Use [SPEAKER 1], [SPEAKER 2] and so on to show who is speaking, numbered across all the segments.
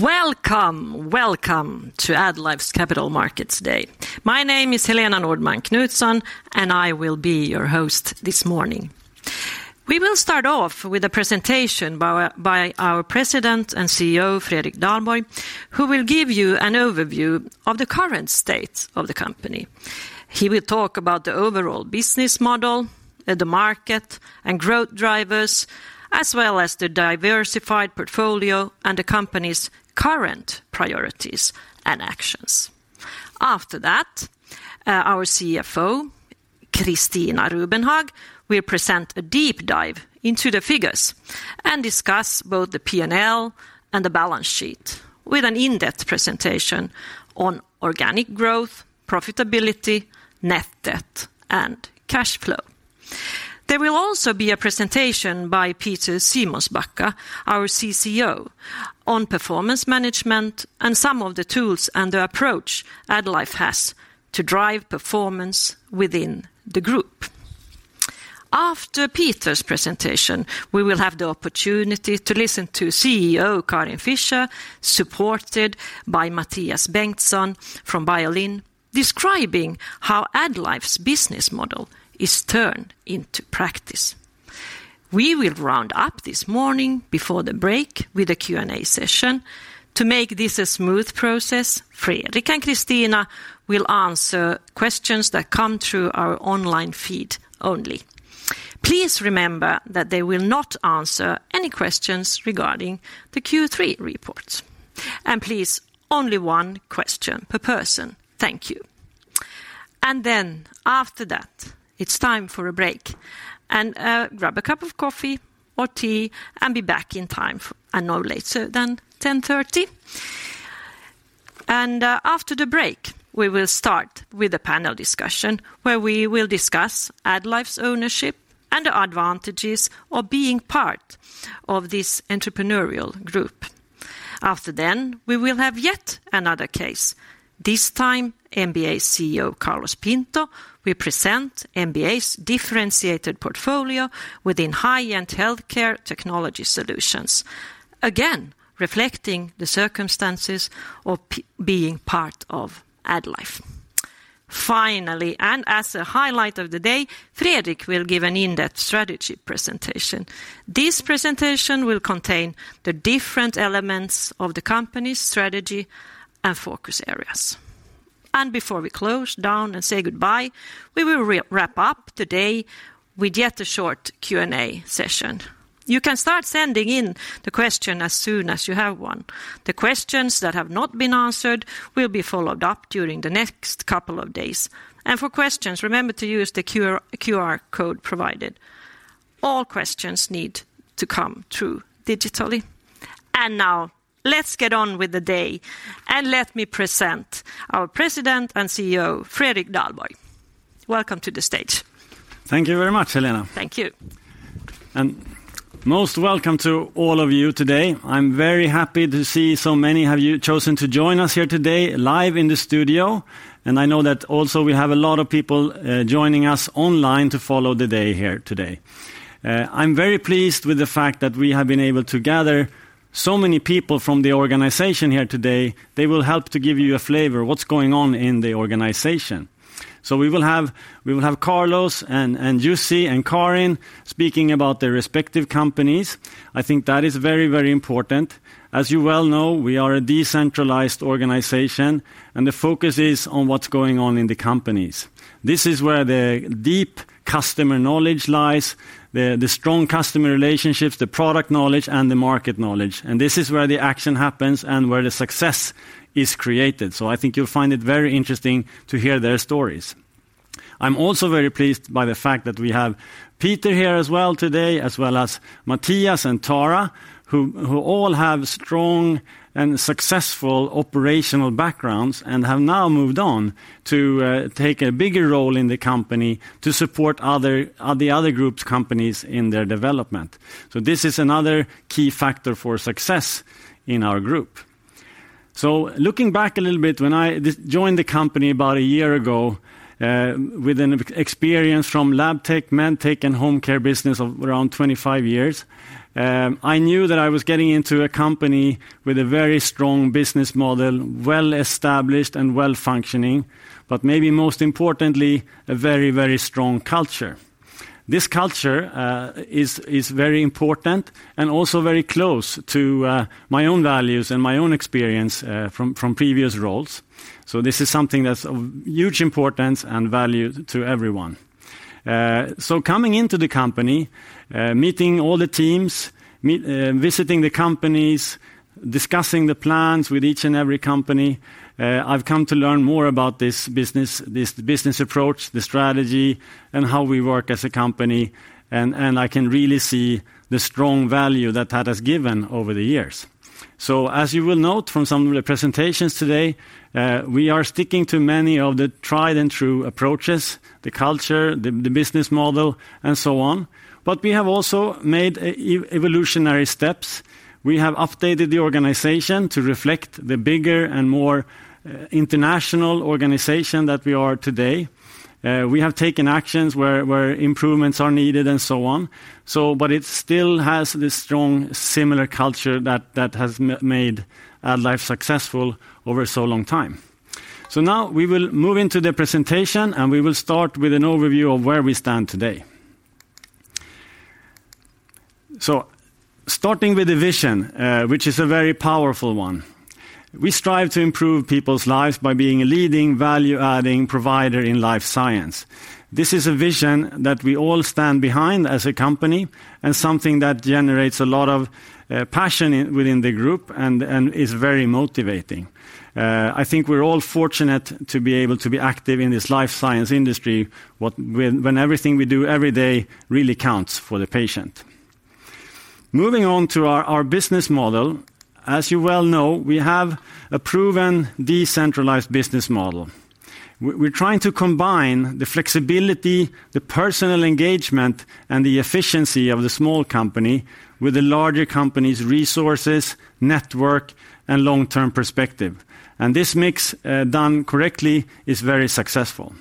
[SPEAKER 1] Welcome, welcome to AddLife's Capital Markets Day. My name is Helena Nordman Knutson, and I will be your host this morning. We will start off with a presentation by our President and CEO, Fredrik Dalborg, who will give you an overview of the current state of the company. He will talk about the overall business model and the market and growth drivers, as well as the diversified portfolio and the company's current priorities and actions. After that, our CFO, Christina Rubenhag, will present a deep dive into the figures and discuss both the P&L and the balance sheet with an in-depth presentation on organic growth, profitability, net debt, and cash flow. There will also be a presentation by Peter Simonsbacka, our CCO, on performance management and some of the tools and the approach AddLife has to drive performance within the group. After Peter's presentation, we will have the opportunity to listen to CEO Karin Fischer, supported by Mattias Bengtsson from Biolin, describing how AddLife's business model is turned into practice. We will round up this morning before the break with a Q&A session. To make this a smooth process, Fredrik and Christina will answer questions that come through our online feed only. Please remember that they will not answer any questions regarding the Q3 report. Please, only one question per person. Thank you. Then after that, it's time for a break, and grab a cup of coffee or tea and be back in time and no later than 10:30. After the break, we will start with a panel discussion where we will discuss AddLife's ownership and the advantages of being part of this entrepreneurial group. After then, we will have yet another case. This time, MBA CEO Carlos Pinto will present MBA's differentiated portfolio within high-end healthcare technology solutions. Again, reflecting the circumstances of being part of AddLife. Finally, and as a highlight of the day, Fredrik will give an in-depth strategy presentation. This presentation will contain the different elements of the company's strategy and focus areas. Before we close down and say goodbye, we will wrap up today with yet a short Q&A session. You can start sending in the question as soon as you have one. The questions that have not been answered will be followed up during the next couple of days. For questions, remember to use the QR code provided. All questions need to come through digitally. Now, let's get on with the day, and let me present our President and CEO, Fredrik Dalborg. Welcome to the stage.
[SPEAKER 2] Thank you very much, Helena.
[SPEAKER 1] Thank you.
[SPEAKER 2] Most welcome to all of you today. I'm very happy to see so many of you chosen to join us here today, live in the studio, and I know that also we have a lot of people joining us online to follow the day here today. I'm very pleased with the fact that we have been able to gather so many people from the organization here today. They will help to give you a flavor of what's going on in the organization. We will have, we will have Carlos and, and Jussi, and Karin speaking about their respective companies. I think that is very, very important. As you well know, we are a decentralized organization, and the focus is on what's going on in the companies. This is where the deep customer knowledge lies, the strong customer relationships, the product knowledge, and the market knowledge, and this is where the action happens and where the success is created. So I think you'll find it very interesting to hear their stories. I'm also very pleased by the fact that we have Peter here as well today, as well as Mattias and Tara, who all have strong and successful operational backgrounds and have now moved on to take a bigger role in the company to support the other group's companies in their development. So this is another key factor for success in our group. So looking back a little bit, when I just joined the company about a year ago, with an experience from lab tech, med tech, and home care business of around 25 years, I knew that I was getting into a company with a very strong business model, well-established and well-functioning, but maybe most importantly, a very, very strong culture. This culture is very important and also very close to my own values and my own experience from previous roles. So this is something that's of huge importance and value to everyone. So coming into the company, meeting all the teams... Visiting the companies, discussing the plans with each and every company, I've come to learn more about this business, this business approach, the strategy, and how we work as a company, and I can really see the strong value that has given over the years. So as you will note from some of the presentations today, we are sticking to many of the tried and true approaches, the culture, the business model, and so on. But we have also made evolutionary steps. We have updated the organization to reflect the bigger and more international organization that we are today. We have taken actions where improvements are needed and so on. But it still has this strong, similar culture that has made AddLife successful over so long time. So now we will move into the presentation, and we will start with an overview of where we stand today. Starting with the vision, which is a very powerful one. We strive to improve people's lives by being a leading, value-adding provider in life science. This is a vision that we all stand behind as a company, and something that generates a lot of passion within the group and is very motivating. I think we're all fortunate to be able to be active in this life science industry, when everything we do every day really counts for the patient. Moving on to our business model. As you well know, we have a proven decentralized business model. We're trying to combine the flexibility, the personal engagement, and the efficiency of the small company with the larger company's resources, network, and long-term perspective. This mix, done correctly, is very successful.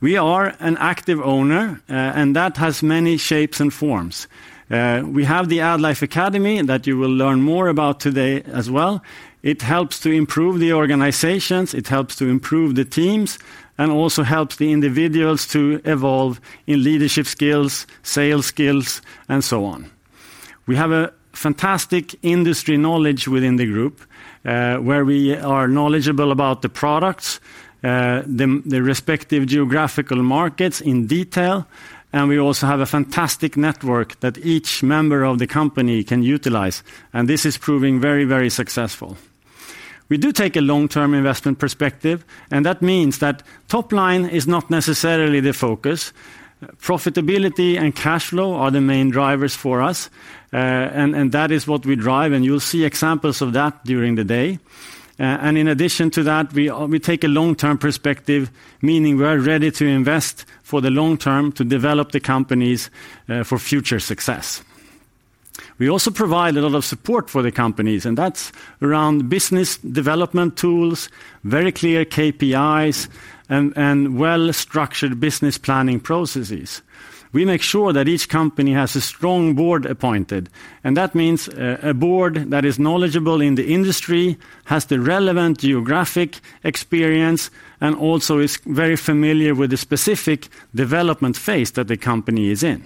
[SPEAKER 2] We are an active owner, and that has many shapes and forms. We have the AddLife Academy that you will learn more about today as well. It helps to improve the organizations, it helps to improve the teams, and also helps the individuals to evolve in leadership skills, sales skills, and so on. We have a fantastic industry knowledge within the group, where we are knowledgeable about the products, the respective geographical markets in detail, and we also have a fantastic network that each member of the company can utilize, and this is proving very, very successful. We do take a long-term investment perspective, and that means that top line is not necessarily the focus. Profitability and cash flow are the main drivers for us, that is what we drive, and you'll see examples of that during the day. In addition to that, we take a long-term perspective, meaning we are ready to invest for the long term to develop the companies for future success. We also provide a lot of support for the companies, and that's around business development tools, very clear KPIs, and well-structured business planning processes. We make sure that each company has a strong board appointed, and that means a board that is knowledgeable in the industry, has the relevant geographic experience, and also is very familiar with the specific development phase that the company is in.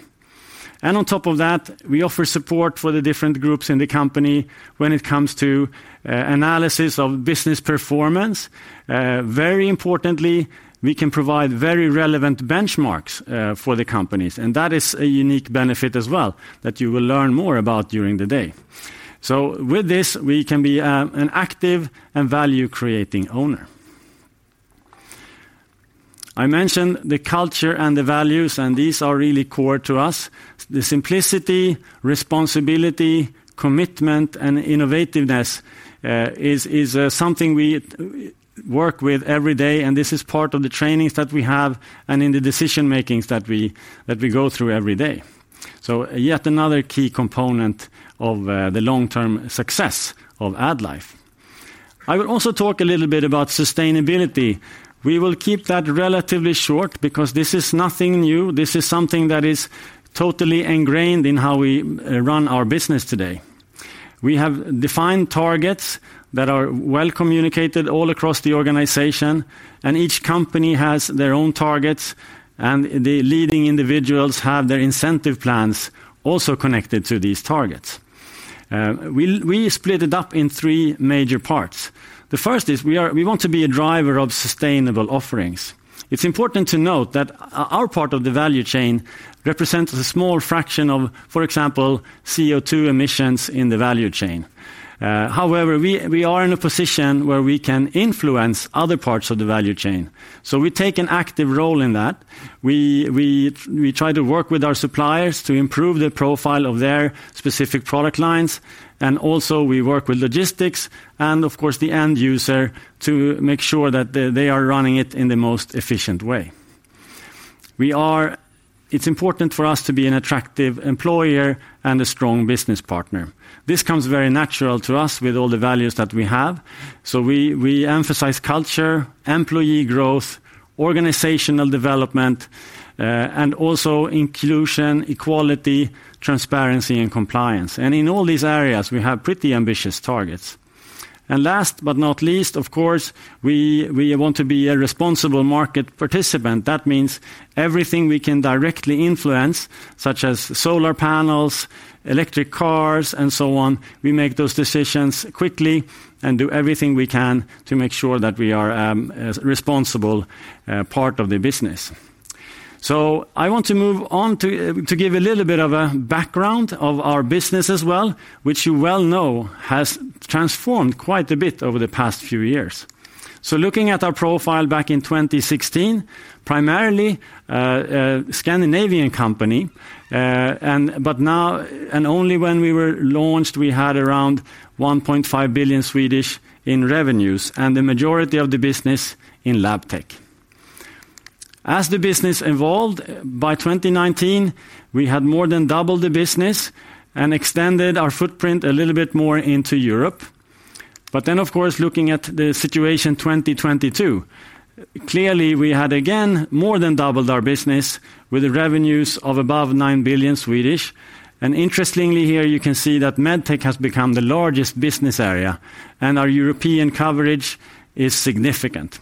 [SPEAKER 2] On top of that, we offer support for the different groups in the company when it comes to analysis of business performance. Very importantly, we can provide very relevant benchmarks for the companies, and that is a unique benefit as well, that you will learn more about during the day. With this, we can be an active and value-creating owner. I mentioned the culture and the values, and these are really core to us. The simplicity, responsibility, commitment, and innovativeness is something we work with every day, and this is part of the trainings that we have and in the decision-makings that we go through every day. Yet another key component of the long-term success of AddLife. I will also talk a little bit about sustainability. We will keep that relatively short because this is nothing new. This is something that is totally ingrained in how we run our business today. We have defined targets that are well communicated all across the organization, and each company has their own targets, and the leading individuals have their incentive plans also connected to these targets. We'll split it up in three major parts. The first is we want to be a driver of sustainable offerings. It's important to note that our part of the value chain represents a small fraction of, for example, CO2 emissions in the value chain. However, we are in a position where we can influence other parts of the value chain, so we take an active role in that. We try to work with our suppliers to improve the profile of their specific product lines, and also, we work with logistics and, of course, the end user to make sure that they are running it in the most efficient way. It's important for us to be an attractive employer and a strong business partner. This comes very natural to us with all the values that we have. So we emphasize culture, employee growth, organizational development, and also inclusion, equality, transparency, and compliance. And in all these areas, we have pretty ambitious targets. And last but not least, of course, we want to be a responsible market participant. That means everything we can directly influence, such as solar panels, electric cars, and so on, we make those decisions quickly and do everything we can to make sure that we are a responsible part of the business. I want to move on to give a little bit of a background of our business as well, which you well know has transformed quite a bit over the past few years. Looking at our profile back in 2016, primarily a Scandinavian company, but now. Only when we were launched, we had around 1.5 billion in revenues, and the majority of the business in Labtech. As the business evolved, by 2019, we had more than doubled the business and extended our footprint a little bit more into Europe. But then, of course, looking at the situation 2022, clearly, we had again more than doubled our business with the revenues of above 9 billion. And interestingly here, you can see that Medtech has become the largest business area, and our European coverage is significant.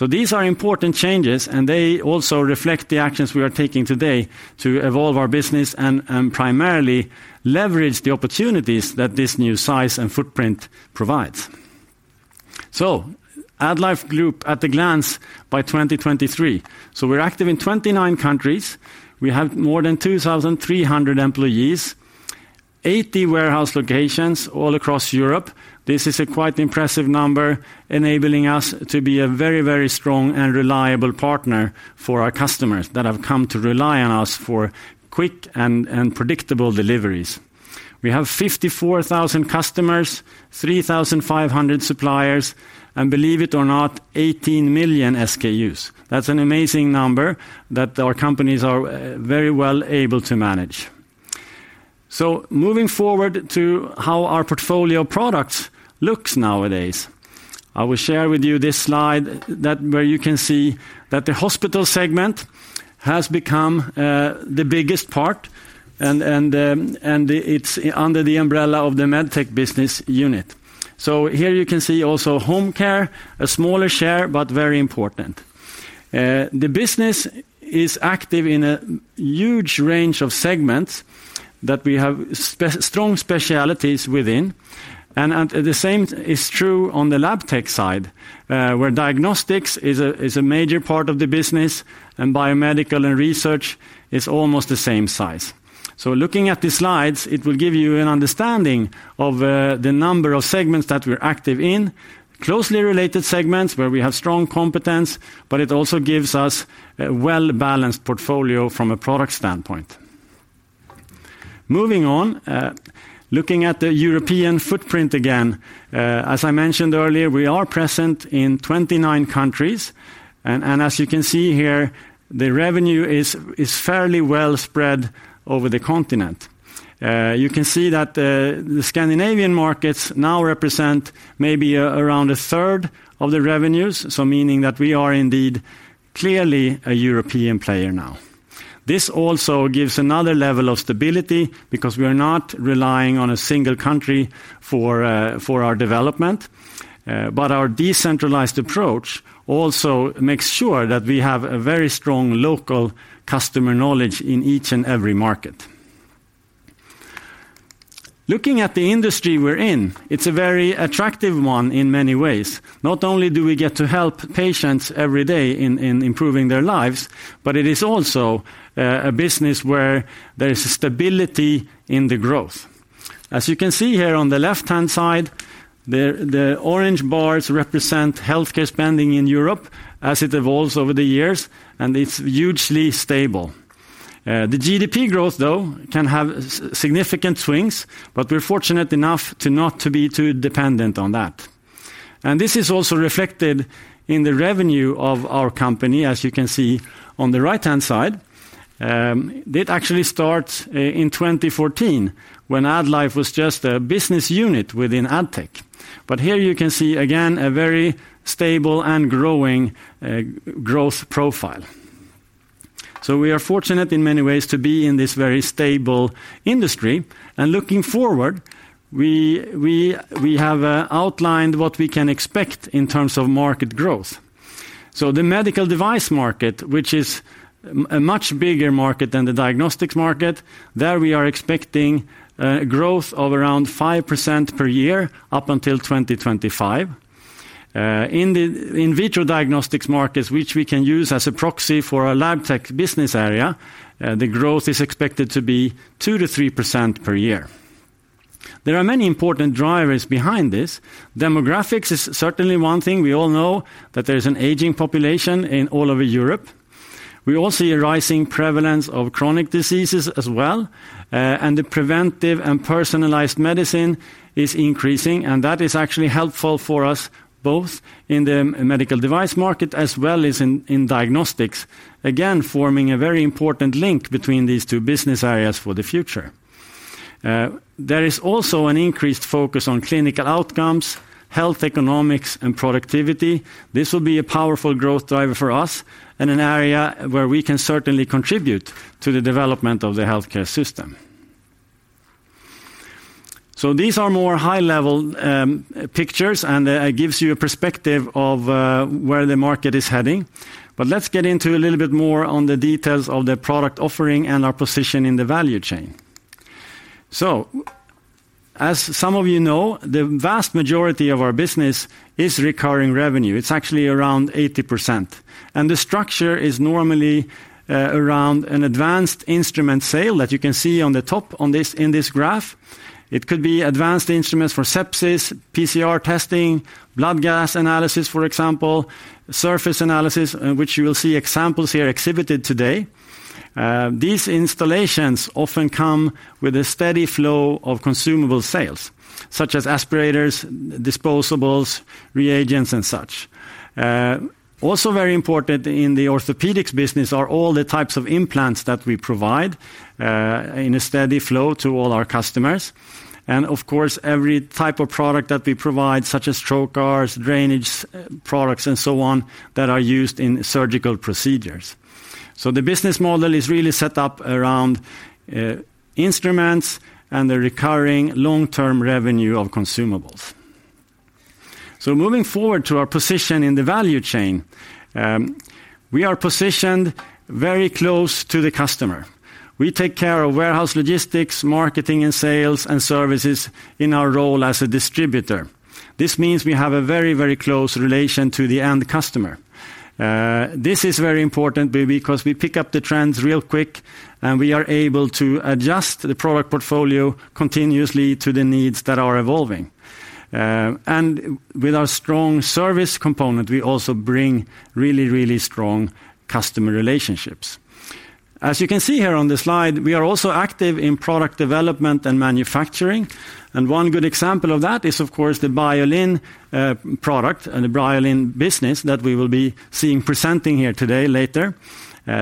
[SPEAKER 2] So these are important changes, and they also reflect the actions we are taking today to evolve our business and, primarily leverage the opportunities that this new size and footprint provides. So AddLife Group at a glance by 2023. So we're active in 29 countries. We have more than 2,300 employees, 80 warehouse locations all across Europe. This is a quite impressive number, enabling us to be a very, very strong and reliable partner for our customers that have come to rely on us for quick and, and predictable deliveries. We have 54,000 customers, 3,500 suppliers, and believe it or not, 18 million SKUs. That's an amazing number that our companies are very well able to manage. So moving forward to how our portfolio of products looks nowadays. I will share with you this slide that where you can see that the hospital segment has become the biggest part, and it's under the umbrella of the Medtech business unit. So here you can see also home care, a smaller share, but very important. The business is active in a huge range of segments that we have strong specialties within. And the same is true on the Labtech side, where diagnostics is a major part of the business, and biomedical and research is almost the same size. So looking at the slides, it will give you an understanding of the number of segments that we're active in, closely related segments where we have strong competence, but it also gives us a well-balanced portfolio from a product standpoint. Moving on, looking at the European footprint again. As I mentioned earlier, we are present in 29 countries, and as you can see here, the revenue is fairly well spread over the continent. You can see that the Scandinavian markets now represent maybe around a third of the revenues, so meaning that we are indeed clearly a European player now. This also gives another level of stability because we are not relying on a single country for our development, but our decentralized approach also makes sure that we have a very strong local customer knowledge in each and every market. Looking at the industry we're in, it's a very attractive one in many ways. Not only do we get to help patients every day in improving their lives, but it is also a business where there is stability in the growth. As you can see here on the left-hand side, the orange bars represent healthcare spending in Europe as it evolves over the years, and it's hugely stable. The GDP growth, though, can have significant swings, but we're fortunate enough to not to be too dependent on that. And this is also reflected in the revenue of our company, as you can see on the right-hand side. It actually starts in 2014, when AddLife was just a business unit within Addtech. But here you can see, again, a very stable and growing growth profile. So we are fortunate in many ways to be in this very stable industry. And looking forward, we have outlined what we can expect in terms of market growth. So the medical device market, which is a much bigger market than the diagnostics market, there we are expecting growth of around 5% per year up until 2025. In the in vitro diagnostics markets, which we can use as a proxy for our LabTech business area, the growth is expected to be 2%-3% per year. There are many important drivers behind this. Demographics is certainly one thing. We all know that there's an aging population all over Europe. We all see a rising prevalence of chronic diseases as well, and the preventive and personalized medicine is increasing, and that is actually helpful for us, both in the medical device market as well as in diagnostics, again, forming a very important link between these two business areas for the future. There is also an increased focus on clinical outcomes, health economics, and productivity. This will be a powerful growth driver for us and an area where we can certainly contribute to the development of the healthcare system. So these are more high-level pictures, and it gives you a perspective of where the market is heading. But let's get into a little bit more on the details of the product offering and our position in the value chain. So as some of you know, the vast majority of our business is recurring revenue. It's actually around 80%, and the structure is normally around an advanced instrument sale that you can see on the top on this, in this graph. It could be advanced instruments for sepsis, PCR testing, blood gas analysis, for example, surface analysis, which you will see examples here exhibited today. These installations often come with a steady flow of consumable sales, such as aspirators, disposables, reagents, and such. Also very important in the orthopedics business are all the types of implants that we provide in a steady flow to all our customers. And, of course, every type of product that we provide, such as stroke cars, drainage products, and so on, that are used in surgical procedures. So the business model is really set up around instruments and the recurring long-term revenue of consumables. Moving forward to our position in the value chain, we are positioned very close to the customer. We take care of warehouse logistics, marketing and sales, and services in our role as a distributor. This means we have a very, very close relation to the end customer. This is very important because we pick up the trends real quick, and we are able to adjust the product portfolio continuously to the needs that are evolving. And with our strong service component, we also bring really, really strong customer relationships. As you can see here on the slide, we are also active in product development and manufacturing. And one good example of that is, of course, the Biolin product and the Biolin business that we will be seeing presenting here today, later.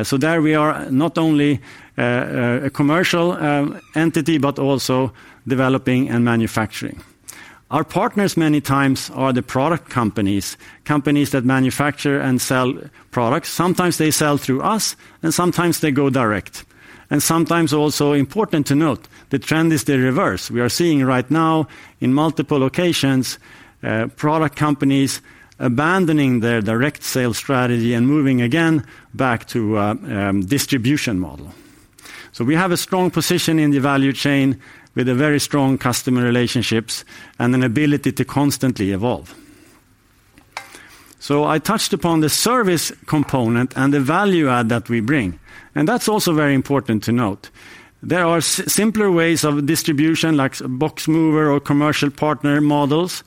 [SPEAKER 2] So there we are, not only a commercial entity, but also developing and manufacturing. Our partners, many times, are the product companies, companies that manufacture and sell products. Sometimes they sell through us, and sometimes they go direct. And sometimes also important to note, the trend is the reverse. We are seeing right now in multiple locations, product companies abandoning their direct sales strategy and moving again back to a distribution model. So we have a strong position in the value chain with a very strong customer relationships and an ability to constantly evolve. So I touched upon the service component and the value add that we bring, and that's also very important to note. There are simpler ways of distribution, like box mover or commercial partner models.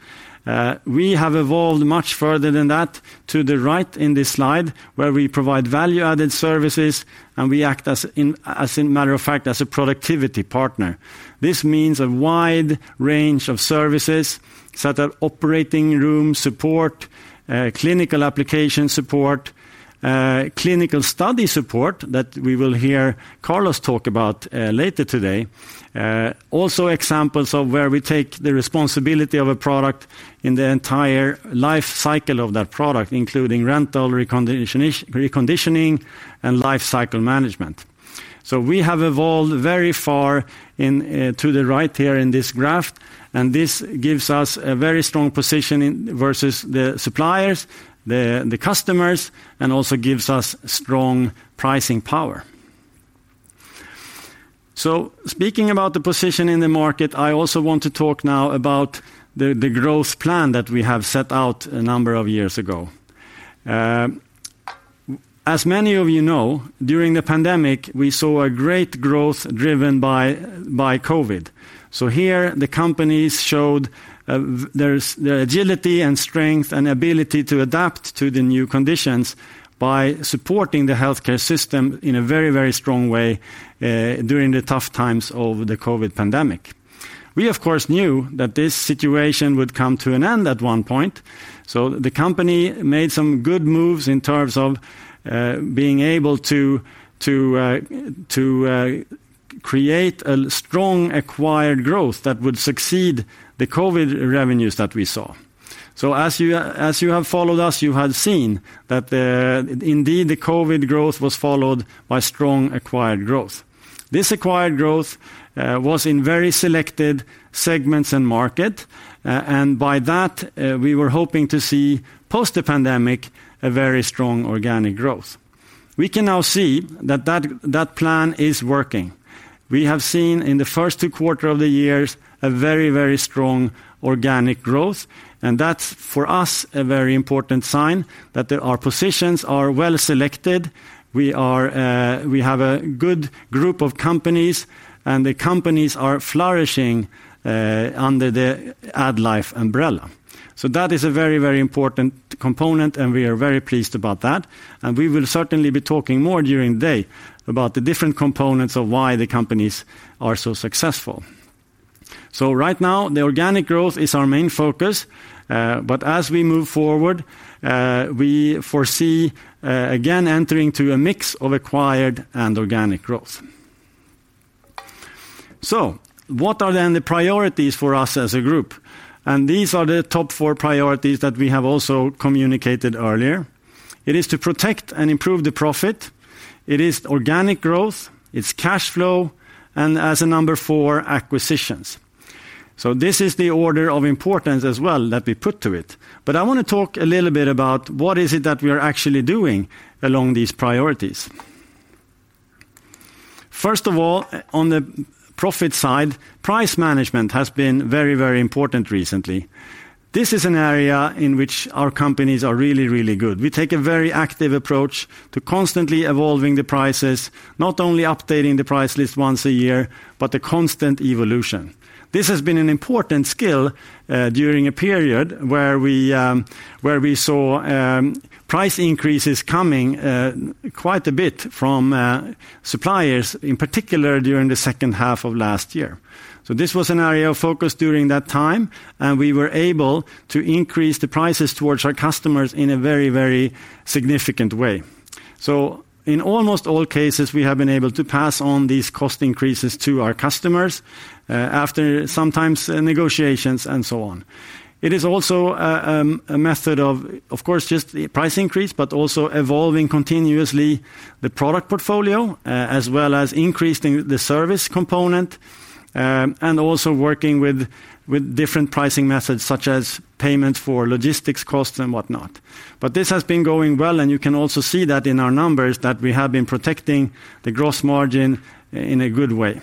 [SPEAKER 2] We have evolved much further than that to the right in this slide, where we provide value-added services, and we act as—as a matter of fact, as a productivity partner. This means a wide range of services, such as operating room support, clinical application support, clinical study support, that we will hear Carlos talk about later today. Also examples of where we take the responsibility of a product in the entire life cycle of that product, including rental, reconditioning, and life cycle management. So we have evolved very far in to the right here in this graph, and this gives us a very strong position versus the suppliers, the customers, and also gives us strong pricing power. So speaking about the position in the market, I also want to talk now about the growth plan that we have set out a number of years ago. As many of you know, during the pandemic, we saw a great growth driven by COVID. So here the companies showed their agility and strength and ability to adapt to the new conditions by supporting the healthcare system in a very, very strong way during the tough times of the COVID pandemic. We, of course, knew that this situation would come to an end at one point, so the company made some good moves in terms of being able to create a strong acquired growth that would succeed the COVID revenues that we saw. So as you, as you have followed us, you have seen that, indeed, the COVID growth was followed by strong acquired growth. This acquired growth was in very selected segments and market, and by that, we were hoping to see, post the pandemic, a very strong organic growth. We can now see that that plan is working. We have seen in the first two quarter of the years, a very, very strong organic growth, and that's, for us, a very important sign that our positions are well selected. We are, we have a good group of companies, and the companies are flourishing under the AddLife umbrella. So that is a very, very important component, and we are very pleased about that. And we will certainly be talking more during the day about the different components of why the companies are so successful. So right now, the organic growth is our main focus, but as we move forward, we foresee, again, entering to a mix of acquired and organic growth. So what are then the priorities for us as a group? And these are the top four priorities that we have also communicated earlier. It is to protect and improve the profit, it is organic growth, it's cash flow, and as a number four, acquisitions. So this is the order of importance as well that we put to it. But I want to talk a little bit about what is it that we are actually doing along these priorities. First of all, on the profit side, price management has been very, very important recently. This is an area in which our companies are really, really good. We take a very active approach to constantly evolving the prices, not only updating the price list once a year, but the constant evolution. This has been an important skill during a period where we saw price increases coming quite a bit from suppliers, in particular during the second half of last year. So this was an area of focus during that time, and we were able to increase the prices towards our customers in a very, very significant way. So in almost all cases, we have been able to pass on these cost increases to our customers after sometimes negotiations and so on. It is also a method of, of course, just the price increase, but also evolving continuously the product portfolio, as well as increasing the service component, and also working with different pricing methods, such as payments for logistics costs and whatnot. But this has been going well, and you can also see that in our numbers, that we have been protecting the gross margin in a good way.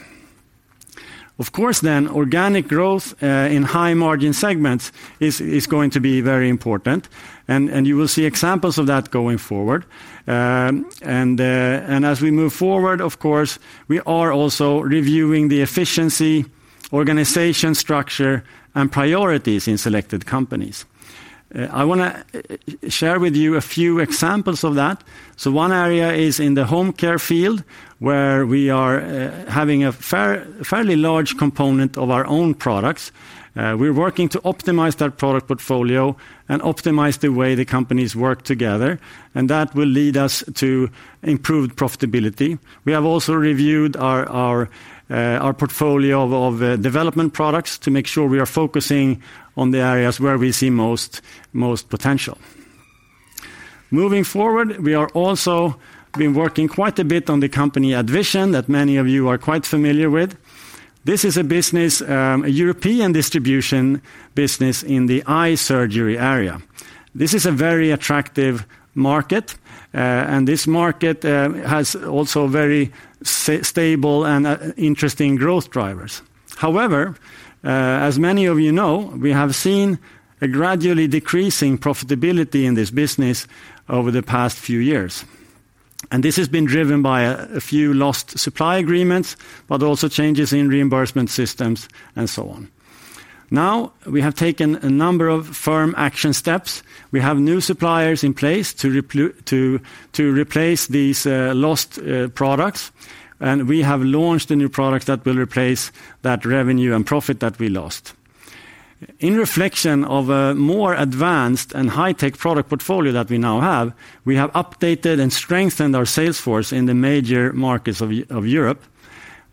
[SPEAKER 2] Of course, then, organic growth in high margin segments is going to be very important, and you will see examples of that going forward. And as we move forward, of course, we are also reviewing the efficiency, organization, structure, and priorities in selected companies. I wanna share with you a few examples of that. One area is in the home care field, where we are having a fairly large component of our own products. We're working to optimize that product portfolio and optimize the way the companies work together, and that will lead us to improved profitability. We have also reviewed our portfolio of development products to make sure we are focusing on the areas where we see most potential. Moving forward, we are also been working quite a bit on the company AddVision, that many of you are quite familiar with. This is a business, a European distribution business in the eye surgery area. This is a very attractive market, and this market has also very stable and interesting growth drivers. However, as many of you know, we have seen a gradually decreasing profitability in this business over the past few years, and this has been driven by a few lost supply agreements, but also changes in reimbursement systems and so on. Now, we have taken a number of firm action steps. We have new suppliers in place to replace these lost products, and we have launched a new product that will replace that revenue and profit that we lost. In reflection of a more advanced and high-tech product portfolio that we now have, we have updated and strengthened our sales force in the major markets of Europe.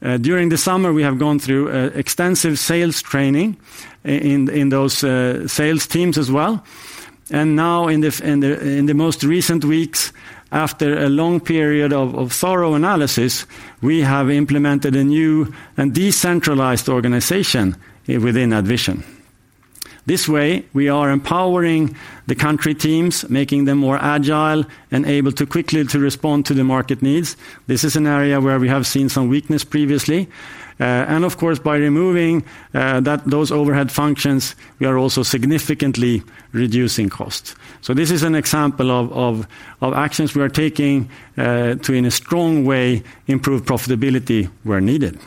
[SPEAKER 2] During the summer, we have gone through extensive sales training in those sales teams as well. And now, in the most recent weeks, after a long period of thorough analysis, we have implemented a new and decentralized organization within AddVision. This way, we are empowering the country teams, making them more agile and able to quickly to respond to the market needs. This is an area where we have seen some weakness previously. And of course, by removing those overhead functions, we are also significantly reducing costs. So this is an example of actions we are taking to, in a strong way, improve profitability where needed.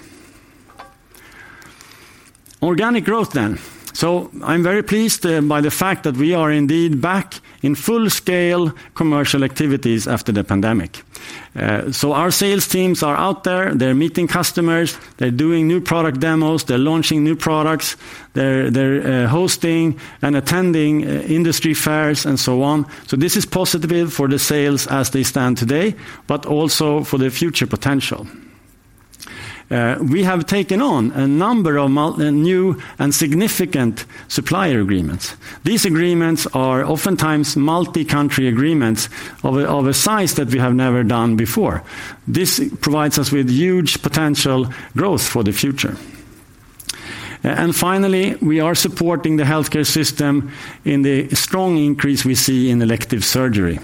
[SPEAKER 2] Organic growth then. So I'm very pleased by the fact that we are indeed back in full-scale commercial activities after the pandemic. So our sales teams are out there, they're meeting customers, they're doing new product demos, they're launching new products, they're hosting and attending industry fairs, and so on. So this is positive for the sales as they stand today, but also for the future potential. We have taken on a number of new and significant supplier agreements. These agreements are oftentimes multi-country agreements of a size that we have never done before. This provides us with huge potential growth for the future. And finally, we are supporting the healthcare system in the strong increase we see in elective surgery.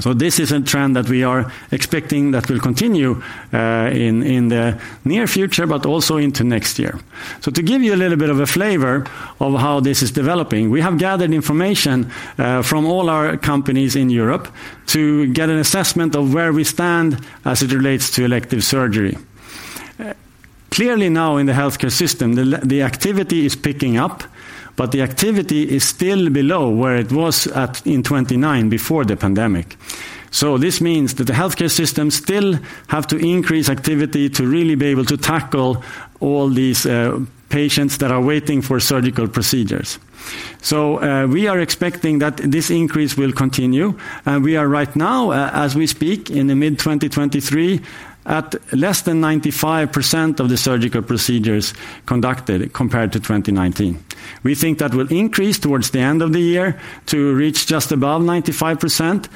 [SPEAKER 2] So this is a trend that we are expecting that will continue in the near future, but also into next year. So to give you a little bit of a flavor of how this is developing, we have gathered information from all our companies in Europe to get an assessment of where we stand as it relates to elective surgery. Clearly now, in the healthcare system, the activity is picking up, but the activity is still below where it was at in 2019 before the pandemic. So this means that the healthcare system still have to increase activity to really be able to tackle all these patients that are waiting for surgical procedures. So we are expecting that this increase will continue, and we are, right now, as we speak, in mid-2023, at less than 95% of the surgical procedures conducted, compared to 2019. We think that will increase towards the end of the year to reach just above 95%,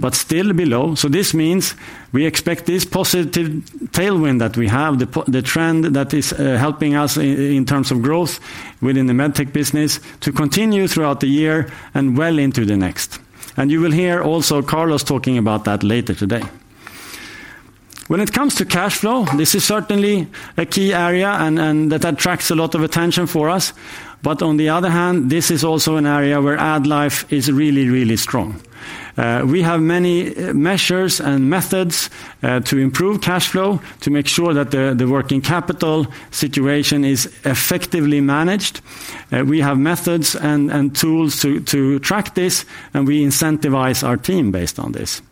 [SPEAKER 2] but still below. So this means we expect this positive tailwind that we have, the trend that is helping us in terms of growth within the med tech business, to continue throughout the year and well into the next. And you will hear also Carlos talking about that later today. When it comes to cash flow, this is certainly a key area and that attracts a lot of attention for us. But on the other hand, this is also an area where AddLife is really, really strong. We have many measures and methods to improve cash flow, to make sure that the working capital situation is effectively managed. We have methods and tools to track this, and we incentivize our team based on this.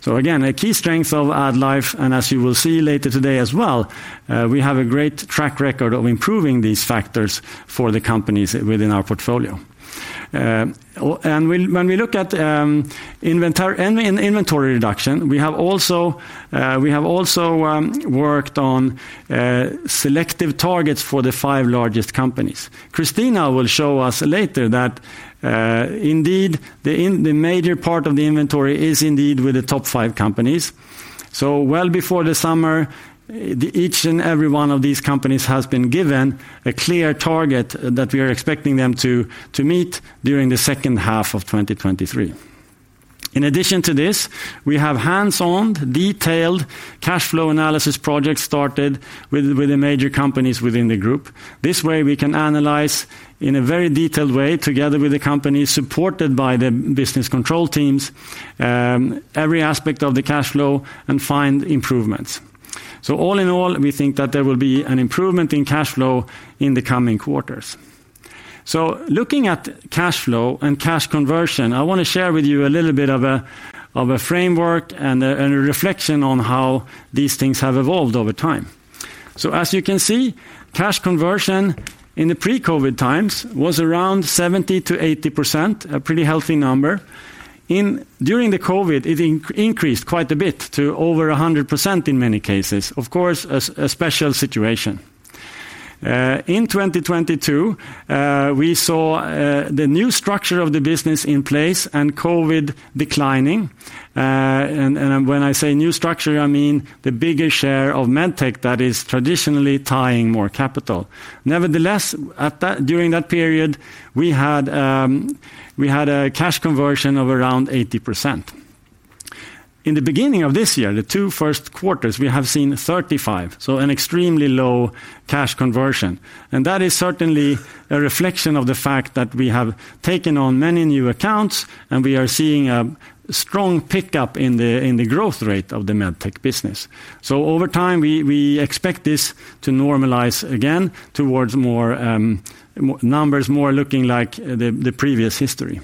[SPEAKER 2] So again, a key strength of AddLife, and as you will see later today as well, we have a great track record of improving these factors for the companies within our portfolio. Oh, and when we look at inventory reduction, we have also worked on selective targets for the five largest companies. Christina will show us later that, indeed, the major part of the inventory is indeed with the top five companies. So well before the summer, each and every one of these companies has been given a clear target that we are expecting them to meet during the second half of 2023. In addition to this, we have hands-on, detailed cash flow analysis projects started with the major companies within the group. This way, we can analyze in a very detailed way, together with the company, supported by the business control teams, every aspect of the cash flow and find improvements. So all in all, we think that there will be an improvement in cash flow in the coming quarters. So looking at cash flow and cash conversion, I want to share with you a little bit of a framework and a reflection on how these things have evolved over time. So as you can see, cash conversion in the pre-COVID times was around 70%-80%, a pretty healthy number. During the COVID, it increased quite a bit to over 100% in many cases. Of course, a special situation. In 2022, we saw the new structure of the business in place and COVID declining. And when I say new structure, I mean the bigger share of Medtech that is traditionally tying more capital. Nevertheless, during that period, we had a cash conversion of around 80%. In the beginning of this year, the two first quarters, we have seen 35, so an extremely low cash conversion. And that is certainly a reflection of the fact that we have taken on many new accounts, and we are seeing a strong pickup in the growth rate of the Medtech business. So over time, we expect this to normalize again towards more numbers more looking like the previous history.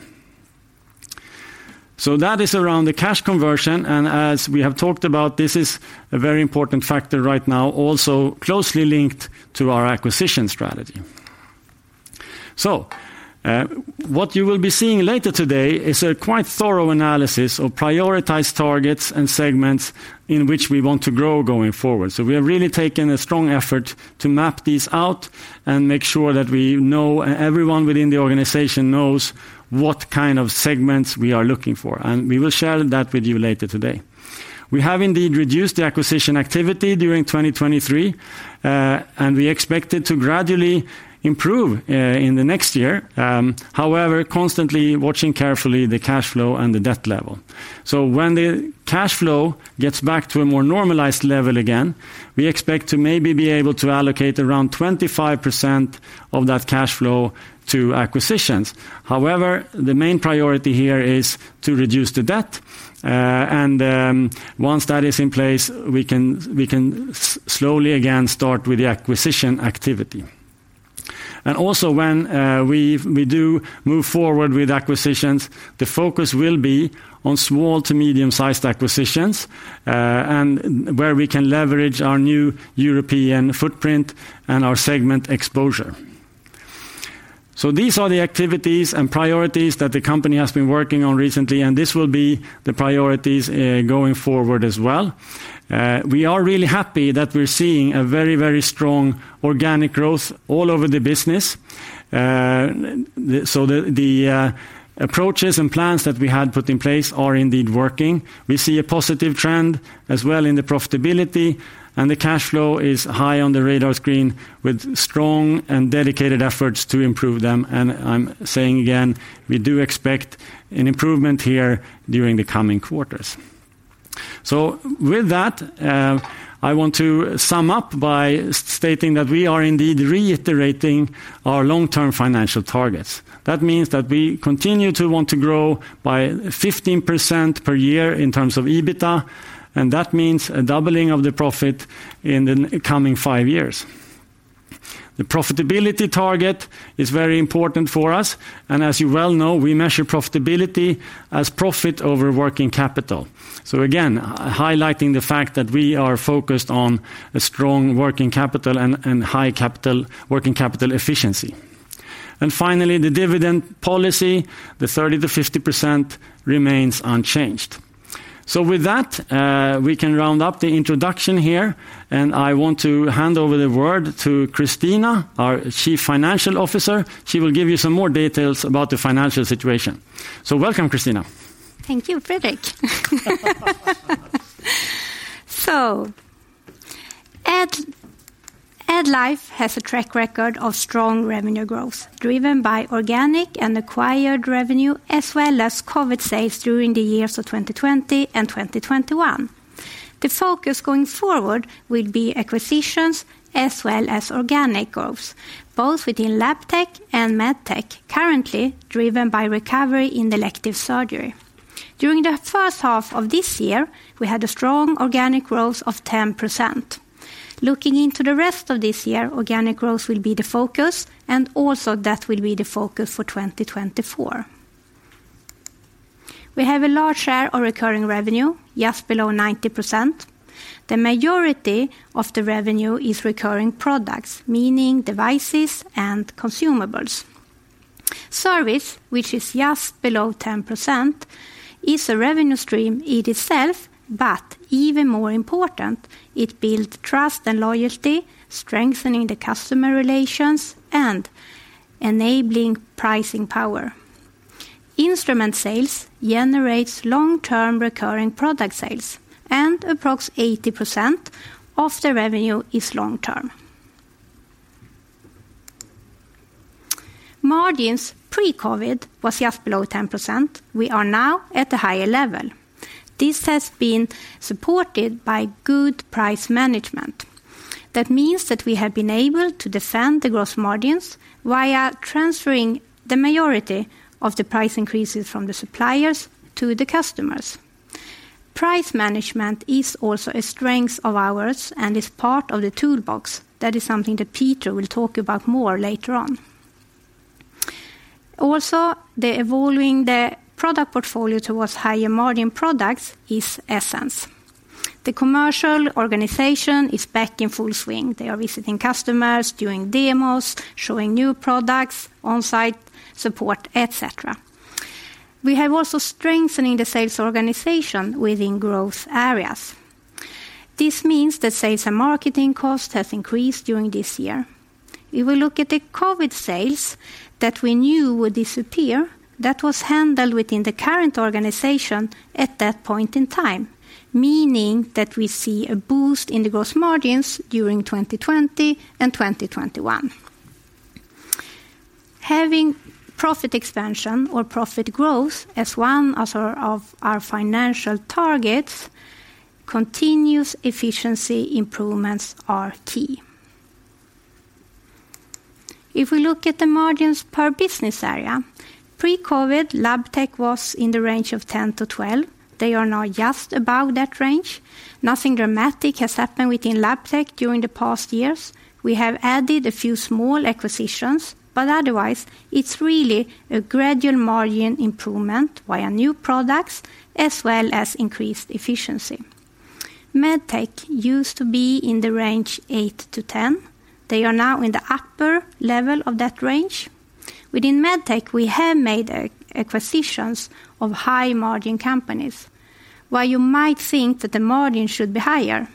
[SPEAKER 2] So that is around the cash conversion, and as we have talked about, this is a very important factor right now, also closely linked to our acquisition strategy. So, what you will be seeing later today is a quite thorough analysis of prioritized targets and segments in which we want to grow going forward. So we have really taken a strong effort to map these out and make sure that we know, and everyone within the organization knows, what kind of segments we are looking for, and we will share that with you later today. We have indeed reduced the acquisition activity during 2023, and we expect it to gradually improve, in the next year. However, constantly watching carefully the cash flow and the debt level. So when the cash flow gets back to a more normalized level again, we expect to maybe be able to allocate around 25% of that cash flow to acquisitions. However, the main priority here is to reduce the debt, and once that is in place, we can slowly again start with the acquisition activity. And also, when we do move forward with acquisitions, the focus will be on small to medium-sized acquisitions, and where we can leverage our new European footprint and our segment exposure. So these are the activities and priorities that the company has been working on recently, and this will be the priorities going forward as well. We are really happy that we're seeing a very, very strong organic growth all over the business. The approaches and plans that we had put in place are indeed working. We see a positive trend as well in the profitability, and the cash flow is high on the radar screen with strong and dedicated efforts to improve them. I'm saying again, we do expect an improvement here during the coming quarters. So with that, I want to sum up by stating that we are indeed reiterating our long-term financial targets. That means that we continue to want to grow by 15% per year in terms of EBITDA, and that means a doubling of the profit in the coming five years. The profitability target is very important for us, and as you well know, we measure profitability as profit over working capital. So again, highlighting the fact that we are focused on a strong working capital and high working capital efficiency. And finally, the dividend policy, the 30%-50%, remains unchanged. So with that, we can round up the introduction here, and I want to hand over the word to Christina, our Chief Financial Officer. She will give you some more details about the financial situation. So welcome, Christina.
[SPEAKER 3] Thank you, Fredrik. AddLife has a track record of strong revenue growth, driven by organic and acquired revenue, as well as COVID sales during the years of 2020 and 2021. The focus going forward will be acquisitions as well as organic growth, both within Labtech and Medtech, currently driven by recovery in the elective surgery. During the first half of this year, we had a strong organic growth of 10%. Looking into the rest of this year, organic growth will be the focus, and also that will be the focus for 2024. We have a large share of recurring revenue, just below 90%. The majority of the revenue is recurring products, meaning devices and consumables. Service, which is just below 10%, is a revenue stream in itself, but even more important, it build trust and loyalty, strengthening the customer relations and enabling pricing power. Instrument sales generates long-term recurring product sales, and approx 80% of the revenue is long term. Margins pre-COVID was just below 10%. We are now at a higher level. This has been supported by good price management. That means that we have been able to defend the gross margins via transferring the majority of the price increases from the suppliers to the customers. Price management is also a strength of ours and is part of the toolbox. That is something that Peter will talk about more later on. Also, the evolving the product portfolio towards higher margin products is essence. The commercial organization is back in full swing. They are visiting customers, doing demos, showing new products, on-site support, et cetera. We have also strengthening the sales organization within growth areas. This means that sales and marketing cost has increased during this year. If we look at the COVID sales that we knew would disappear, that was handled within the current organization at that point in time, meaning that we see a boost in the gross margins during 2020 and 2021. Having profit expansion or profit growth as one of our, of our financial targets, continuous efficiency improvements are key. If we look at the margins per business area, pre-COVID, Labtech was in the range of 10-12. They are now just above that range. Nothing dramatic has happened within Labtech during the past years. We have added a few small acquisitions, but otherwise, it's really a gradual margin improvement via new products, as well as increased efficiency. Medtech used to be in the range 8-10. They are now in the upper level of that range. Within Medtech, we have made acquisitions of high-margin companies. While you might think that the margin should be higher,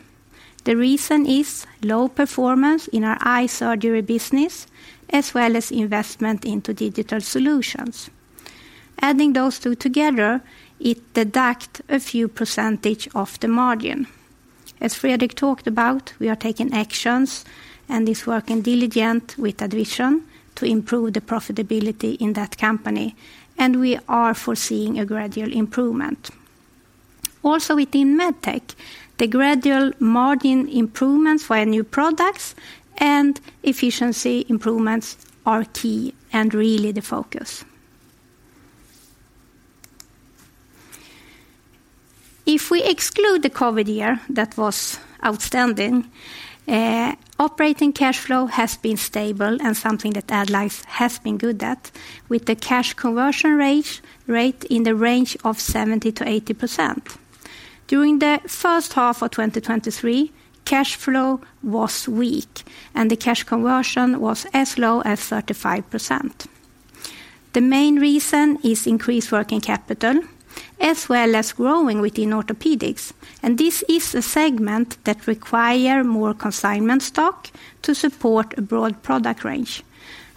[SPEAKER 3] the reason is low performance in our eye surgery business, as well as investment into digital solutions. Adding those two together, it deduct a few percentage of the margin. As Fredrik talked about, we are taking actions, and he's working diligent with AddVision to improve the profitability in that company, and we are foreseeing a gradual improvement. Also, within Medtech, the gradual margin improvements for our new products and efficiency improvements are key and really the focus. If we exclude the COVID year, that was outstanding, operating cash flow has been stable and something that AddLife has been good at, with the cash conversion rate in the range of 70%-80%. During the first half of 2023, cash flow was weak, and the cash conversion was as low as 35%. The main reason is increased working capital, as well as growing within orthopedics. This is a segment that require more consignment stock to support a broad product range.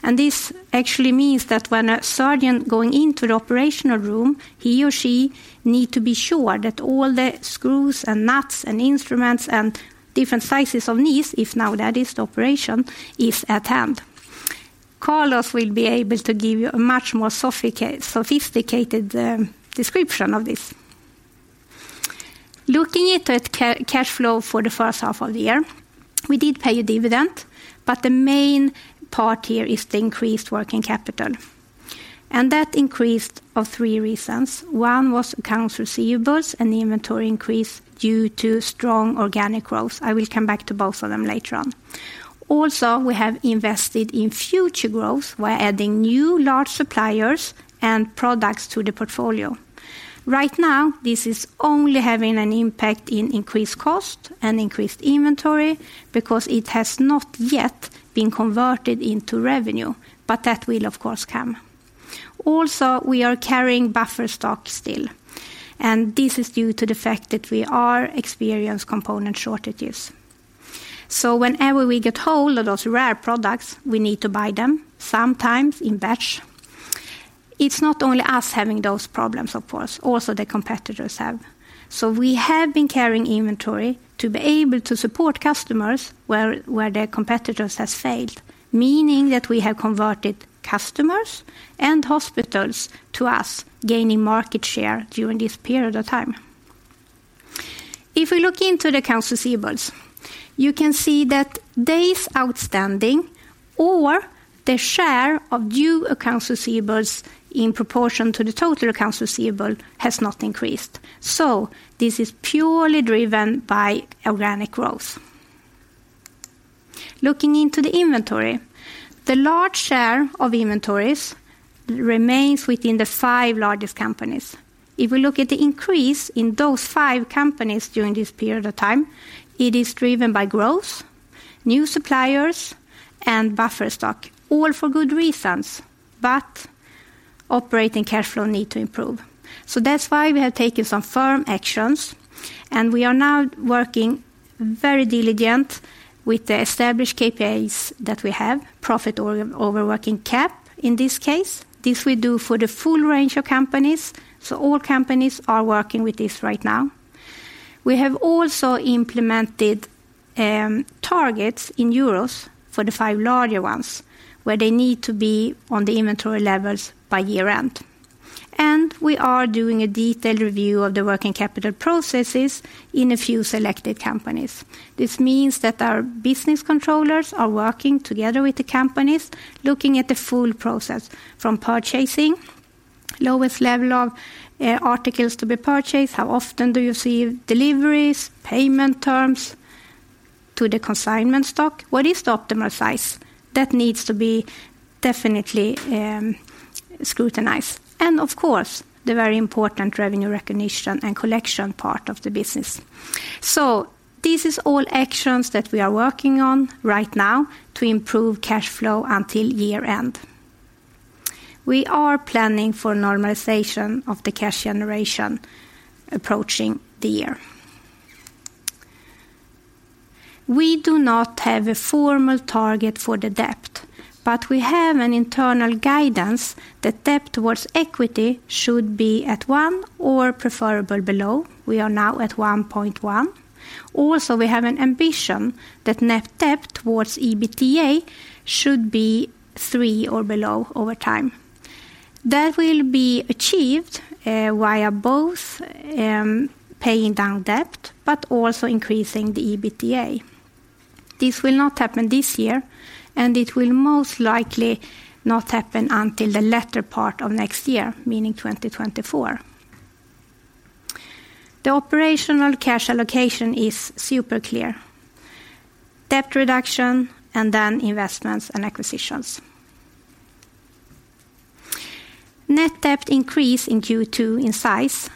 [SPEAKER 3] This actually means that when a surgeon going into the operational room, he or she need to be sure that all the screws and nuts, and instruments, and different sizes of knees, if now that is the operation, is at hand. Carlos will be able to give you a much more sophisticated description of this. Looking at the cash flow for the first half of the year, we did pay a dividend, but the main part here is the increased working capital, and that increased of three reasons. One was accounts receivables and the inventory increase due to strong organic growth. I will come back to both of them later on. Also, we have invested in future growth by adding new large suppliers and products to the portfolio. Right now, this is only having an impact in increased cost and increased inventory because it has not yet been converted into revenue, but that will, of course, come. Also, we are carrying buffer stock still, and this is due to the fact that we are experiencing component shortages. So whenever we get hold of those rare products, we need to buy them, sometimes in batches. It's not only us having those problems, of course; also the competitors have. So we have been carrying inventory to be able to support customers where their competitors has failed, meaning that we have converted customers and hospitals to us, gaining market share during this period of time. If we look into the accounts receivable, you can see that days outstanding or the share of due accounts receivable in proportion to the total accounts receivable has not increased. So this is purely driven by organic growth. Looking into the inventory, the large share of inventories remains within the five largest companies. If we look at the increase in those five companies during this period of time, it is driven by growth, new suppliers, and buffer stock, all for good reasons, but operating cash flow needs to improve. So that's why we have taken some firm actions, and we are now working very diligently with the established KPIs that we have, profit over working cap, in this case. This we do for the full range of companies, so all companies are working with this right now. We have also implemented targets in euros for the five larger ones, where they need to be on the inventory levels by year-end. We are doing a detailed review of the working capital processes in a few selected companies. This means that our business controllers are working together with the companies, looking at the full process from purchasing, lowest level of articles to be purchased, how often do you see deliveries, payment terms to the consignment stock? What is the optimal size? That needs to be definitely scrutinized, and of course, the very important revenue recognition and collection part of the business. This is all actions that we are working on right now to improve cash flow until year-end. We are planning for normalization of the cash generation approaching the year. We do not have a formal target for the debt, but we have an internal guidance that debt towards equity should be at one or preferably below. We are now at one point one. Also, we have an ambition that net debt towards EBITDA should be three or below over time. That will be achieved via both paying down debt, but also increasing the EBITDA. This will not happen this year, and it will most likely not happen until the latter part of next year, meaning 2024. The operational cash allocation is super clear: debt reduction and then investments and acquisitions. Net debt increase in Q2 in size.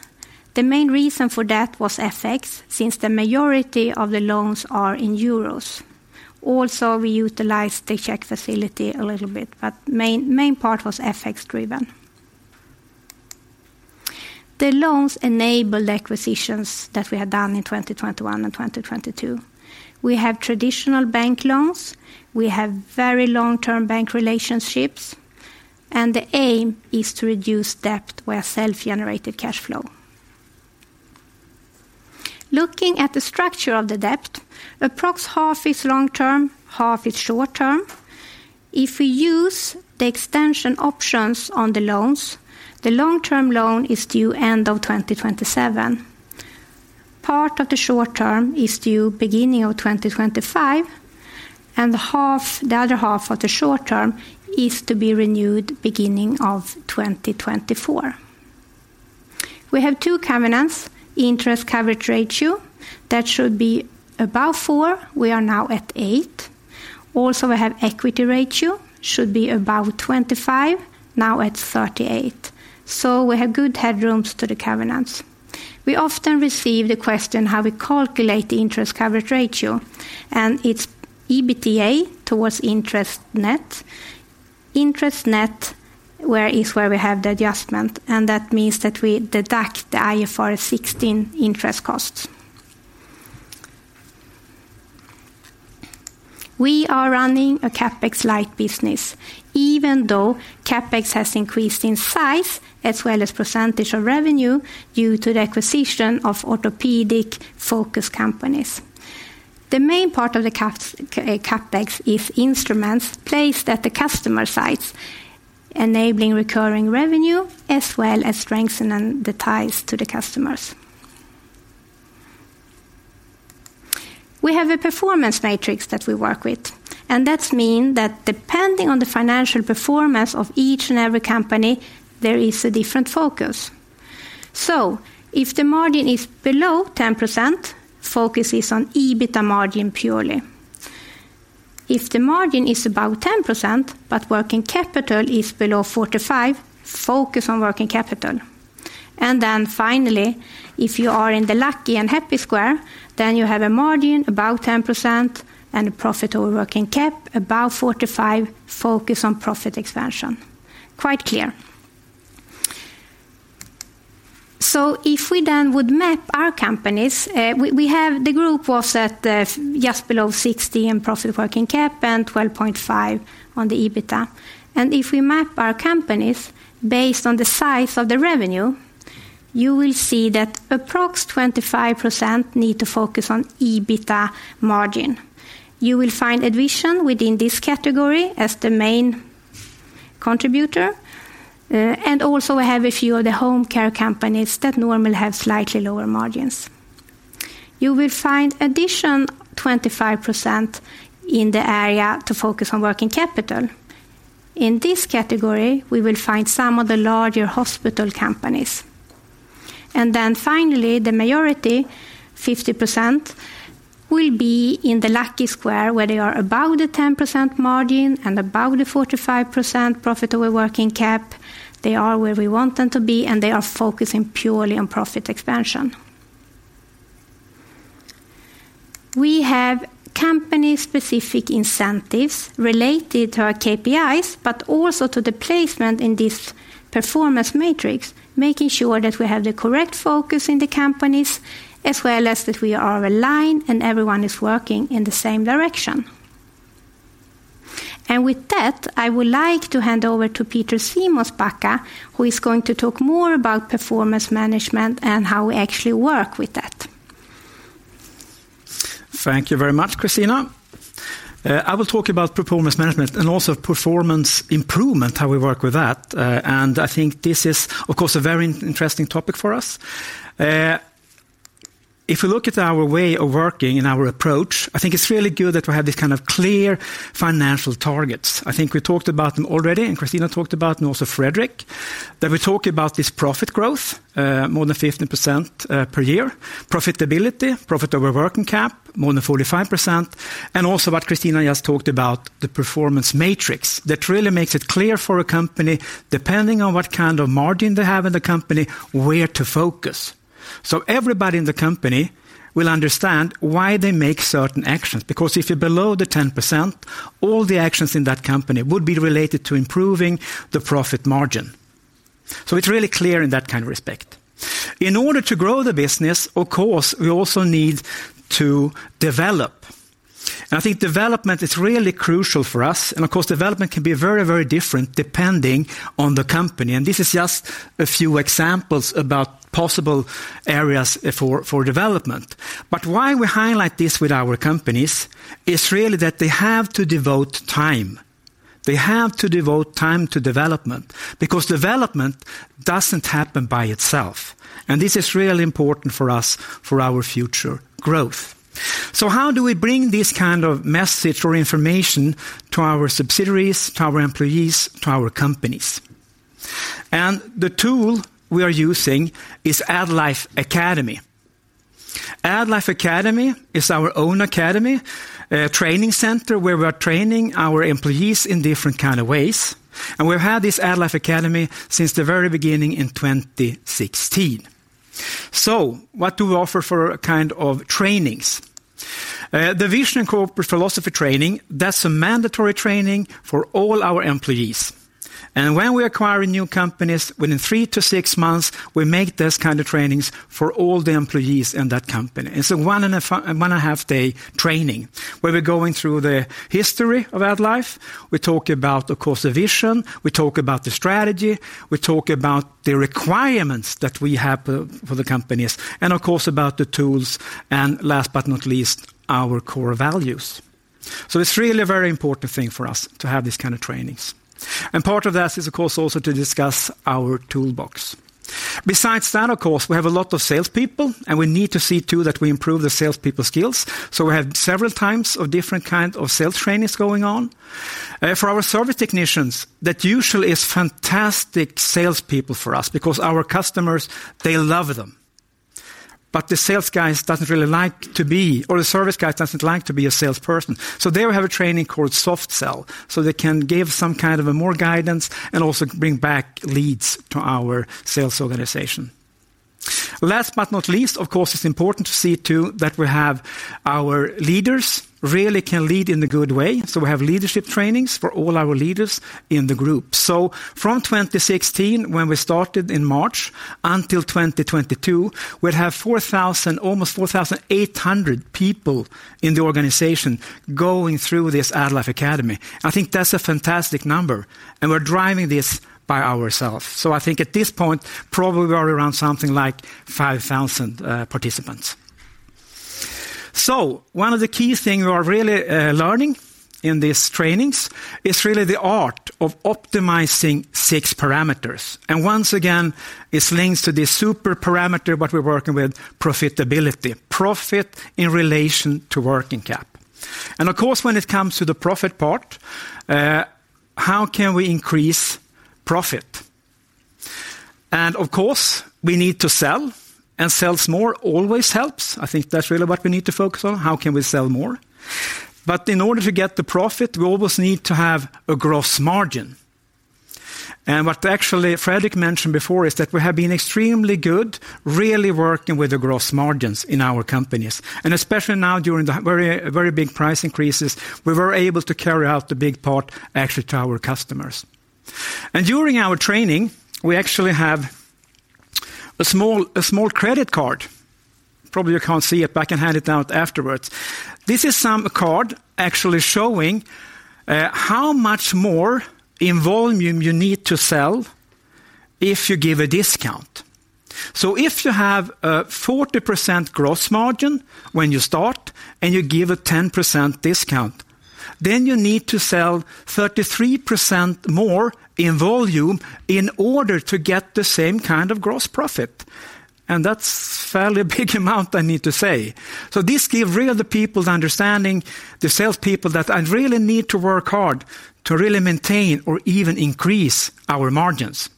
[SPEAKER 3] The main reason for that was FX, since the majority of the loans are in euros. Also, we utilized the credit facility a little bit, but main, main part was FX-driven. The loans enabled acquisitions that we had done in 2021 and 2022. We have traditional bank loans, we have very long-term bank relationships, and the aim is to reduce debt with self-generated cash flow. Looking at the structure of the debt, approximately half is long term, half is short term. If we use the extension options on the loans, the long-term loan is due end of 2027. Part of the short term is due beginning of 2025, and the half, the other half of the short term is to be renewed beginning of 2024. We have two covenants, interest coverage ratio, that should be above four. We are now at eight. Also, we have equity ratio, should be above 25, now at 38. So we have good headrooms to the covenants. We often receive the question, how we calculate the interest coverage ratio, and it's EBITDA towards interest net. Interest net is where we have the adjustment, and that means that we deduct the IFRS 16 interest costs. We are running a CapEx-like business, even though CapEx has increased in size, as well as percentage of revenue, due to the acquisition of orthopedic-focused companies. The main part of the CapEx is instruments placed at the customer sites, enabling recurring revenue as well as strengthening the ties to the customers. We have a performance matrix that we work with, and that means that depending on the financial performance of each and every company, there is a different focus. So if the margin is below 10%, focus is on EBITDA margin, purely. If the margin is above 10%, but working capital is below 45, focus on working capital. Then finally, if you are in the lucky and happy square, then you have a margin above 10% and a profit over working cap above 45, focus on profit expansion. Quite clear. So if we then would map our companies, we have the group was at just below 60 in profit working cap and 12.5 on the EBITDA. And if we map our companies based on the size of the revenue, you will see that approx 25% need to focus on EBITDA margin. You will find AddVision within this category as the main contributor, and also have a few of the home care companies that normally have slightly lower margins. You will find another 25% in the area to focus on working capital. In this category, we will find some of the larger hospital companies. Then finally, the majority, 50%, will be in the lucky square, where they are above the 10% margin and above the 45% profit over working cap. They are where we want them to be, and they are focusing purely on profit expansion. We have company-specific incentives related to our KPIs, but also to the placement in this performance matrix, making sure that we have the correct focus in the companies, as well as that we are aligned and everyone is working in the same direction. With that, I would like to hand over to Peter Simonsbacka, who is going to talk more about performance management and how we actually work with that.
[SPEAKER 4] Thank you very much, Christina. I will talk about performance management and also performance improvement, how we work with that. I think this is, of course, a very interesting topic for us. If you look at our way of working and our approach, I think it's really good that we have this kind of clear financial targets. I think we talked about them already, and Christina talked about, and also Fredrik, that we talk about this profit growth, more than 15% per year, profitability, profit over working cap, more than 45%, and also what Christina just talked about, the performance matrix. That really makes it clear for a company, depending on what kind of margin they have in the company, where to focus. So everybody in the company will understand why they make certain actions, because if you're below the 10%, all the actions in that company would be related to improving the profit margin. So it's really clear in that kind of respect. In order to grow the business, of course, we also need to develop. And I think development is really crucial for us, and of course, development can be very, very different depending on the company, and this is just a few examples about possible areas for development. But why we highlight this with our companies is really that they have to devote time. They have to devote time to development, because development doesn't happen by itself, and this is really important for us for our future growth. So how do we bring this kind of message or information to our subsidiaries, to our employees, to our companies? The tool we are using is AddLife Academy. AddLife Academy is our own academy, a training center where we are training our employees in different kind of ways. We've had this AddLife Academy since the very beginning in 2016. What do we offer for a kind of trainings? The vision and corporate philosophy training, that's a mandatory training for all our employees. When we acquire new companies, within three to six months, we make this kind of trainings for all the employees in that company. It's a one-and-a-half-day training, where we're going through the history of AddLife. We talk about, of course, the vision, we talk about the strategy, we talk about the requirements that we have for the companies, and of course, about the tools, and last but not least, our core values. So it's really a very important thing for us to have this kind of trainings. Part of that is, of course, also to discuss our toolbox. Besides that, of course, we have a lot of salespeople, and we need to see, too, that we improve the salespeople skills. We have several types of different kind of sales trainings going on. For our service technicians, that usually is fantastic salespeople for us because our customers, they love them. But the sales guys doesn't really like to be, or the service guys doesn't like to be a salesperson. They will have a training called soft sell, so they can give some kind of a more guidance and also bring back leads to our sales organization. Last but not least, of course, it's important to see, too, that we have our leaders really can lead in a good way. We have leadership trainings for all our leaders in the group. From 2016, when we started in March, until 2022, we'd have 4,000, almost 4,800 people in the organization going through this AddLife Academy. I think that's a fantastic number, and we're driving this by ourselves. I think at this point, probably we are around something like 5,000 participants. One of the key things we are really learning in these trainings is really the art of optimizing six parameters. And once again, this links to the super parameter, what we're working with, profitability, profit in relation to working cap. And of course, when it comes to the profit part, how can we increase profit? And of course, we need to sell, and sells more always helps. I think that's really what we need to focus on, how can we sell more? But in order to get the profit, we always need to have a gross margin. And what actually Fredrik mentioned before is that we have been extremely good, really working with the gross margins in our companies. And especially now, during the very, very big price increases, we were able to carry out the big part actually to our customers. And during our training, we actually have a small credit card. Probably you can't see it, but I can hand it out afterwards. This is some card actually showing how much more in volume you need to sell if you give a discount. So if you have a 40% gross margin when you start, and you give a 10% discount, then you need to sell 33% more in volume in order to get the same kind of gross profit, and that's fairly a big amount, I need to say. So this give really the people the understanding, the salespeople, that I really need to work hard to really maintain or even increase our margins.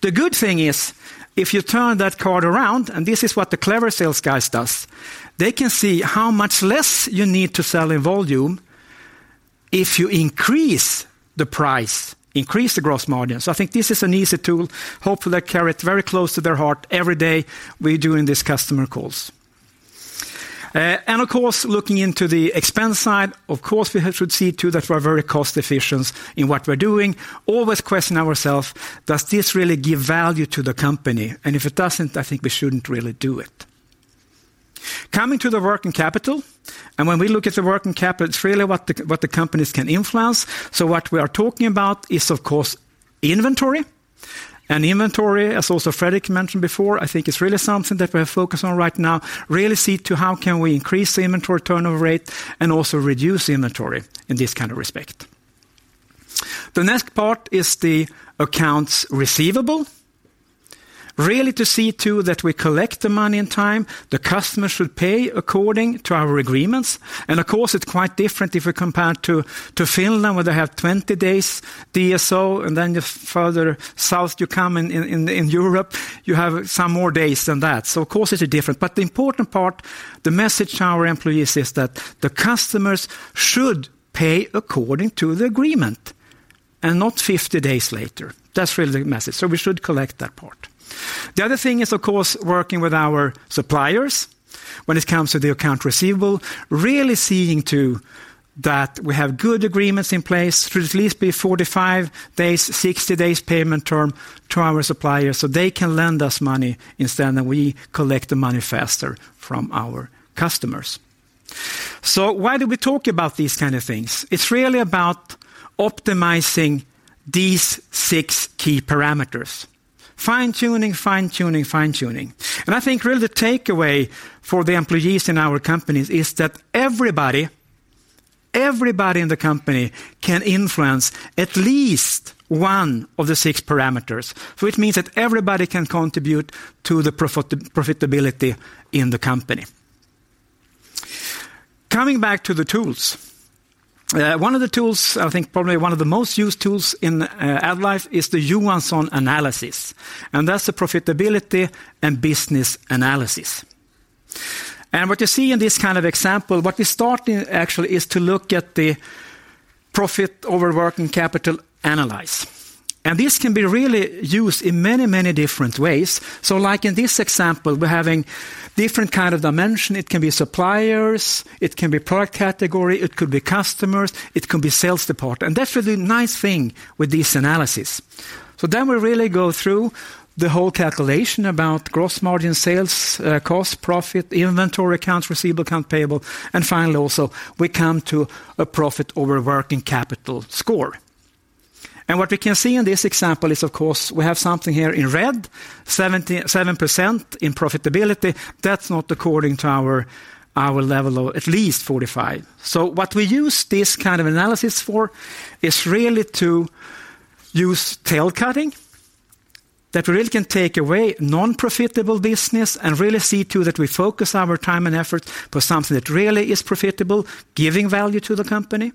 [SPEAKER 4] The good thing is, if you turn that card around, and this is what the clever sales guys does, they can see how much less you need to sell in volume if you increase the price, increase the gross margin. So I think this is an easy tool. Hopefully, they carry it very close to their heart every day we're doing these customer calls. And, of course, looking into the expense side, of course, we have should see, too, that we're very cost efficient in what we're doing. Always question ourselves: does this really give value to the company? And if it doesn't, I think we shouldn't really do it. Coming to the working capital, and when we look at the working capital, it's really what the companies can influence. So what we are talking about is, of course, inventory. And inventory, as also Fredrik mentioned before, I think is really something that we are focused on right now. Really see to how can we increase the inventory turnover rate and also reduce inventory in this kind of respect. The next part is the accounts receivable. Really to see, too, that we collect the money in time, the customer should pay according to our agreements, and of course, it's quite different if we compare to Finland, where they have 20 days DSO, and then the further south you come in Europe, you have some more days than that. So of course, it's different. But the important part, the message to our employees, is that the customers should pay according to the agreement, and not 50 days later. That's really the message, so we should collect that part. The other thing is, of course, working with our suppliers when it comes to the account receivable, really seeing to that we have good agreements in place, should at least be 45 days, 60 days, payment term to our suppliers, so they can lend us money instead, and we collect the money faster from our customers. So why do we talk about these kind of things? It's really about optimizing these six key parameters. Fine-tuning, fine-tuning, fine-tuning. And I think really the takeaway for the employees in our companies is that everybody, everybody in the company can influence at least one of the six parameters. So it means that everybody can contribute to the profitability in the company. Coming back to the tools. One of the tools, I think probably one of the most used tools in AddLife, is the Johansson Analysis, and that's the profitability and business analysis. What you see in this kind of example, what we start in, actually, is to look at the profit over working capital analysis. And this can be really used in many, many different ways. So like in this example, we're having different kind of dimension. It can be suppliers, it can be product category, it could be customers, it can be sales department, and that's really the nice thing with this analysis. So then we really go through the whole calculation about gross margin, sales, cost, profit, inventory, accounts receivable, accounts payable, and finally, also, we come to a profit over working capital score. And what we can see in this example is, of course, we have something here in red, 77% in profitability. That's not according to our, our level of at least 45. So what we use this kind of analysis for is really to use tail cutting, that we really can take away non-profitable business and really see to that we focus our time and effort to something that really is profitable, giving value to the company.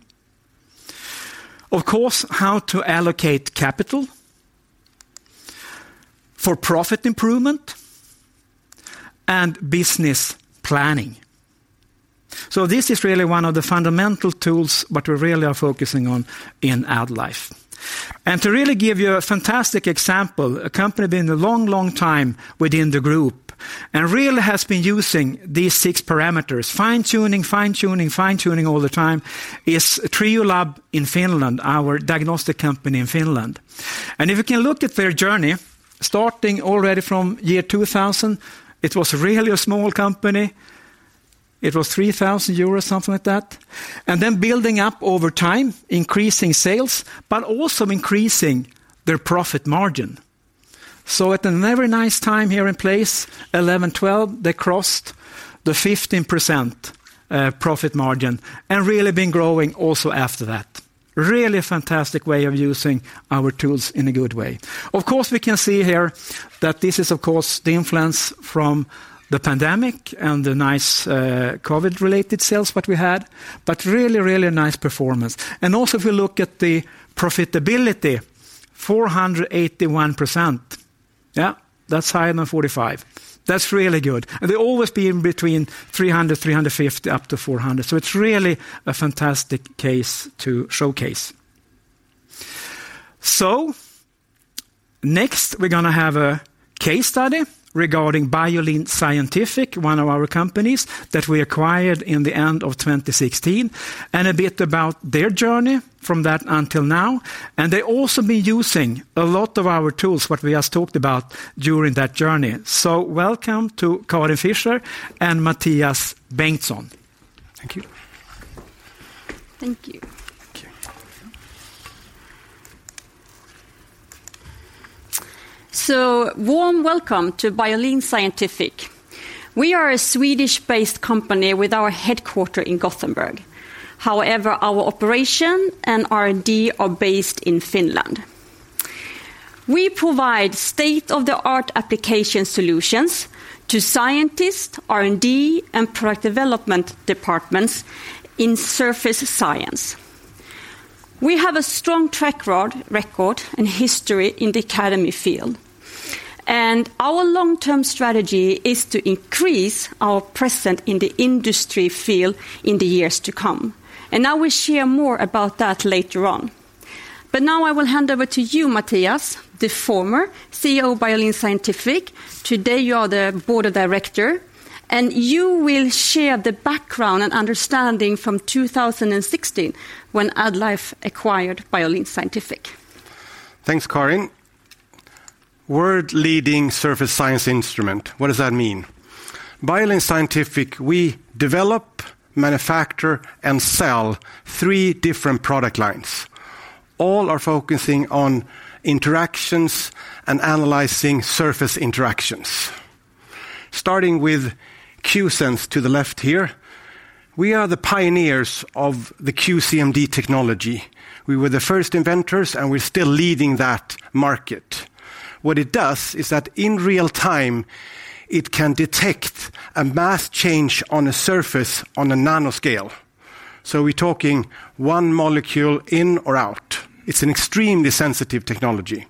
[SPEAKER 4] Of course, how to allocate capital for profit improvement and business planning. So this is really one of the fundamental tools, but we really are focusing on in AddLife. And to really give you a fantastic example, a company been a long, long time within the group, and really has been using these six parameters, fine-tuning, fine-tuning, fine-tuning all the time, is Triolab in Finland, our diagnostic company in Finland. And if you can look at their journey, starting already from year 2000, it was really a small company. It was 3,000 euros, something like that, and then building up over time, increasing sales, but also increasing their profit margin. So at a very nice time here in place, 2011, 2012, they crossed the 15% profit margin and really been growing also after that. Really fantastic way of using our tools in a good way. Of course, we can see here that this is, of course, the influence from the pandemic and the nice, COVID-related sales what we had, but really, really nice performance. And also, if you look at the profitability, 481%. Yeah, that's higher than 45. That's really good. And they always be in between 300, 350, up to 400. So it's really a fantastic case to showcase. So next, we're gonna have a case study regarding Biolin Scientific, one of our companies that we acquired in the end of 2016, and a bit about their journey from that until now. And they also been using a lot of our tools, what we just talked about, during that journey. So welcome to Karin Fischer and Mattias Bengtsson....
[SPEAKER 5] Thank you.
[SPEAKER 6] Thank you.
[SPEAKER 5] Thank you.
[SPEAKER 6] So warm welcome to Biolin Scientific. We are a Swedish-based company with our headquarters in Gothenburg. However, our operations and R&D are based in Finland. We provide state-of-the-art application solutions to scientists, R&D, and product development departments in surface science. We have a strong track record and history in the academy field, and our long-term strategy is to increase our presence in the industry field in the years to come. I will share more about that later on. But now I will hand over to you, Mattias, the former CEO of Biolin Scientific. Today, you are the board director, and you will share the background and understanding from 2016 when AddLife acquired Biolin Scientific.
[SPEAKER 5] Thanks, Karin. World-leading surface science instrument, what does that mean? Biolin Scientific, we develop, manufacture, and sell three different product lines. All are focusing on interactions and analyzing surface interactions. Starting with QSense to the left here, we are the pioneers of the QCM-D technology. We were the first inventors, and we're still leading that market. What it does is that in real time, it can detect a mass change on a surface on a nanoscale. So we're talking one molecule in or out. It's an extremely sensitive technology.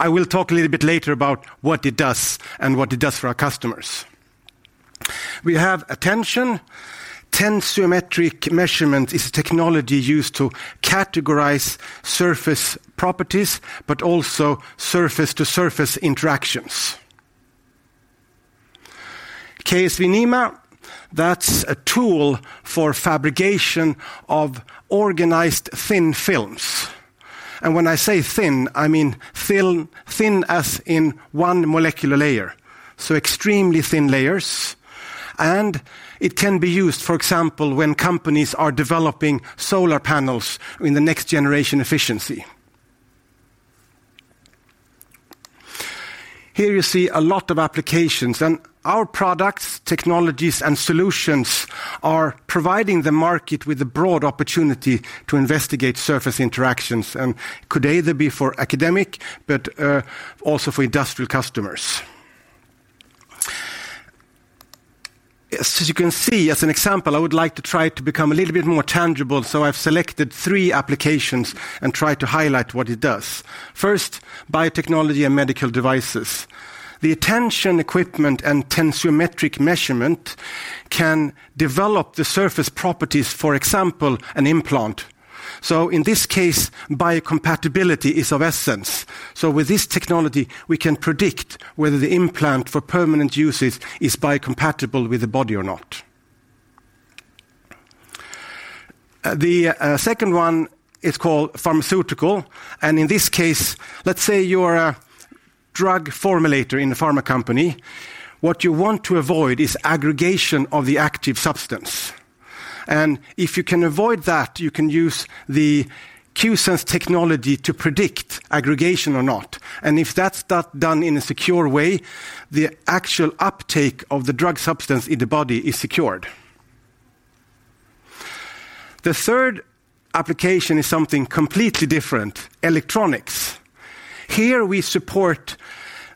[SPEAKER 5] I will talk a little bit later about what it does and what it does for our customers. We have Attension. Tensiometric measurement is a technology used to categorize surface properties, but also surface-to-surface interactions. KSV Nima, that's a tool for fabrication of organized thin films. When I say thin, I mean thin, thin as in one molecular layer, so extremely thin layers. It can be used, for example, when companies are developing solar panels in the next generation efficiency. Here, you see a lot of applications, and our products, technologies, and solutions are providing the market with a broad opportunity to investigate surface interactions, and could either be for academic but also for industrial customers. As you can see, as an example, I would like to try to become a little bit more tangible, so I've selected three applications and tried to highlight what it does. First, biotechnology and medical devices. The Attension equipment and tensiometric measurement can develop the surface properties, for example, an implant. So in this case, biocompatibility is of essence. So with this technology, we can predict whether the implant for permanent uses is biocompatible with the body or not. The second one is called pharmaceutical, and in this case, let's say you are a drug formulator in a pharma company. What you want to avoid is aggregation of the active substance. And if you can avoid that, you can use the QSense technology to predict aggregation or not. And if that's done in a secure way, the actual uptake of the drug substance in the body is secured. The third application is something completely different, electronics. Here, we support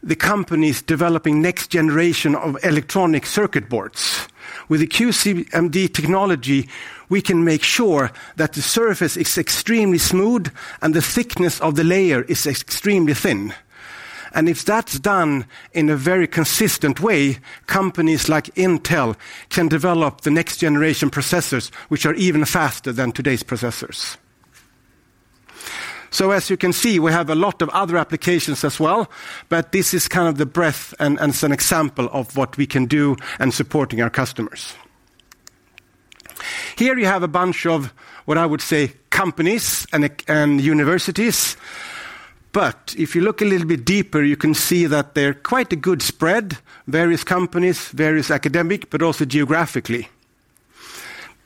[SPEAKER 5] the companies developing next generation of electronic circuit boards. With the QCM-D technology, we can make sure that the surface is extremely smooth and the thickness of the layer is extremely thin. And if that's done in a very consistent way, companies like Intel can develop the next generation processors, which are even faster than today's processors. So as you can see, we have a lot of other applications as well, but this is kind of the breadth and, and as an example of what we can do in supporting our customers. Here, you have a bunch of, what I would say, companies and and universities, but if you look a little bit deeper, you can see that they're quite a good spread, various companies, various academic, but also geographically.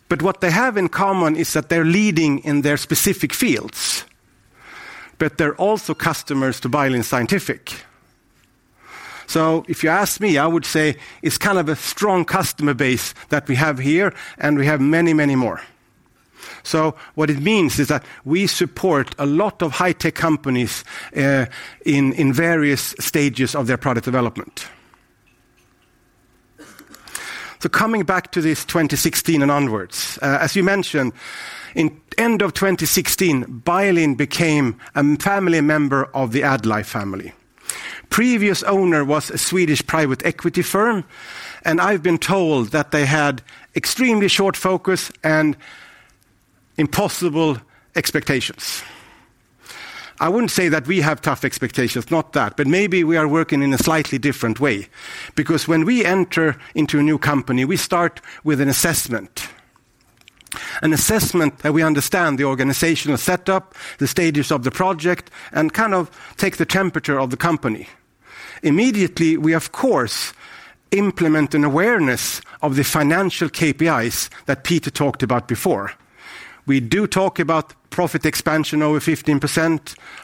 [SPEAKER 5] But what they have in common is that they're leading in their specific fields, but they're also customers to Biolin Scientific. So if you ask me, I would say it's kind of a strong customer base that we have here, and we have many, many more. So what it means is that we support a lot of high-tech companies in various stages of their product development. So coming back to this 2016 and onwards, as you mentioned, at end of 2016, Biolin became a family member of the AddLife family. Previous owner was a Swedish private equity firm, and I've been told that they had extremely short focus and impossible expectations. I wouldn't say that we have tough expectations, not that, but maybe we are working in a slightly different way, because when we enter into a new company, we start with an assessment—an assessment that we understand the organizational setup, the stages of the project, and kind of take the temperature of the company. Immediately, we, of course, implement an awareness of the financial KPIs that Peter talked about before. We do talk about profit expansion over 15%,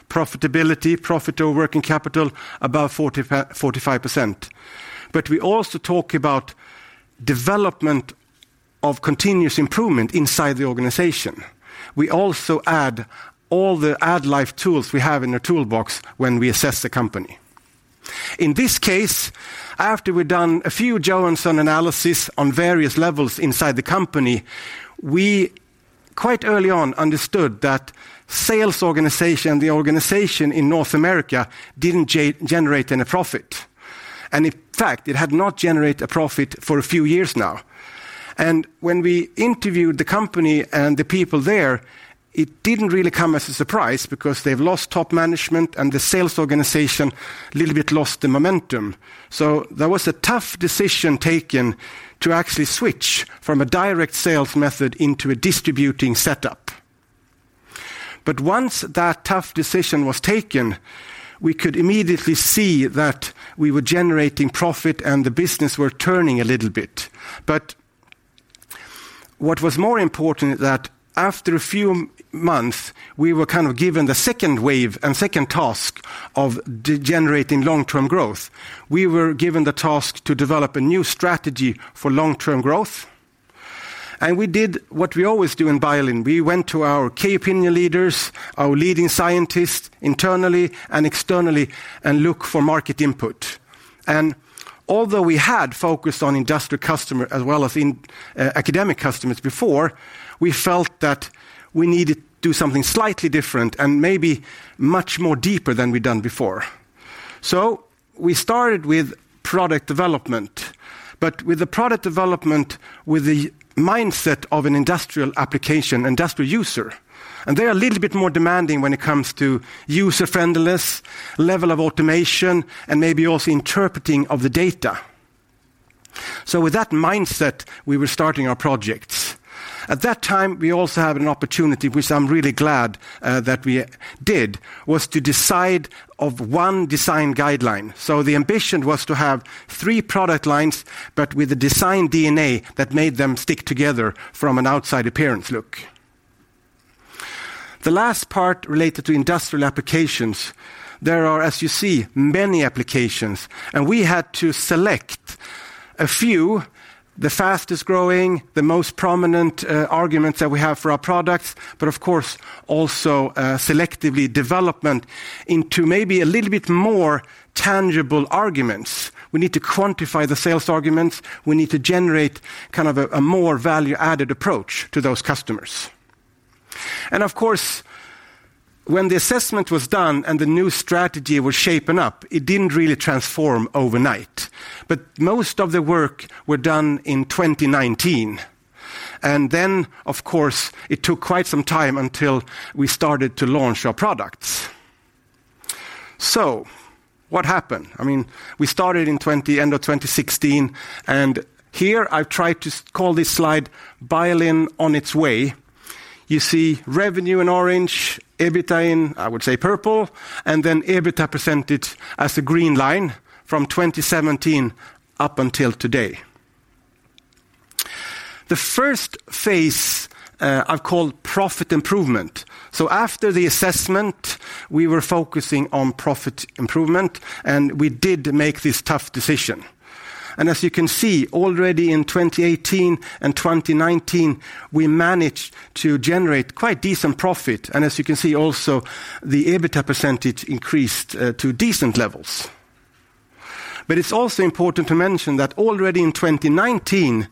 [SPEAKER 5] profitability, profit over working capital, above 45%. But we also talk about development of continuous improvement inside the organization. We also add all the AddLife tools we have in the toolbox when we assess the company. In this case, after we've done a few Johansson analysis on various levels inside the company, we quite early on understood that sales organization, the organization in North America, didn't generate any profit. And in fact, it had not generated a profit for a few years now. And when we interviewed the company and the people there, it didn't really come as a surprise because they've lost top management and the sales organization a little bit lost the momentum. So there was a tough decision taken to actually switch from a direct sales method into a distributing setup. But once that tough decision was taken, we could immediately see that we were generating profit and the business were turning a little bit. But what was more important is that after a few months, we were kind of given the second wave and second task of developing long-term growth. We were given the task to develop a new strategy for long-term growth, and we did what we always do in Biolin. We went to our key opinion leaders, our leading scientists, internally and externally, and look for market input. And although we had focused on industrial customer as well as in academic customers before, we felt that we needed to do something slightly different and maybe much more deeper than we've done before. So we started with product development, but with the product development, with the mindset of an industrial application, industrial user. They are a little bit more demanding when it comes to user-friendliness, level of automation, and maybe also interpreting of the data. With that mindset, we were starting our projects. At that time, we also had an opportunity, which I'm really glad that we did, was to decide of one design guideline. The ambition was to have three product lines, but with the design DNA that made them stick together from an outside appearance look. The last part related to industrial applications. There are, as you see, many applications, and we had to select a few, the fastest-growing, the most prominent arguments that we have for our products, but of course, also selectively development into maybe a little bit more tangible arguments. We need to quantify the sales arguments. We need to generate kind of a more value-added approach to those customers. Of course, when the assessment was done and the new strategy was shaping up, it didn't really transform overnight. But most of the work were done in 2019. And then, of course, it took quite some time until we started to launch our products. So what happened? I mean, we started in end of 2016, and here I've tried to call this slide, Biolin on its way. You see revenue in orange, EBITDA in, I would say, purple, and then EBITDA percentage as a green line from 2017 up until today. The first phase, I've called profit improvement. So after the assessment, we were focusing on profit improvement, and we did make this tough decision. As you can see, already in 2018 and 2019, we managed to generate quite decent profit, and as you can see, also, the EBITDA percentage increased to decent levels. But it's also important to mention that already in 2019,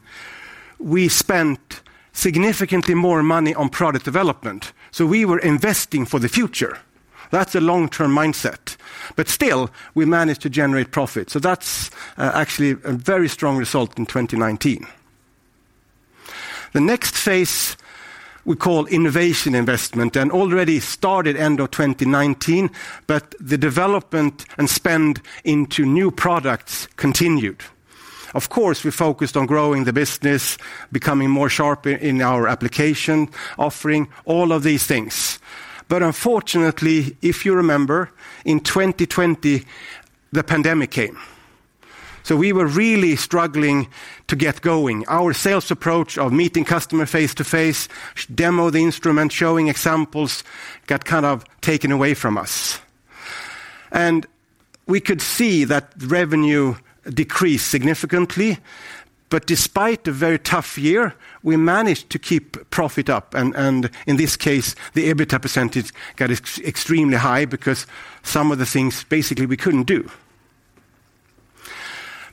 [SPEAKER 5] we spent significantly more money on product development, so we were investing for the future. That's a long-term mindset, but still, we managed to generate profit. So that's actually a very strong result in 2019. The next phase, we call innovation investment, and already started end of 2019, but the development and spend into new products continued. Of course, we focused on growing the business, becoming more sharp in our application, offering all of these things. But unfortunately, if you remember, in 2020, the pandemic came. So we were really struggling to get going. Our sales approach of meeting customer face-to-face, demo the instrument, showing examples, got kind of taken away from us. We could see that revenue decreased significantly, but despite a very tough year, we managed to keep profit up, and in this case, the EBITDA percentage got extremely high because some of the things, basically, we couldn't do.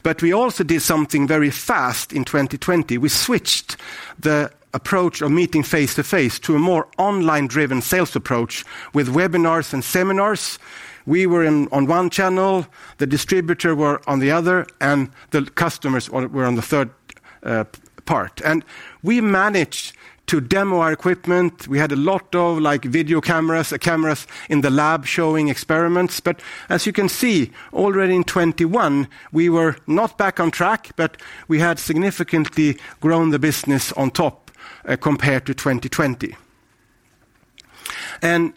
[SPEAKER 5] But we also did something very fast in 2020. We switched the approach of meeting face-to-face to a more online-driven sales approach with webinars and seminars. We were on one channel, the distributor were on the other, and the customers were on the third part. We managed to demo our equipment. We had a lot of, like, video cameras, cameras in the lab showing experiments. But as you can see, already in 2021, we were not back on track, but we had significantly grown the business on top, compared to 2020. And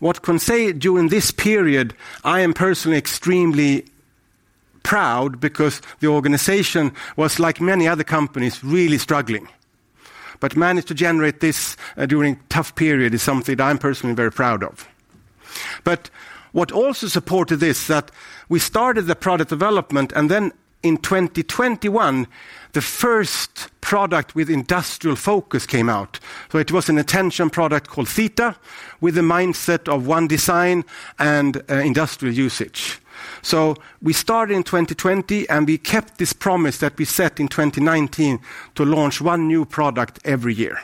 [SPEAKER 5] what I can say during this period, I am personally extremely proud because the organization was, like many other companies, really struggling, but managed to generate this during tough period is something I'm personally very proud of. But what also supported this, that we started the product development, and then in 2021, the first product with industrial focus came out. So it was an Attension product called Theta, with the mindset of one design and industrial usage. So we started in 2020, and we kept this promise that we set in 2019 to launch one new product every year.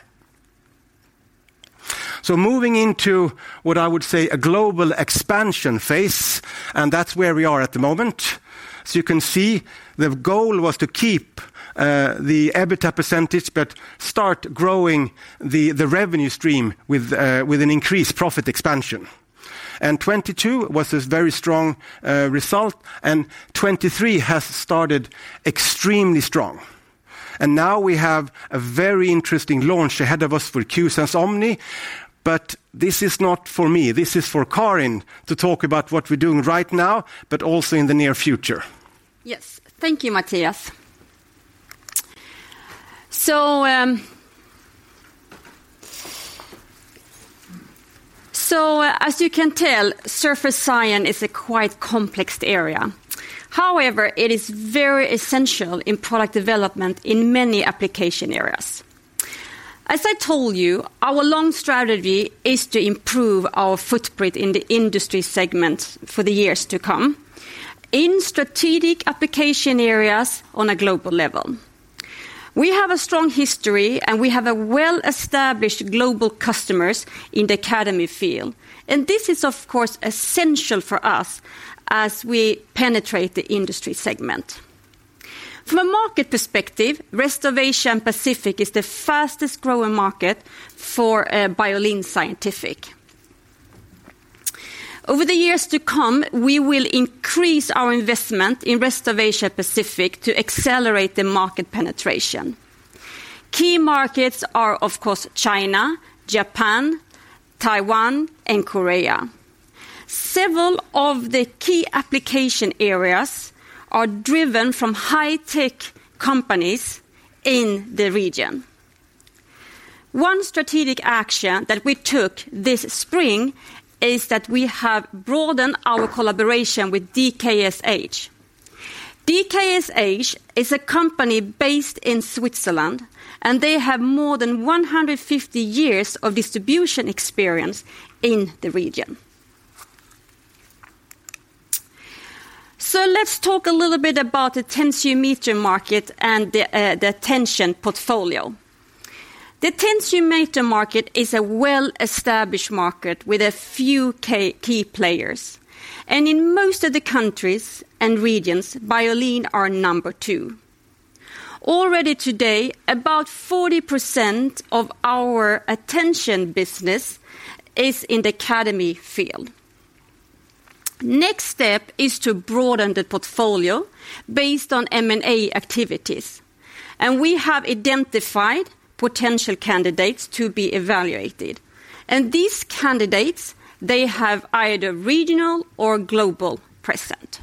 [SPEAKER 5] So moving into what I would say, a global expansion phase, and that's where we are at the moment. So you can see, the goal was to keep, the EBITDA percentage, but start growing the, the revenue stream with, with an increased profit expansion. And 2022 was a very strong, result, and 2023 has started extremely strong. And now we have a very interesting launch ahead of us for QSense Omni, but this is not for me, this is for Karin to talk about what we're doing right now, but also in the near future.
[SPEAKER 6] Yes. Thank you, Mattias. So, so as you can tell, surface science is a quite complex area. However, it is very essential in product development in many application areas. As I told you, our long strategy is to improve our footprint in the industry segment for the years to come, in strategic application areas on a global level. We have a strong history, and we have a well-established global customers in the academy field, and this is, of course, essential for us as we penetrate the industry segment. From a market perspective, Rest of Asia Pacific is the fastest-growing market for Biolin Scientific. Over the years to come, we will increase our investment in Rest of Asia Pacific to accelerate the market penetration. Key markets are, of course, China, Japan, Taiwan, and Korea. Several of the key application areas are driven from high-tech companies in the region. One strategic action that we took this spring is that we have broadened our collaboration with DKSH. DKSH is a company based in Switzerland, and they have more than 150 years of distribution experience in the region. So let's talk a little bit about the tensiometer market and the Attension portfolio. The tensiometer market is a well-established market with a few key players, and in most of the countries and regions, Biolin are number two. Already today, about 40% of our Attension business is in the academy field. Next step is to broaden the portfolio based on M&A activities, and we have identified potential candidates to be evaluated. And these candidates, they have either regional or global presence.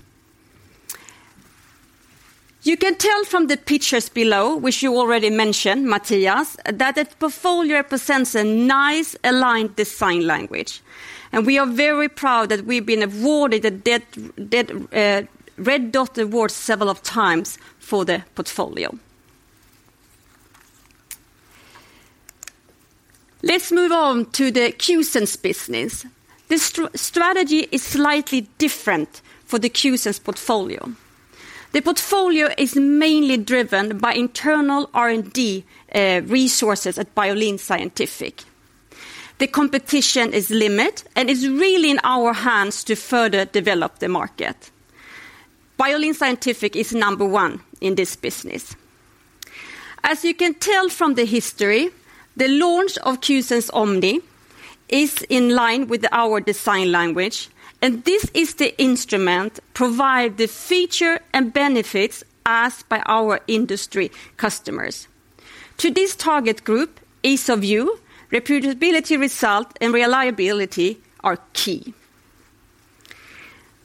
[SPEAKER 6] You can tell from the pictures below, which you already mentioned, Mattias, that the portfolio represents a nice, aligned design language, and we are very proud that we've been awarded the Red Dot Award several times for the portfolio. Let's move on to the QSense business. The strategy is slightly different for the QSense portfolio. The portfolio is mainly driven by internal R&D resources at Biolin Scientific. The competition is limited, and it's really in our hands to further develop the market. Biolin Scientific is number one in this business. As you can tell from the history, the launch of QSense Omni is in line with our design language, and this is the instrument provide the feature and benefits asked by our industry customers. To this target group, ease of use, reproducibility result, and reliability are key.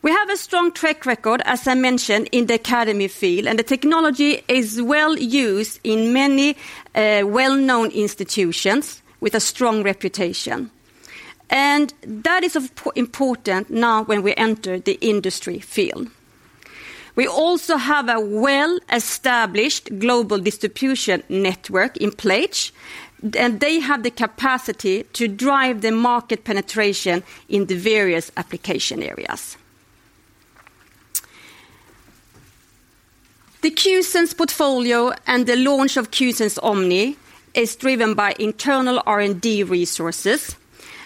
[SPEAKER 6] We have a strong track record, as I mentioned, in the academy field, and the technology is well used in many well-known institutions with a strong reputation. And that is of important now when we enter the industry field. We also have a well-established global distribution network in place, and they have the capacity to drive the market penetration in the various application areas. The QSense portfolio and the launch of QSense Omni is driven by internal R&D resources,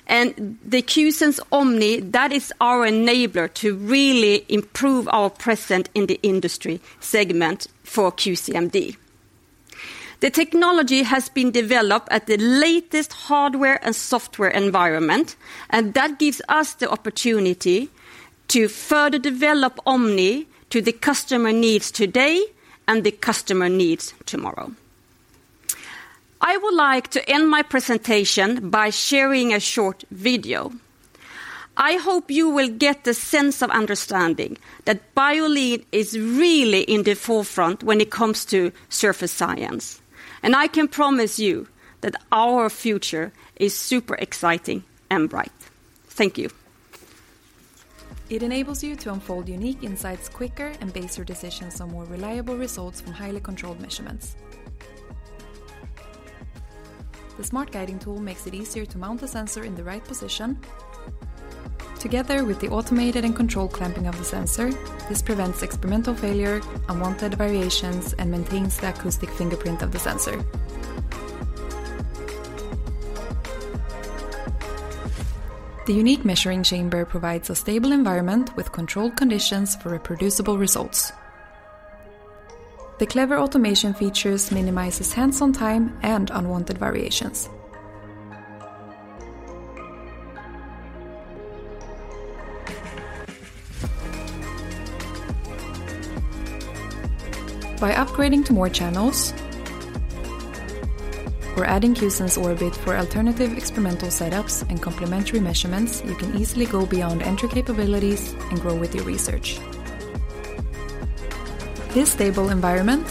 [SPEAKER 6] and the QSense Omni, that is our enabler to really improve our presence in the industry segment for QCM-D. The technology has been developed at the latest hardware and software environment, and that gives us the opportunity to further develop Omni to the customer needs today and the customer needs tomorrow. I would like to end my presentation by sharing a short video. I hope you will get the sense of understanding that Biolin is really in the forefront when it comes to surface science, and I can promise you that our future is super exciting and bright. Thank you.
[SPEAKER 7] It enables you to unfold unique insights quicker and base your decisions on more reliable results from highly controlled measurements. The smart guiding tool makes it easier to mount the sensor in the right position. Together with the automated and controlled clamping of the sensor, this prevents experimental failure, unwanted variations, and maintains the acoustic fingerprint of the sensor. The unique measuring chamber provides a stable environment with controlled conditions for reproducible results. The clever automation features minimizes hands-on time and unwanted variations. By upgrading to more channels or adding QSense Orbit for alternative experimental setups and complementary measurements, you can easily go beyond entry capabilities and grow with your research. This stable environment,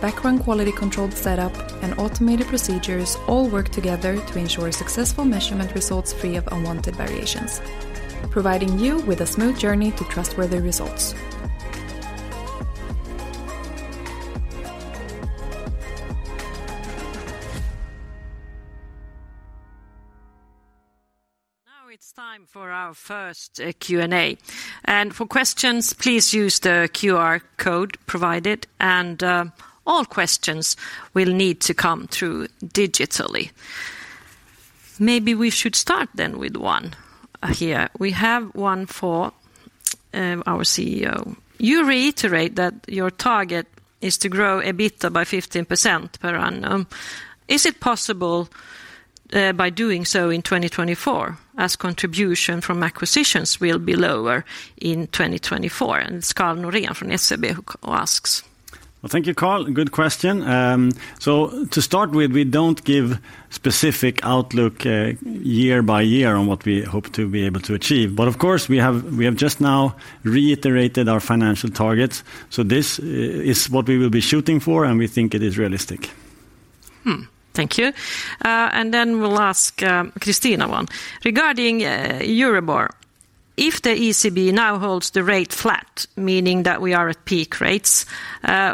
[SPEAKER 7] background quality controlled setup, and automated procedures all work together to ensure successful measurement results free of unwanted variations, providing you with a smooth journey to trustworthy results.
[SPEAKER 1] Now it's time for our first Q&A. And for questions, please use the QR code provided, and all questions will need to come through digitally. Maybe we should start then with one here. We have one for our CEO. You reiterate that your target is to grow EBITDA by 15% per annum. Is it possible by doing so in 2024, as contribution from acquisitions will be lower in 2024? And it's Karl Norén from SEB who asks.
[SPEAKER 2] Well, thank you, Carl. Good question. So to start with, we don't give specific outlook, year by year on what we hope to be able to achieve. But of course, we have, we have just now reiterated our financial targets, so this is what we will be shooting for, and we think it is realistic.
[SPEAKER 1] Hmm. Thank you. And then we'll ask Christina one. Regarding Euribor, if the ECB now holds the rate flat, meaning that we are at peak rates,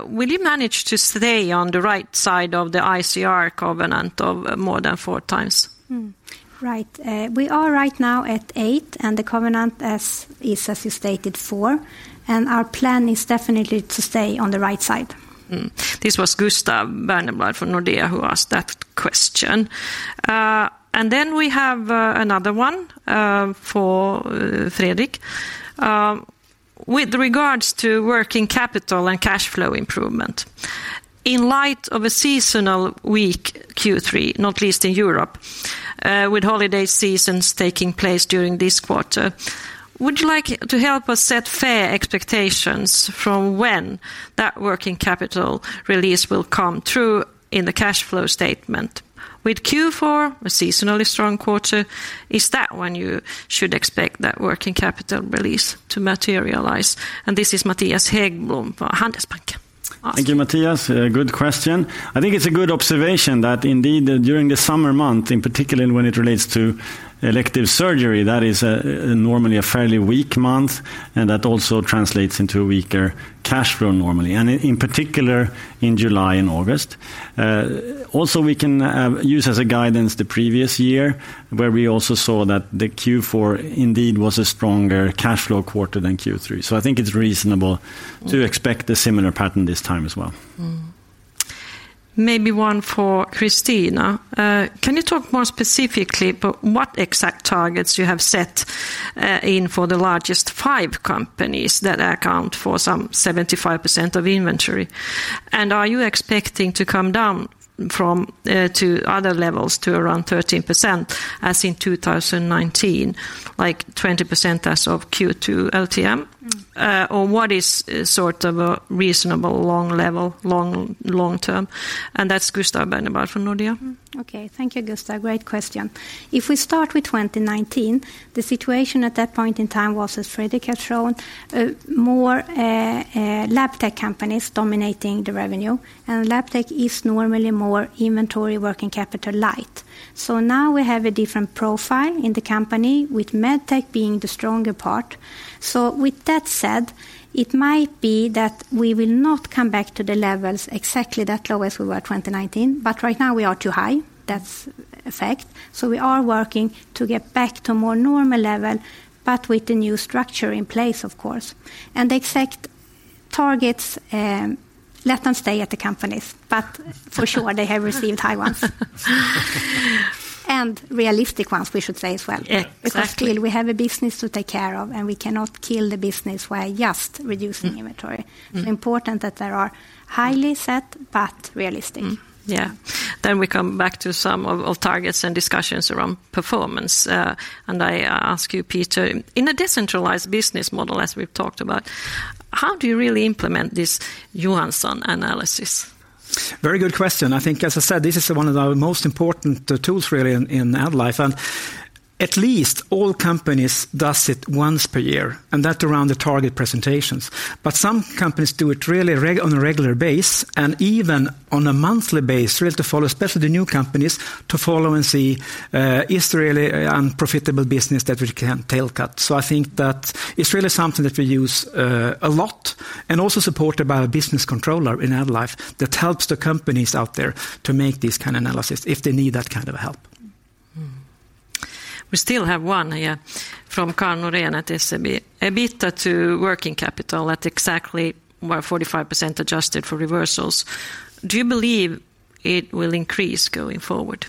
[SPEAKER 1] will you manage to stay on the right side of the ICR covenant of more than four times?
[SPEAKER 3] Right. We are right now at eight and the covenant, as is, as you stated, four and our plan is definitely to stay on the right side.
[SPEAKER 1] This was Gustav Berneblad from Nordea who asked that question. And then we have another one for Fredrik. With regards to working capital and cash flow improvement, in light of a seasonal weak Q3, not least in Europe, with holiday seasons taking place during this quarter, would you like to help us set fair expectations from when that working capital release will come through in the cash flow statement? With Q4, a seasonally strong quarter, is that when you should expect that working capital release to materialize? And this is Mattias Häggblom from Handelsbanken asks.
[SPEAKER 2] Thank you, Mattias. Good question. I think it's a good observation that indeed, during the summer month, in particular, when it relates to elective surgery, that is normally a fairly weak month, and that also translates into a weaker cash flow normally, and in particular, in July and August. Also, we can use as a guidance the previous year, where we also saw that the Q4 indeed was a stronger cash flow quarter than Q3. So I think it's reasonable to expect a similar pattern this time as well.
[SPEAKER 1] Maybe one for Christina. Can you talk more specifically about what exact targets you have set in for the largest five companies that account for some 75% of inventory? And are you expecting to come down from to other levels to around 13%, as in 2019, like 20% as of Q2 LTM? Or what is sort of a reasonable long level, long, long term? And that's Gustav Berneblad from Nordea.
[SPEAKER 3] Okay. Thank you, Gustav. Great question. If we start with 2019, the situation at that point in time was, as Fredrik has shown, more Labtech companies dominating the revenue, and Labtech is normally more inventory working capital light. So now we have a different profile in the company, with Medtech being the stronger part. So with that said, it might be that we will not come back to the levels exactly that low as we were in 2019, but right now we are too high. That's a fact. So we are working to get back to a more normal level, but with the new structure in place, of course. And the exact targets, let them stay at the companies, but for sure, they have received high ones. And realistic ones, we should say as well.
[SPEAKER 1] Yeah, exactly.
[SPEAKER 3] Because still we have a business to take care of, and we cannot kill the business by just reducing inventory.
[SPEAKER 1] Mm.
[SPEAKER 3] Important that there are highly set, but realistic.
[SPEAKER 1] Yeah. Then we come back to some of, of targets and discussions around performance. I ask you, Peter, in a decentralized business model, as we've talked about, how do you really implement this Johansson Analysis?...
[SPEAKER 4] Very good question. I think, as I said, this is one of our most important tools really in AddLife, and at least all companies does it once per year, and that around the target presentations. But some companies do it really on a regular basis, and even on a monthly basis, really to follow, especially the new companies, to follow and see is there really unprofitable business that we can tail cut? So I think that it's really something that we use a lot, and also supported by a business controller in AddLife that helps the companies out there to make this kind analysis if they need that kind of help.
[SPEAKER 1] We still have one here from Karl Norén at SEB. EBITDA to working capital, that exactly, where 45% adjusted for reversals. Do you believe it will increase going forward?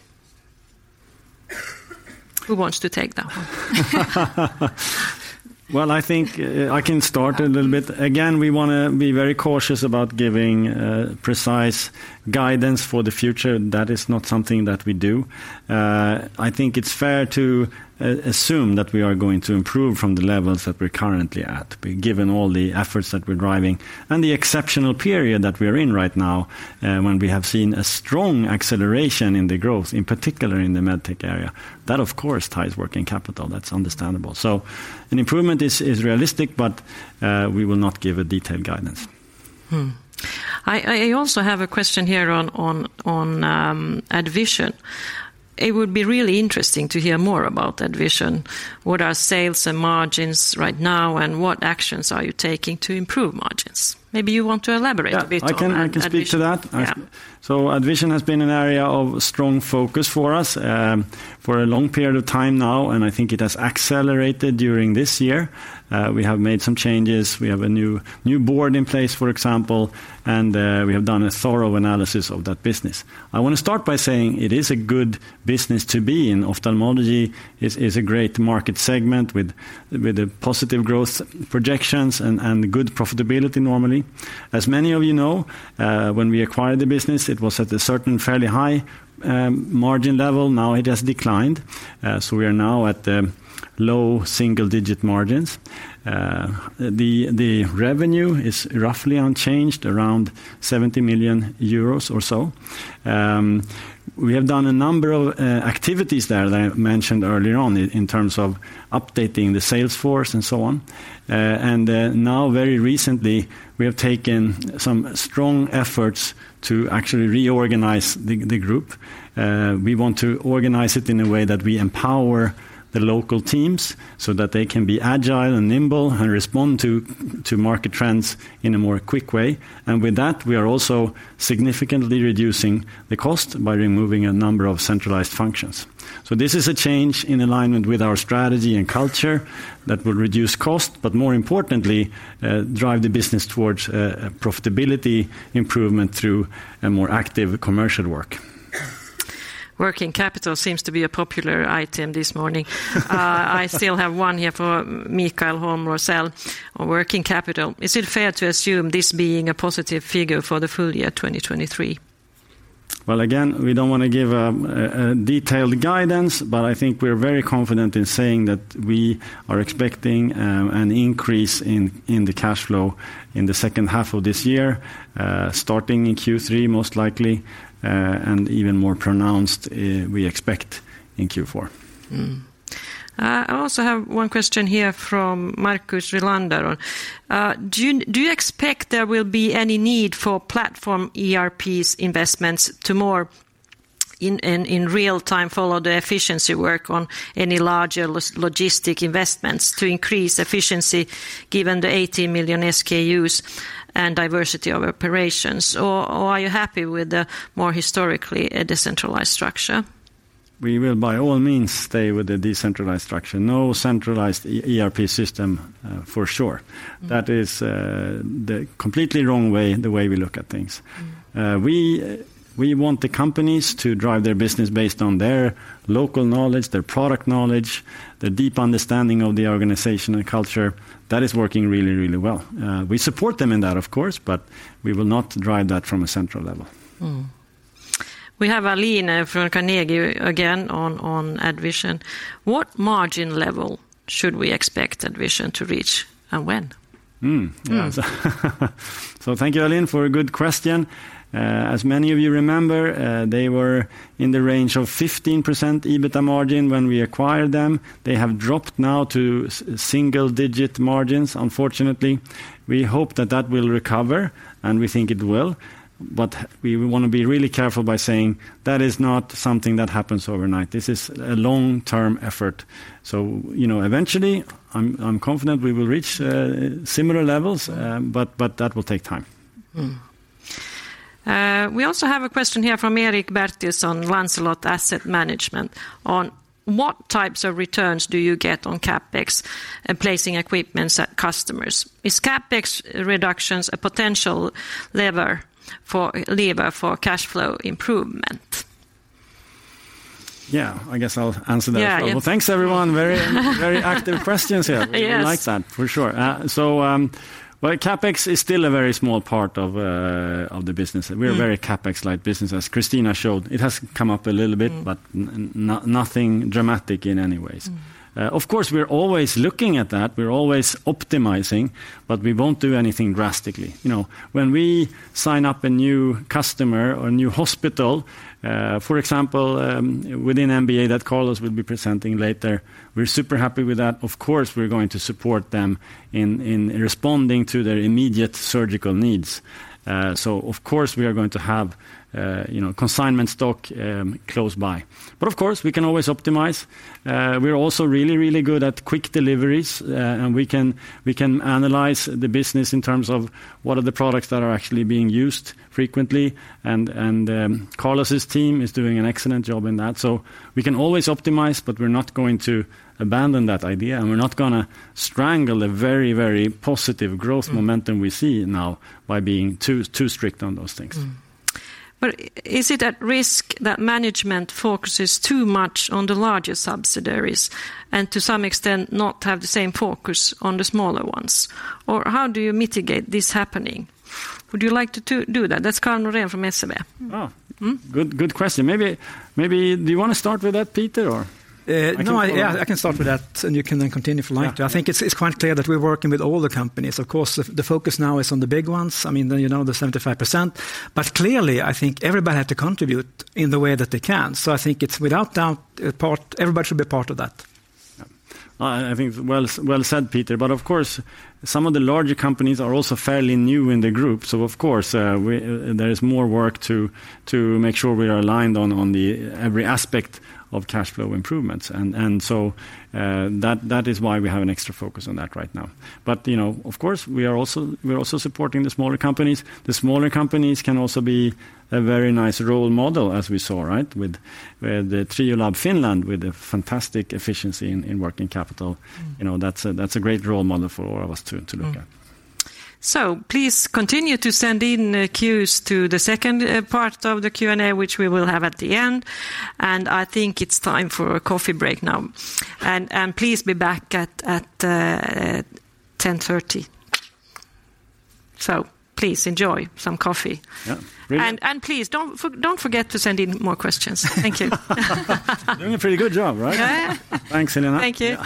[SPEAKER 1] Who wants to take that one?
[SPEAKER 2] Well, I think, I can start a little bit. Again, we want to be very cautious about giving, precise guidance for the future. That is not something that we do. I think it's fair to, assume that we are going to improve from the levels that we're currently at, given all the efforts that we're driving and the exceptional period that we're in right now, when we have seen a strong acceleration in the growth, in particular in the MedTech area. That, of course, ties working capital. That's understandable. So an improvement is, is realistic, but, we will not give a detailed guidance.
[SPEAKER 1] I also have a question here on AddVision. It would be really interesting to hear more about AddVision. What are sales and margins right now, and what actions are you taking to improve margins? Maybe you want to elaborate a bit on AddVision.
[SPEAKER 2] Yeah, I can, I can speak to that.
[SPEAKER 1] Yeah.
[SPEAKER 2] So AddVision has been an area of strong focus for us, for a long period of time now, and I think it has accelerated during this year. We have made some changes. We have a new, new board in place, for example, and, we have done a thorough analysis of that business. I want to start by saying it is a good business to be in. Ophthalmology is, is a great market segment with, with a positive growth projections and, and good profitability, normally. As many of you know, when we acquired the business, it was at a certain fairly high, margin level. Now it has declined, so we are now at the low single-digit margins. The revenue is roughly unchanged, around 70 million euros or so. We have done a number of activities there that I mentioned earlier on in terms of updating the sales force and so on. And now, very recently, we have taken some strong efforts to actually reorganize the group. We want to organize it in a way that we empower the local teams so that they can be agile and nimble and respond to market trends in a more quick way. And with that, we are also significantly reducing the cost by removing a number of centralized functions. So this is a change in alignment with our strategy and culture that will reduce cost, but more importantly, drive the business towards profitability improvement through a more active commercial work.
[SPEAKER 1] Working capital seems to be a popular item this morning. I still have one here for Mikael Holm Rosell on working capital. Is it fair to assume this being a positive figure for the full year 2023?
[SPEAKER 2] Well, again, we don't want to give a detailed guidance, but I think we're very confident in saying that we are expecting an increase in the cash flow in the second half of this year, starting in Q3, most likely, and even more pronounced we expect in Q4.
[SPEAKER 1] I also have one question here from Marcus Rylander on. Do you, do you expect there will be any need for platform ERPs investments to monitor in real time, follow the efficiency work on any larger logistics investments to increase efficiency, given the 80 million SKUs and diversity of operations? Or are you happy with the more historically decentralized structure?
[SPEAKER 2] We will, by all means, stay with the decentralized structure. No centralized ERP system, for sure.
[SPEAKER 1] Mm.
[SPEAKER 2] That is, the completely wrong way, the way we look at things.
[SPEAKER 1] Mm.
[SPEAKER 2] We want the companies to drive their business based on their local knowledge, their product knowledge, their deep understanding of the organizational culture. That is working really, really well. We support them in that, of course, but we will not drive that from a central level.
[SPEAKER 1] We have Aline from Carnegie again on AddVision. What margin level should we expect AddVision to reach, and when?
[SPEAKER 2] Mm. Yeah. So thank you, Aline, for a good question. As many of you remember, they were in the range of 15% EBITDA margin when we acquired them. They have dropped now to single-digit margins, unfortunately. We hope that that will recover, and we think it will, but we want to be really careful by saying that is not something that happens overnight. This is a long-term effort. So, you know, eventually, I'm confident we will reach similar levels, but that will take time.
[SPEAKER 1] We also have a question here from Erik Bertilsson, Lancelot Asset Management, on what types of returns do you get on CapEx and placing equipment at customers? Is CapEx reductions a potential lever for cash flow improvement?...
[SPEAKER 2] Yeah, I guess I'll answer that. Well, thanks, everyone. Very, very active questions here. We like that for sure. So, well, CapEx is still a very small part of the business. We are very CapEx-like business. As Christina showed, it has come up a little bit, but nothing dramatic in any ways. Of course, we're always looking at that, we're always optimizing, but we won't do anything drastically. You know, when we sign up a new customer or a new hospital, for example, within MBA that Carlos will be presenting later, we're super happy with that. Of course, we're going to support them in responding to their immediate surgical needs. So of course, we are going to have, you know, consignment stock, close by. But of course, we can always optimize. We're also really, really good at quick deliveries, and we can analyze the business in terms of what are the products that are actually being used frequently, and Carlos's team is doing an excellent job in that. So we can always optimize, but we're not going to abandon that idea, and we're not gonna strangle a very, very positive growth momentum we see now by being too, too strict on those things.
[SPEAKER 1] But is it at risk that management focuses too much on the larger subsidiaries and to some extent, not have the same focus on the smaller ones? Or how do you mitigate this happening? Would you like to do that? That's Karl Norén from SEB.
[SPEAKER 2] Oh.
[SPEAKER 1] Mm-hmm.
[SPEAKER 2] Good, good question. Maybe, maybe, do you want to start with that, Peter, or?
[SPEAKER 4] No, yeah, I can start with that, and you can then continue if you like to. I think it's quite clear that we're working with all the companies. Of course, the focus now is on the big ones, I mean, you know, the 75%. But clearly, I think everybody had to contribute in the way that they can. So I think it's without doubt, a part—everybody should be part of that.
[SPEAKER 2] Yeah. I think, well said, Peter. But of course, some of the larger companies are also fairly new in the group. So of course, there is more work to make sure we are aligned on every aspect of cash flow improvements. And so, that is why we have an extra focus on that right now. But, you know, of course, we are also supporting the smaller companies. The smaller companies can also be a very nice role model, as we saw, right? With the Triolab Finland, with a fantastic efficiency in working capital. You know, that's a great role model for all of us to look at.
[SPEAKER 1] Please continue to send in Qs to the second part of the Q&A, which we will have at the end. I think it's time for a coffee break now. Please be back at 10:30 A.M. Please enjoy some coffee.
[SPEAKER 2] Yeah, brilliant.
[SPEAKER 1] Please don't forget to send in more questions. Thank you.
[SPEAKER 2] Doing a pretty good job, right?
[SPEAKER 1] Yeah.
[SPEAKER 2] Thanks, Helena.
[SPEAKER 1] Thank you.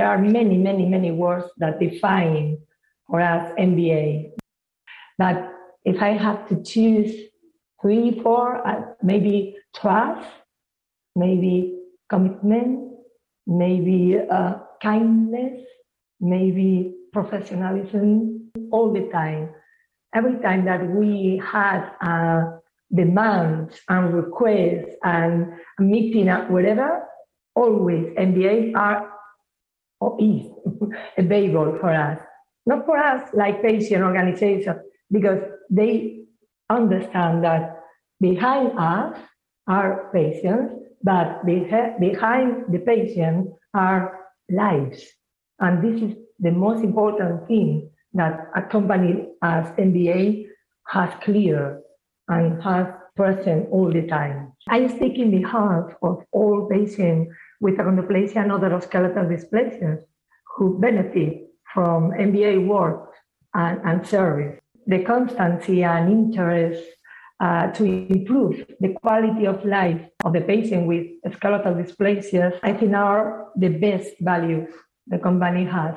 [SPEAKER 2] Okay.
[SPEAKER 8] There are many, many, many words that define for us MBA, but if I have to choose three, four, maybe trust, maybe commitment, maybe kindness, maybe professionalism. All the time, every time that we had a demand and request and meeting up, whatever, always NVA are or is available for us. Not for us, like patient organization, because they understand that behind us are patients, but behind the patient are lives, and this is the most important thing that a company as NVA has clear and has present all the time. I speak in behalf of all patients with achondroplasia and other skeletal dysplasias who benefit from NVA work and service. The constancy and interest to improve the quality of life of the patient with skeletal dysplasias, I think are the best value the company has.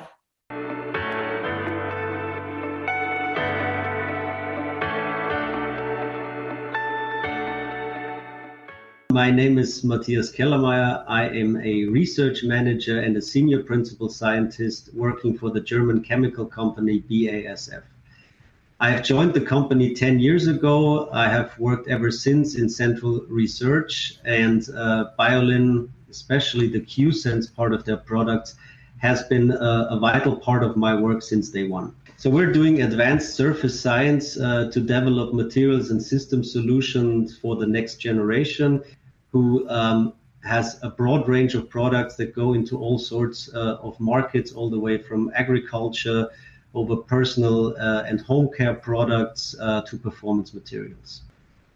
[SPEAKER 9] My name is Mattias Kellermayer. I am a research manager and a senior principal scientist working for the German chemical company, BASF. I have joined the company 10 years ago. I have worked ever since in central research, and Biolin, especially the QSense part of their products, has been a vital part of my work since day one. So we're doing advanced surface science to develop materials and system solutions for the next generation, who has a broad range of products that go into all sorts of markets, all the way from agriculture, over personal and home care products to performance materials.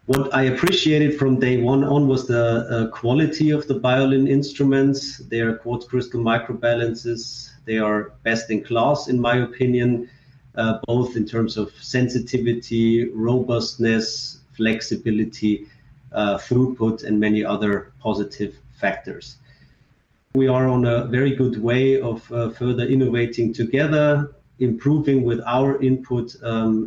[SPEAKER 9] What I appreciated from day one on was the quality of the Biolin instruments, their quartz crystal microbalances. They are best in class, in my opinion, both in terms of sensitivity, robustness, flexibility, throughput, and many other positive factors. We are on a very good way of further innovating together, improving with our input,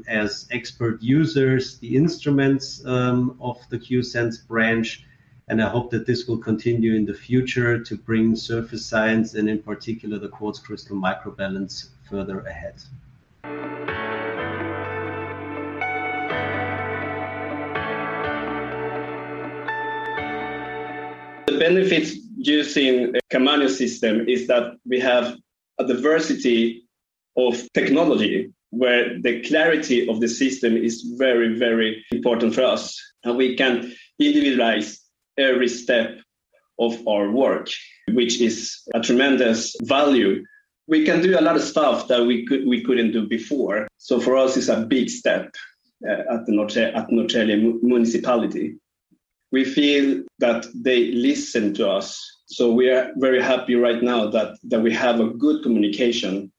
[SPEAKER 9] as expert users, the instruments, of the QSense branch, and I hope that this will continue in the future to bring surface science, and in particular, the quartz crystal microbalance further ahead.
[SPEAKER 8] The benefits using Camanio system is that we have a diversity of technology, where the clarity of the system is very, very important for us, and we can individualize every step of our work, which is a tremendous value. We can do a lot of stuff that we could... we couldn't do before, so for us, it's a big step at the Norrköping municipality. We feel that they listen to us, so we are very happy right now that we have a good communication....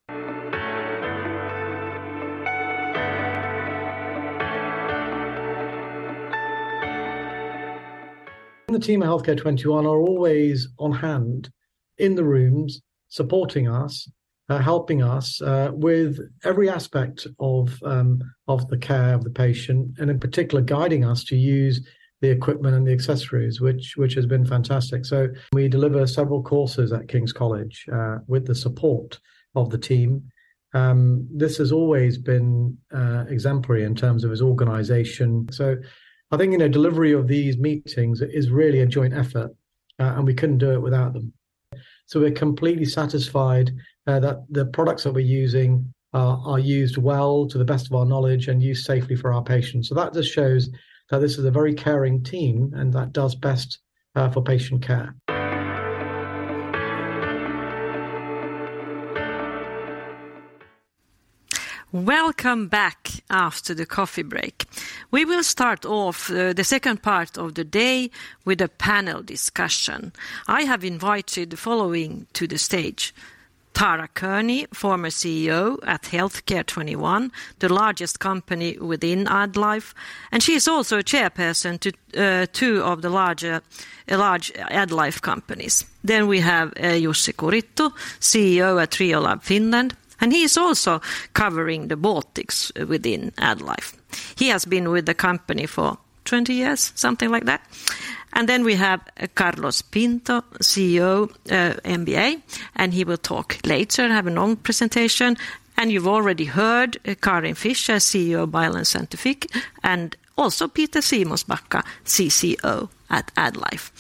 [SPEAKER 8] And the team at Healthcare 21 are always on hand in the rooms, supporting us, helping us, with every aspect of the care of the patient, and in particular, guiding us to use the equipment and the accessories, which has been fantastic. So we deliver several courses at King's College, with the support of the team. This has always been exemplary in terms of its organization. So I think, you know, delivery of these meetings is really a joint effort, and we couldn't do it without them. So we're completely satisfied, that the products that we're using are used well to the best of our knowledge and used safely for our patients. So that just shows that this is a very caring team, and that does best for patient care.
[SPEAKER 1] Welcome back after the coffee break. We will start off the second part of the day with a panel discussion. I have invited the following to the stage: Tara Kearney, former CEO at Healthcare 21, the largest company within AddLife, and she is also a chairperson to two of the larger, large AddLife companies. Then we have Jussi Kurittu, CEO at Triolab Finland, and he is also covering the Baltics within AddLife. He has been with the company for 20 years, something like that. And then we have Carlos Pinto, CEO MBA, and he will talk later, have a long presentation. And you've already heard Karin Fischer, CEO of Biolin Scientific, and also Peter Simonsbacka, CCO at AddLife.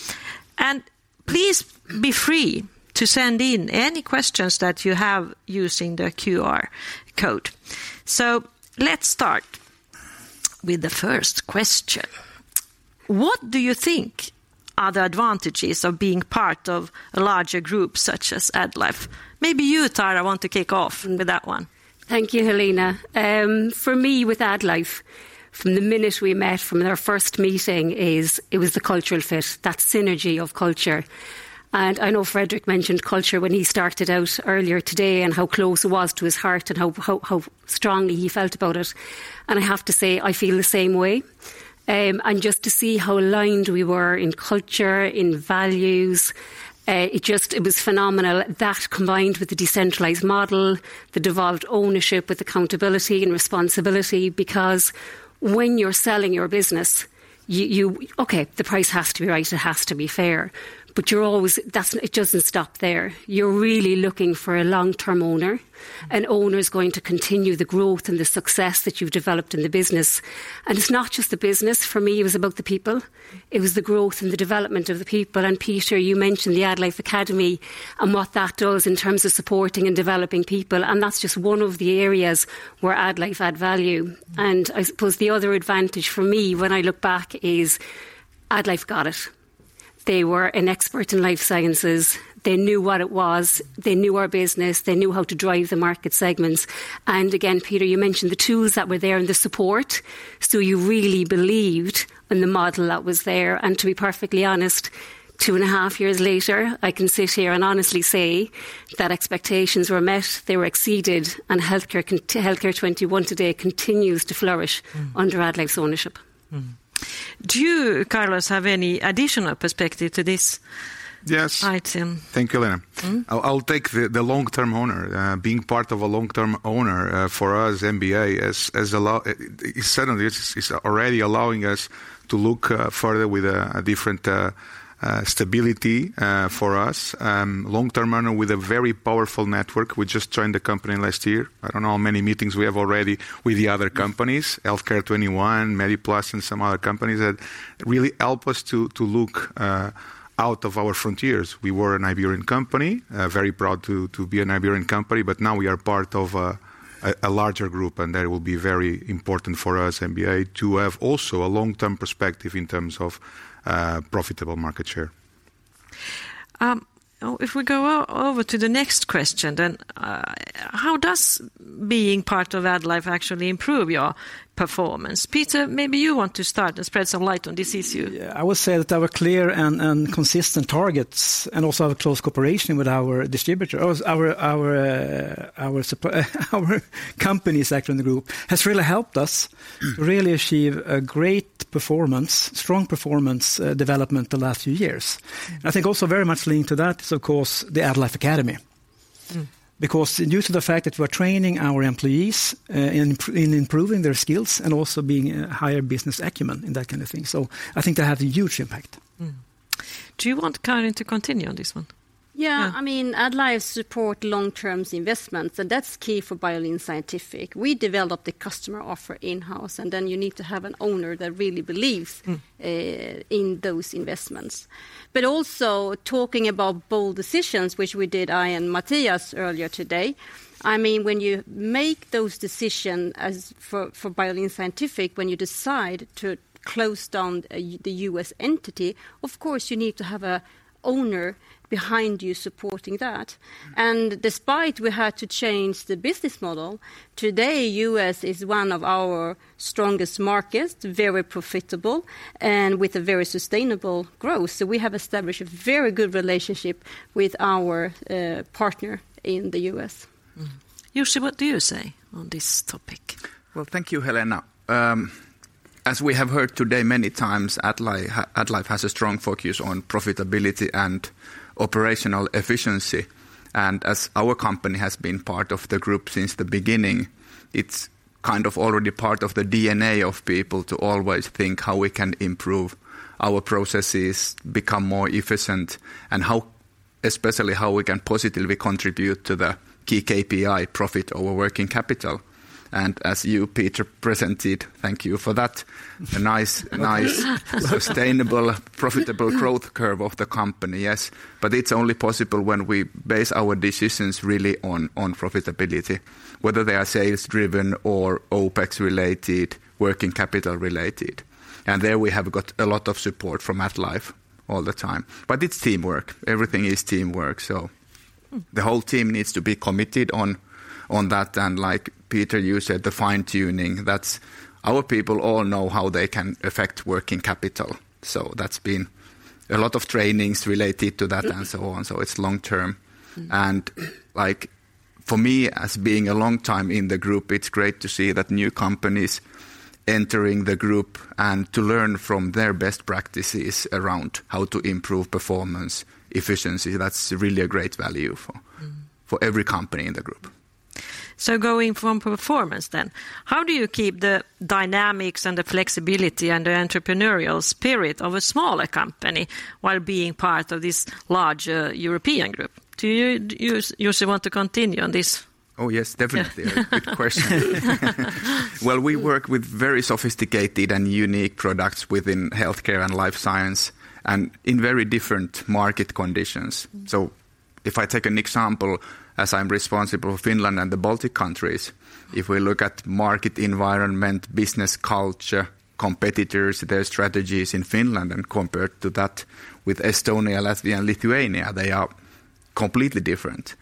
[SPEAKER 1] And please be free to send in any questions that you have using the QR code. So let's start with the first question. What do you think are the advantages of being part of a larger group such as AddLife? Maybe you, Tara, want to kick off with that one.
[SPEAKER 10] Thank you, Helena. For me, with AddLife, from the minute we met, from our first meeting, it was the cultural fit, that synergy of culture. And I know Fredrik mentioned culture when he started out earlier today, and how close it was to his heart and how strongly he felt about it. And I have to say, I feel the same way. And just to see how aligned we were in culture, in values, it just... It was phenomenal. That, combined with the decentralized model, the devolved ownership with accountability and responsibility, because when you're selling your business, you okay, the price has to be right, it has to be fair, but you're always... That's it. It doesn't stop there. You're really looking for a long-term owner. An owner who's going to continue the growth and the success that you've developed in the business. It's not just the business. For me, it was about the people. It was the growth and the development of the people. Peter, you mentioned the AddLife Academy and what that does in terms of supporting and developing people, and that's just one of the areas where AddLife add value. I suppose the other advantage for me when I look back is, AddLife got it. They were an expert in life sciences. They knew what it was, they knew our business, they knew how to drive the market segments. Again, Peter, you mentioned the tools that were there and the support, so you really believed in the model that was there. To be perfectly honest, two point five years later, I can sit here and honestly say that expectations were met, they were exceeded, and Healthcare21 today continues to flourish.
[SPEAKER 1] Mm.
[SPEAKER 10] under AddLife's ownership.
[SPEAKER 1] Mm. Do you, Carlos, have any additional perspective to this?
[SPEAKER 11] Yes.
[SPEAKER 1] Item.
[SPEAKER 11] Thank you, Helena.
[SPEAKER 1] Mm.
[SPEAKER 11] I'll take the long-term owner. Being part of a long-term owner, for us, MBA, it certainly is already allowing us to look further with a different stability for us. Long-term owner with a very powerful network. We just joined the company last year. I don't know how many meetings we have already with the other companies-
[SPEAKER 1] Mm.
[SPEAKER 11] Healthcare 21, MediPlus, and some other companies that really help us to look out of our frontiers. We were an Iberian company, very proud to be an Iberian company, but now we are part of a larger group, and that will be very important for us, MBA, to have also a long-term perspective in terms of profitable market share.
[SPEAKER 1] If we go over to the next question, then, how does being part of AddLife actually improve your performance? Peter, maybe you want to start and shed some light on this issue.
[SPEAKER 4] Yeah. I would say that our clear and consistent targets, and also our close cooperation with our distributors, our companies actually in the group, has really helped us-
[SPEAKER 1] Mm...
[SPEAKER 4] really achieve a great performance, strong performance, development the last few years.
[SPEAKER 1] Mm.
[SPEAKER 4] I think also very much leading to that is, of course, the AddLife Academy.
[SPEAKER 1] Mm.
[SPEAKER 4] Because due to the fact that we are training our employees, in improving their skills and also building a higher business acumen in that kind of thing, so I think that had a huge impact.
[SPEAKER 1] Mm. Do you want Karin to continue on this one?
[SPEAKER 6] Yeah.
[SPEAKER 1] Yeah.
[SPEAKER 6] I mean, AddLife support long-term investments, and that's key for Biolin Scientific. We develop the customer offer in-house, and then you need to have an owner that really believes-
[SPEAKER 1] Mm...
[SPEAKER 6] in those investments. But also, talking about bold decisions, which we did, I and Matthias earlier today, I mean, when you make those decisions, as for Biolin Scientific, when you decide to close down the U.S. entity, of course, you need to have an owner behind you supporting that.
[SPEAKER 1] Mm.
[SPEAKER 6] Despite we had to change the business model, today, U.S. is one of our strongest markets, very profitable, and with a very sustainable growth. We have established a very good relationship with our partner in the U.S.
[SPEAKER 1] Jussi, what do you say on this topic?
[SPEAKER 12] Well, thank you, Helena. As we have heard today many times, AddLife has a strong focus on profitability and operational efficiency. As our company has been part of the group since the beginning, it's kind of already part of the DNA of people to always think how we can improve our processes, become more efficient, and how... especially how we can positively contribute to the key KPI profit over working capital. As you, Peter, presented, thank you for that. A nice, nice, sustainable, profitable growth curve of the company. Yes, but it's only possible when we base our decisions really on, on profitability, whether they are sales-driven or OpEx-related, working capital-related. There we have got a lot of support from AddLife all the time. It's teamwork. Everything is teamwork, so the whole team needs to be committed on, on that. Like, Peter, you said, the fine-tuning, that's... Our people all know how they can affect working capital. So that's been a lot of trainings related to that and so on. So it's long-term.
[SPEAKER 1] Mm.
[SPEAKER 12] Like, for me, as being a long time in the group, it's great to see that new companies entering the group and to learn from their best practices around how to improve performance, efficiency. That's really a great value for-
[SPEAKER 1] Mm...
[SPEAKER 12] for every company in the group.
[SPEAKER 1] So going from performance then, how do you keep the dynamics and the flexibility and the entrepreneurial spirit of a smaller company while being part of this larger European group? Do you, Jussi, want to continue on this?
[SPEAKER 12] Oh, yes, definitely. Good question. Well, we work with very sophisticated and unique products within healthcare and life science, and in very different market conditions.
[SPEAKER 1] Mm.
[SPEAKER 12] If I take an example, as I'm responsible for Finland and the Baltic countries, if we look at market environment, business culture, competitors, their strategies in Finland, and compared to that with Estonia, Latvia, and Lithuania, they are completely different.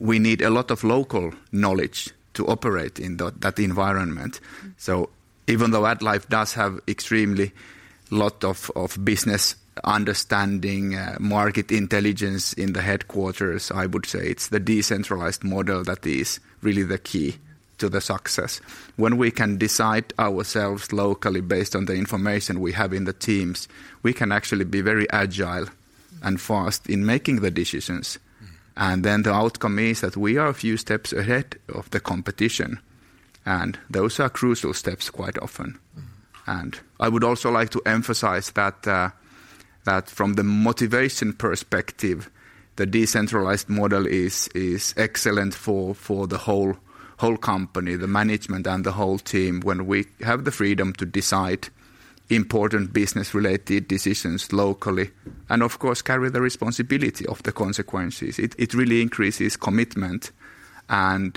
[SPEAKER 12] We need a lot of local knowledge to operate in that environment.
[SPEAKER 1] Mm.
[SPEAKER 12] So even though AddLife does have extremely lot of, of business understanding, market intelligence in the headquarters, I would say it's the decentralized model that is really the key to the success. When we can decide ourselves locally based on the information we have in the teams, we can actually be very agile and fast in making the decisions.
[SPEAKER 1] Mm.
[SPEAKER 12] The outcome is that we are a few steps ahead of the competition, and those are crucial steps quite often.
[SPEAKER 1] Mm.
[SPEAKER 12] I would also like to emphasize that from the motivation perspective, the decentralized model is excellent for the whole company, the management and the whole team, when we have the freedom to decide important business-related decisions locally, and of course, carry the responsibility of the consequences. It really increases commitment. And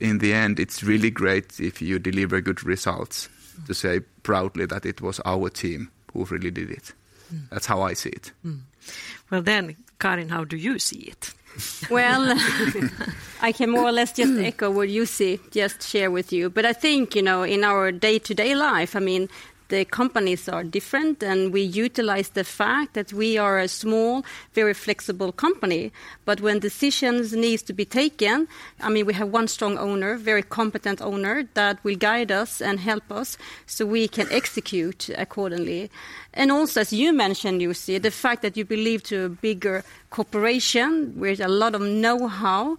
[SPEAKER 12] in the end, it's really great if you deliver good results, to say proudly that it was our team who really did it.
[SPEAKER 1] Mm.
[SPEAKER 12] That's how I see it.
[SPEAKER 1] Well, then, Karin, how do you see it?
[SPEAKER 6] Well, I can more or less just echo what Jussi just shared with you. But I think, you know, in our day-to-day life, I mean, the companies are different, and we utilize the fact that we are a small, very flexible company. But when decisions needs to be taken, I mean, we have one strong owner, very competent owner, that will guide us and help us so we can execute accordingly. And also, as you mentioned, Jussi, the fact that you believe to a bigger cooperation with a lot of know-how,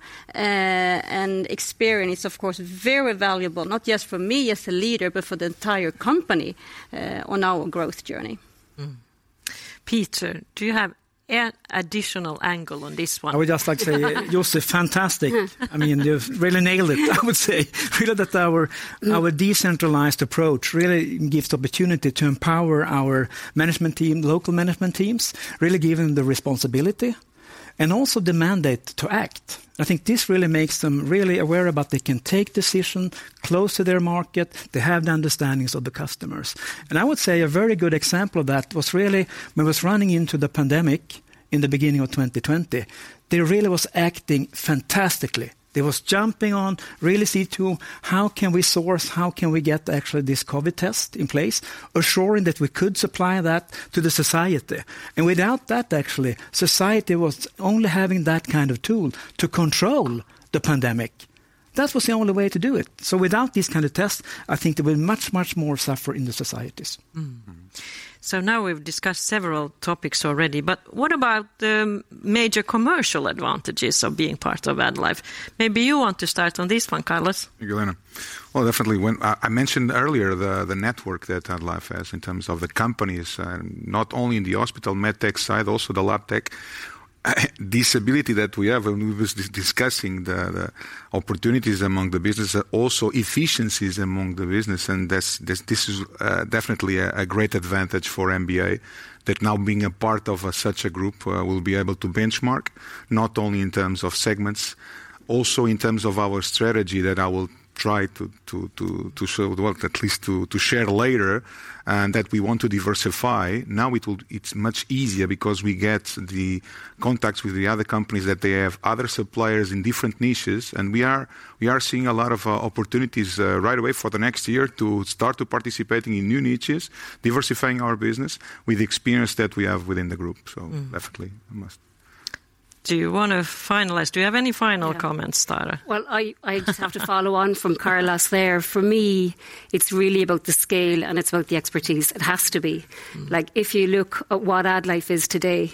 [SPEAKER 6] and experience, of course, very valuable, not just for me as a leader, but for the entire company, on our growth journey.
[SPEAKER 1] Mm. Peter, do you have an additional angle on this one?
[SPEAKER 4] I would just like to say, Jussi, fantastic. I mean, you've really nailed it, I would say. Really that our, our decentralized approach really gives the opportunity to empower our management team, local management teams, really give them the responsibility and also the mandate to act. I think this really makes them really aware about they can take decision close to their market, they have the understandings of the customers. And I would say a very good example of that was really when was running into the pandemic in the beginning of 2020, they really was acting fantastically. They was jumping on, really see to: How can we source? How can we get actually this COVID test in place? Assuring that we could supply that to the society. And without that, actually, society was only having that kind of tool to control the pandemic. That was the only way to do it. So without these kind of tests, I think there were much, much more suffering in the societies.
[SPEAKER 1] Mm.
[SPEAKER 12] Mm.
[SPEAKER 1] Now we've discussed several topics already, but what about the major commercial advantages of being part of AddLife? Maybe you want to start on this one, Carlos.
[SPEAKER 11] Thank you, Helena. Well, definitely when I mentioned earlier the network that AddLife has in terms of the companies, not only in the hospital MedTech side, also the LabTech. This ability that we have, and we was discussing the opportunities among the business, are also efficiencies among the business, and this is definitely a great advantage for MBA, that now being a part of such a group, will be able to benchmark, not only in terms of segments, also in terms of our strategy that I will try to show the world, at least to share later, and that we want to diversify. Now, it's much easier because we get the contacts with the other companies that they have other suppliers in different niches, and we are seeing a lot of opportunities right away for the next year to start to participating in new niches, diversifying our business with the experience that we have within the group. So-
[SPEAKER 1] Mm...
[SPEAKER 11] definitely, almost....
[SPEAKER 1] Do you want to finalize? Do you have any final comments, Tara?
[SPEAKER 10] Well, I just have to follow on from Carlos there. For me, it's really about the scale, and it's about the expertise. It has to be.
[SPEAKER 1] Mm.
[SPEAKER 10] Like, if you look at what AddLife is today,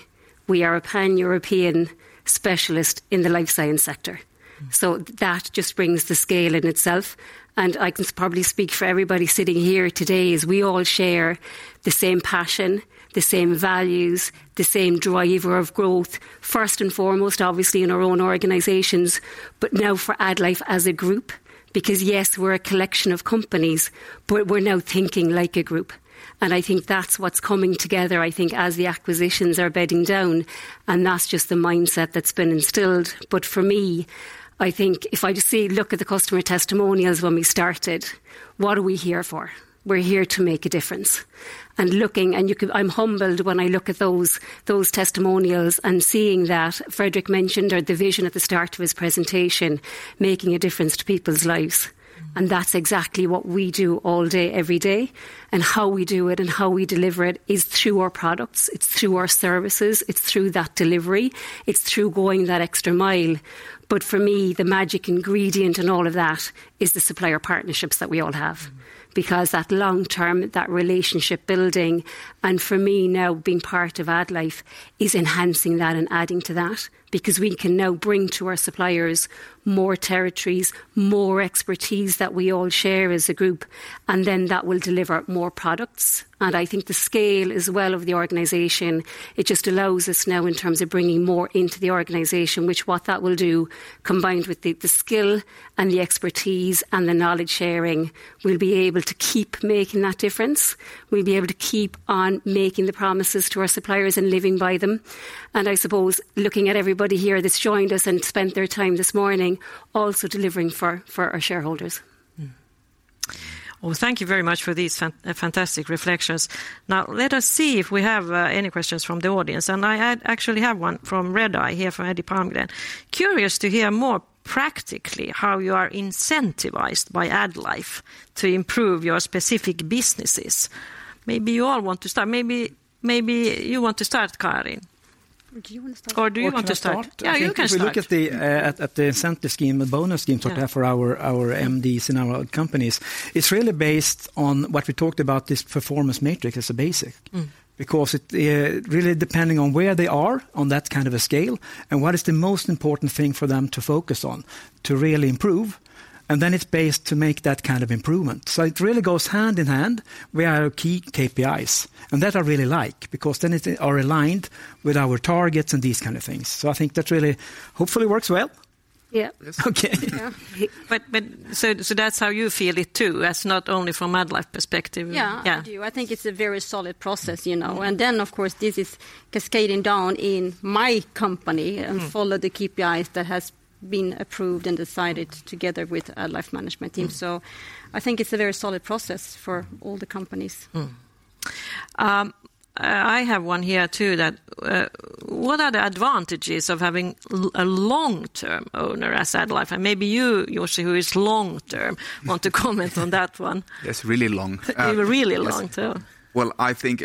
[SPEAKER 10] we are a pan-European specialist in the life science sector.
[SPEAKER 1] Mm.
[SPEAKER 10] So that just brings the scale in itself, and I can probably speak for everybody sitting here today, is we all share the same passion, the same values, the same driver of growth, first and foremost, obviously, in our own organizations, but now for AddLife as a group. Because, yes, we're a collection of companies, but we're now thinking like a group, and I think that's what's coming together, I think, as the acquisitions are bedding down, and that's just the mindset that's been instilled. But for me, I think if I just say, look at the customer testimonials when we started, what are we here for? We're here to make a difference. And looking... And you can-- I'm humbled when I look at those, those testimonials and seeing that. Fredrik mentioned our division at the start of his presentation, making a difference to people's lives.
[SPEAKER 1] Mm.
[SPEAKER 10] That's exactly what we do all day, every day. How we do it and how we deliver it is through our products, it's through our services, it's through that delivery, it's through going that extra mile. But for me, the magic ingredient in all of that is the supplier partnerships that we all have. Because that long term, that relationship building, and for me, now, being part of AddLife, is enhancing that and adding to that. Because we can now bring to our suppliers more territories, more expertise that we all share as a group, and then that will deliver more products. I think the scale, as well, of the organization, it just allows us now, in terms of bringing more into the organization, which what that will do, combined with the, the skill and the expertise and the knowledge sharing, we'll be able to keep making that difference. We'll be able to keep on making the promises to our suppliers and living by them. I suppose looking at everybody here that's joined us and spent their time this morning, also delivering for, for our shareholders.
[SPEAKER 1] Well, thank you very much for these fantastic reflections. Now, let us see if we have any questions from the audience, and I actually have one from Redeye, here from Eddie Palmgren: "Curious to hear more practically how you are incentivized by AddLife to improve your specific businesses." Maybe you all want to start. Maybe you want to start, Karin? Do you want to start? Or do you want to start?
[SPEAKER 11] Oh, do you want to start?
[SPEAKER 1] Yeah, you can start.
[SPEAKER 11] If we look at the incentive scheme, the bonus scheme-
[SPEAKER 1] Yeah...
[SPEAKER 11] that we have for our MDs in our companies, it's really based on what we talked about, this performance metric as a basic.
[SPEAKER 1] Mm.
[SPEAKER 11] Because it, really depending on where they are on that kind of a scale, and what is the most important thing for them to focus on to really improve, and then it's based to make that kind of improvement. So it really goes hand in hand with our key KPIs, and that I really like, because then it are aligned with our targets and these kind of things. So I think that really hopefully works well. Yeah.
[SPEAKER 1] Okay. But so that's how you feel it, too? That's not only from AddLife perspective?
[SPEAKER 11] Yeah-
[SPEAKER 1] Yeah...
[SPEAKER 11] I do. I think it's a very solid process, you know. And then, of course, this is cascading down in my company-
[SPEAKER 1] Mm...
[SPEAKER 11] and follow the KPIs that has been approved and decided together with AddLife management team.
[SPEAKER 1] Mm.
[SPEAKER 11] I think it's a very solid process for all the companies.
[SPEAKER 1] I have one here, too, that: "What are the advantages of having a long-term owner as AddLife?" And maybe you, Jussi, who is long-term, want to comment on that one.
[SPEAKER 12] Yes, really long.
[SPEAKER 1] A really long term.
[SPEAKER 12] Well, I think,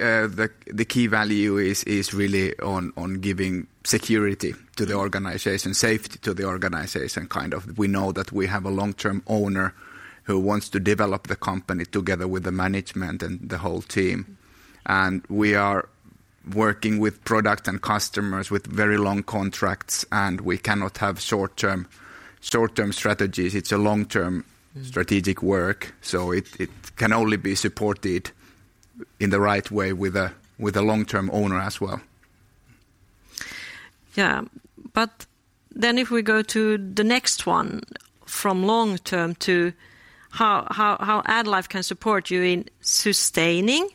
[SPEAKER 12] the key value is really on giving security to the organization, safety to the organization, kind of. We know that we have a long-term owner who wants to develop the company together with the management and the whole team. And we are working with product and customers with very long contracts, and we cannot have short-term strategies. It's a long-term-
[SPEAKER 1] Mm...
[SPEAKER 12] strategic work, so it can only be supported in the right way with a long-term owner as well.
[SPEAKER 1] Yeah. But then if we go to the next one, from long term to how AddLife can support you in sustaining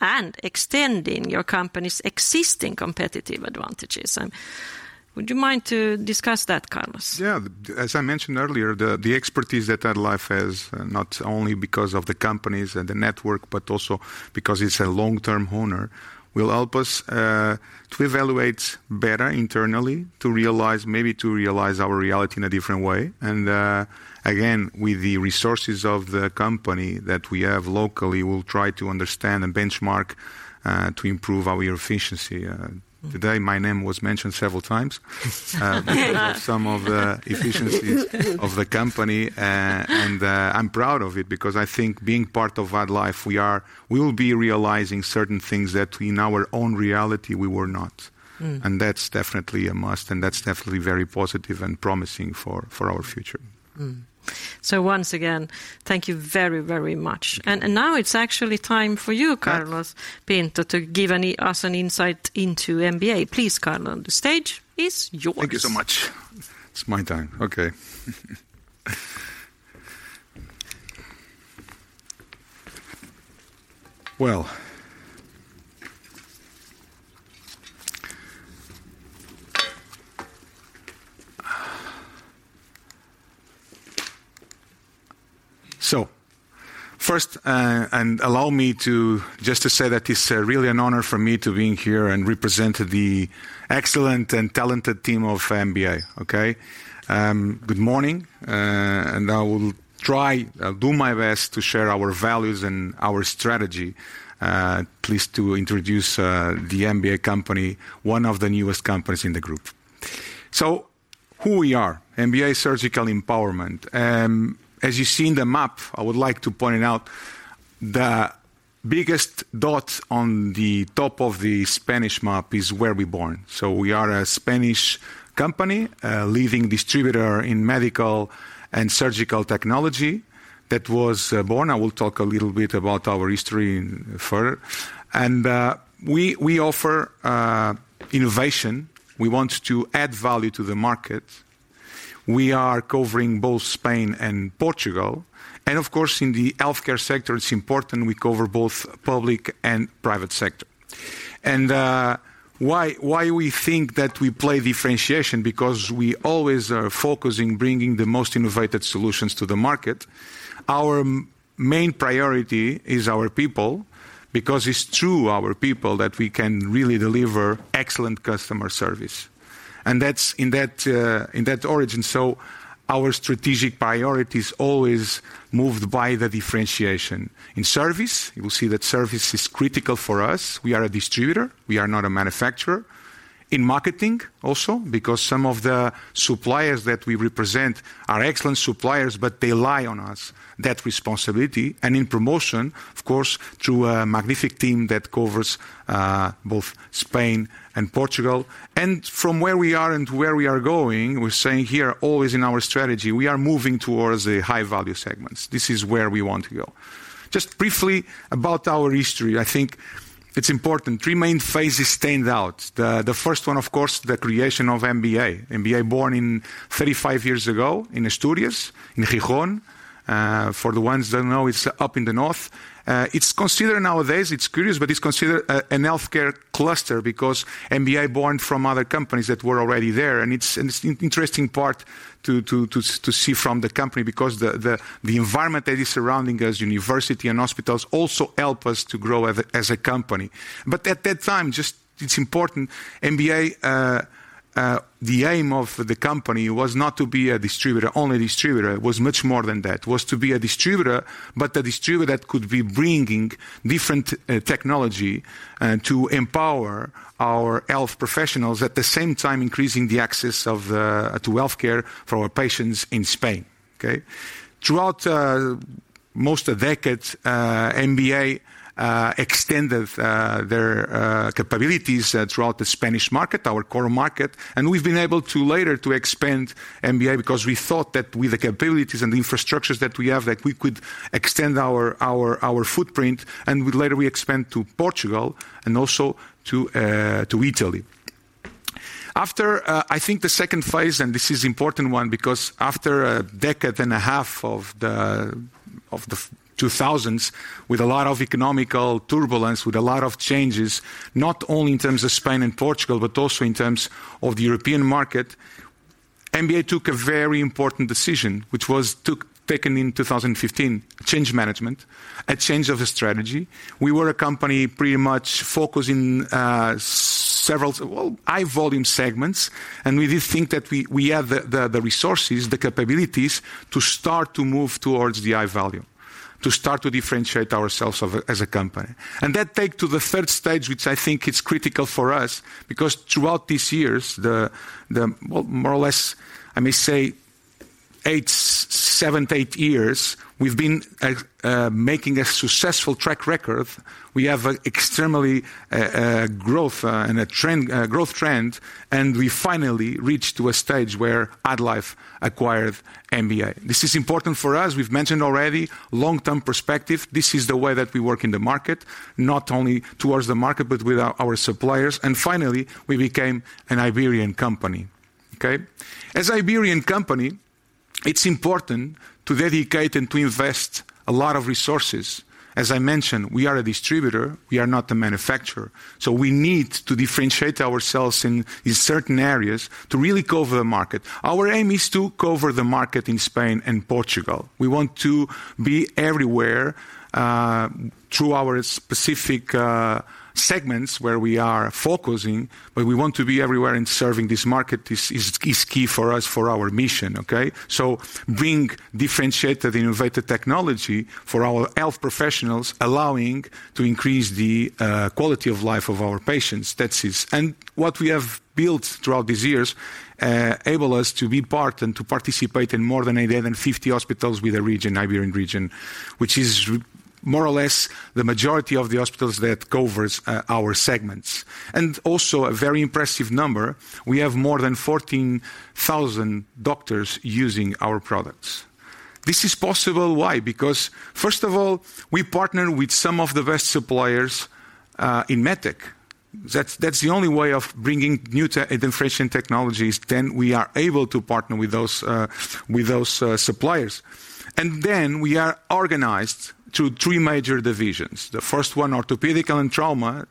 [SPEAKER 1] and extending your company's existing competitive advantages, and would you mind to discuss that, Carlos?
[SPEAKER 11] Yeah. As I mentioned earlier, the expertise that AddLife has, not only because of the companies and the network, but also because it's a long-term owner, will help us to evaluate better internally, to realize - maybe to realize our reality in a different way. And, again, with the resources of the company that we have locally, we'll try to understand and benchmark to improve our efficiency. Today, my name was mentioned several times - because of some of the efficiencies of the company. And, I'm proud of it, because I think being part of AddLife, we are - we will be realizing certain things that in our own reality we were not.
[SPEAKER 1] Mm.
[SPEAKER 11] That's definitely a must, and that's definitely very positive and promising for our future.
[SPEAKER 1] Once again, thank you very, very much. And now it's actually time for you, Carlos Pinto-
[SPEAKER 11] Yeah
[SPEAKER 1] to give us an insight into MBA. Please, Carlos, the stage is yours.
[SPEAKER 11] Thank you so much. It's my time. Okay. Well... So first, and allow me to just to say that it's really an honor for me to be in here and represent the excellent and talented team of MBA, okay? Good morning, and I will try, I'll do my best to share our values and our strategy, at least to introduce the MBA company, one of the newest companies in the group.... So who we are? MBA Surgical Empowerment. As you see in the map, I would like to point out the biggest dot on the top of the Spanish map is where we're born. So we are a Spanish company, a leading distributor in medical and surgical technology that was born. I will talk a little bit about our history further. We offer innovation. We want to add value to the market. We are covering both Spain and Portugal, and of course, in the healthcare sector, it's important we cover both public and private sector. Why we think that we play differentiation? Because we always are focusing, bringing the most innovative solutions to the market. Our main priority is our people, because it's through our people that we can really deliver excellent customer service. That's in that, in that origin. Our strategic priority is always moved by the differentiation. In service, you will see that service is critical for us. We are a distributor, we are not a manufacturer. In marketing, also, because some of the suppliers that we represent are excellent suppliers, but they rely on us, that responsibility, and in promotion, of course, through a magnificent team that covers both Spain and Portugal. From where we are and where we are going, we're saying here, always in our strategy, we are moving towards the high value segments. This is where we want to go. Just briefly about our history, I think it's important. Three main phases stand out. The first one, of course, the creation of MBA. MBA, born 35 years ago in Asturias, in Gijón. For the ones that don't know, it's up in the north. It's considered nowadays, it's curious, but it's considered an healthcare cluster because MBA born from other companies that were already there. And it's an interesting part to see from the company because the environment that is surrounding us, university and hospitals, also help us to grow as a company. But at that time, just it's important, MBA, the aim of the company was not to be a distributor, only distributor, it was much more than that. It was to be a distributor, but a distributor that could be bringing different technology to empower our health professionals, at the same time, increasing the access of to healthcare for our patients in Spain. Okay? Throughout most of the decades, MBA extended their capabilities throughout the Spanish market, our core market, and we've been able to later to expand MBA because we thought that with the capabilities and the infrastructures that we have, that we could extend our footprint, and we later expanded to Portugal and also to Italy. After I think the second phase, and this is important one, because after a decade and a half of the 2000s, with a lot of economic turbulence, with a lot of changes, not only in terms of Spain and Portugal, but also in terms of the European market, MBA took a very important decision, which was taken in 2015, change management, a change of the strategy. We were a company pretty much focused in several, well, high volume segments, and we did think that we had the resources, the capabilities to start to move towards the high value, to start to differentiate ourselves as a company. And that take to the third stage, which I think is critical for us, because throughout these years, the more or less, I may say, seven to eight years, we've been making a successful track record. We have extremely growth and a trend growth trend, and we finally reached to a stage where AddLife acquired MBA. This is important for us. We've mentioned already long-term perspective. This is the way that we work in the market, not only towards the market, but with our suppliers. And finally, we became an Iberian company. Okay? As an Iberian company, it's important to dedicate and to invest a lot of resources. As I mentioned, we are a distributor, we are not a manufacturer, so we need to differentiate ourselves in certain areas to really cover the market. Our aim is to cover the market in Spain and Portugal. We want to be everywhere through our specific segments where we are focusing, but we want to be everywhere in serving this market. This is key for us, for our mission, okay? So bringing differentiated, innovative technology for our health professionals, allowing to increase the quality of life of our patients. That is... What we have built throughout these years able us to be part and to participate in more than 85 hospitals in the region, Iberian region, which is more or less the majority of the hospitals that covers our segments. Also a very impressive number, we have more than 14,000 doctors using our products. This is possible, why? Because first of all, we partner with some of the best suppliers in MedTech. That's the only way of bringing new innovation technologies. Then we are able to partner with those suppliers. Then we are organized into three major divisions. The first one, Orthopedic and Trauma,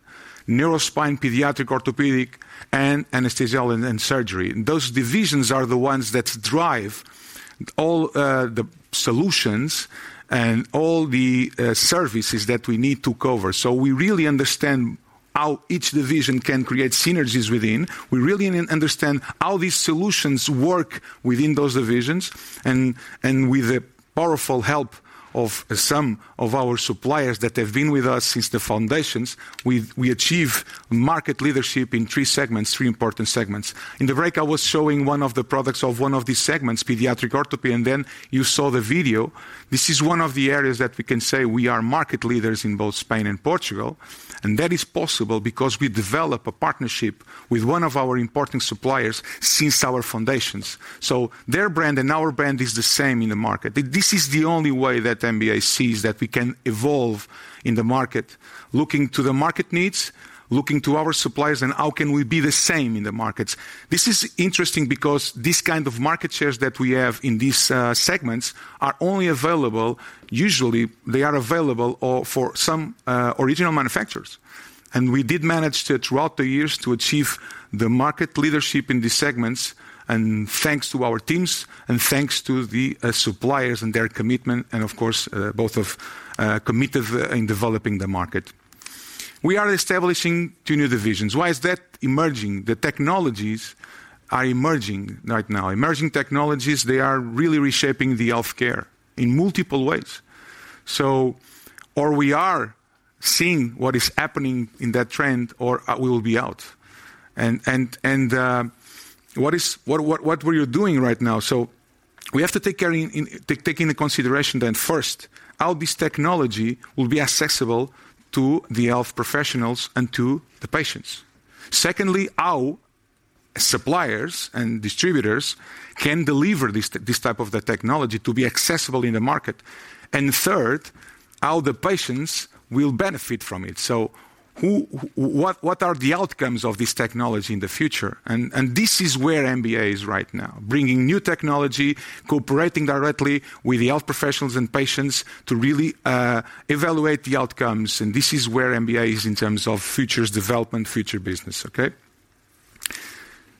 [SPEAKER 11] Neurospine, Pediatric Orthopedic, and Anesthesia and Surgery. Those divisions are the ones that drive all the solutions and all the services that we need to cover. So we really understand how each division can create synergies within. We really understand how these solutions work within those divisions, and with the powerful help of some of our suppliers that have been with us since the foundations, we achieve market leadership in three segments, three important segments. In the break, I was showing one of the products of one of these segments, pediatric orthopedics, and then you saw the video. This is one of the areas that we can say we are market leaders in both Spain and Portugal, and that is possible because we develop a partnership with one of our important suppliers since our foundations. So their brand and our brand is the same in the market. This is the only way that MBA sees that we can evolve in the market, looking to the market needs, looking to our suppliers, and how can we be the same in the markets? This is interesting because these kind of market shares that we have in these segments are only available—usually, they are available or for some original manufacturers. And we did manage to, throughout the years, to achieve the market leadership in these segments, and thanks to our teams and thanks to the suppliers and their commitment, and of course, both of committed in developing the market. We are establishing two new divisions. Why is that emerging? The technologies are emerging right now. Emerging technologies, they are really reshaping the healthcare in multiple ways. So or we are seeing what is happening in that trend, or we will be out. What were you doing right now? So we have to take care in taking into consideration first, how this technology will be accessible to the health professionals and to the patients. Secondly, how suppliers and distributors can deliver this type of the technology to be accessible in the market. And third, how the patients will benefit from it. So, what are the outcomes of this technology in the future? And this is where MBA is right now, bringing new technology, cooperating directly with the health professionals and patients to really evaluate the outcomes. And this is where MBA is in terms of futures development, future business, okay?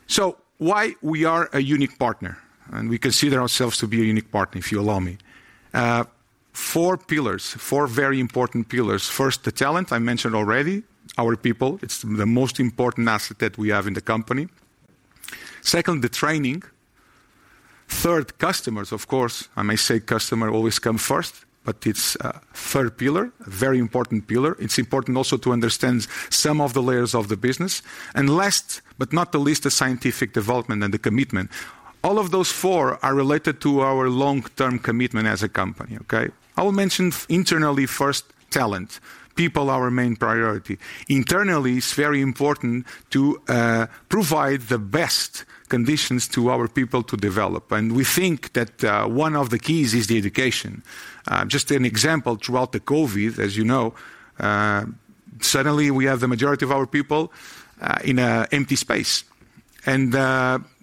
[SPEAKER 11] So why we are a unique partner? And we consider ourselves to be a unique partner, if you allow me. Four pillars, four very important pillars. First, the talent. I mentioned already, our people, it's the most important asset that we have in the company. Second, the training. Third, customers, of course, I may say customer always come first, but it's third pillar, a very important pillar. It's important also to understand some of the layers of the business. And last, but not the least, the scientific development and the commitment. All of those four are related to our long-term commitment as a company, okay? I will mention internally first, talent. People are our main priority. Internally, it's very important to provide the best conditions to our people to develop, and we think that one of the keys is the education. Just an example, throughout the COVID, as you know, suddenly we have the majority of our people in a empty space.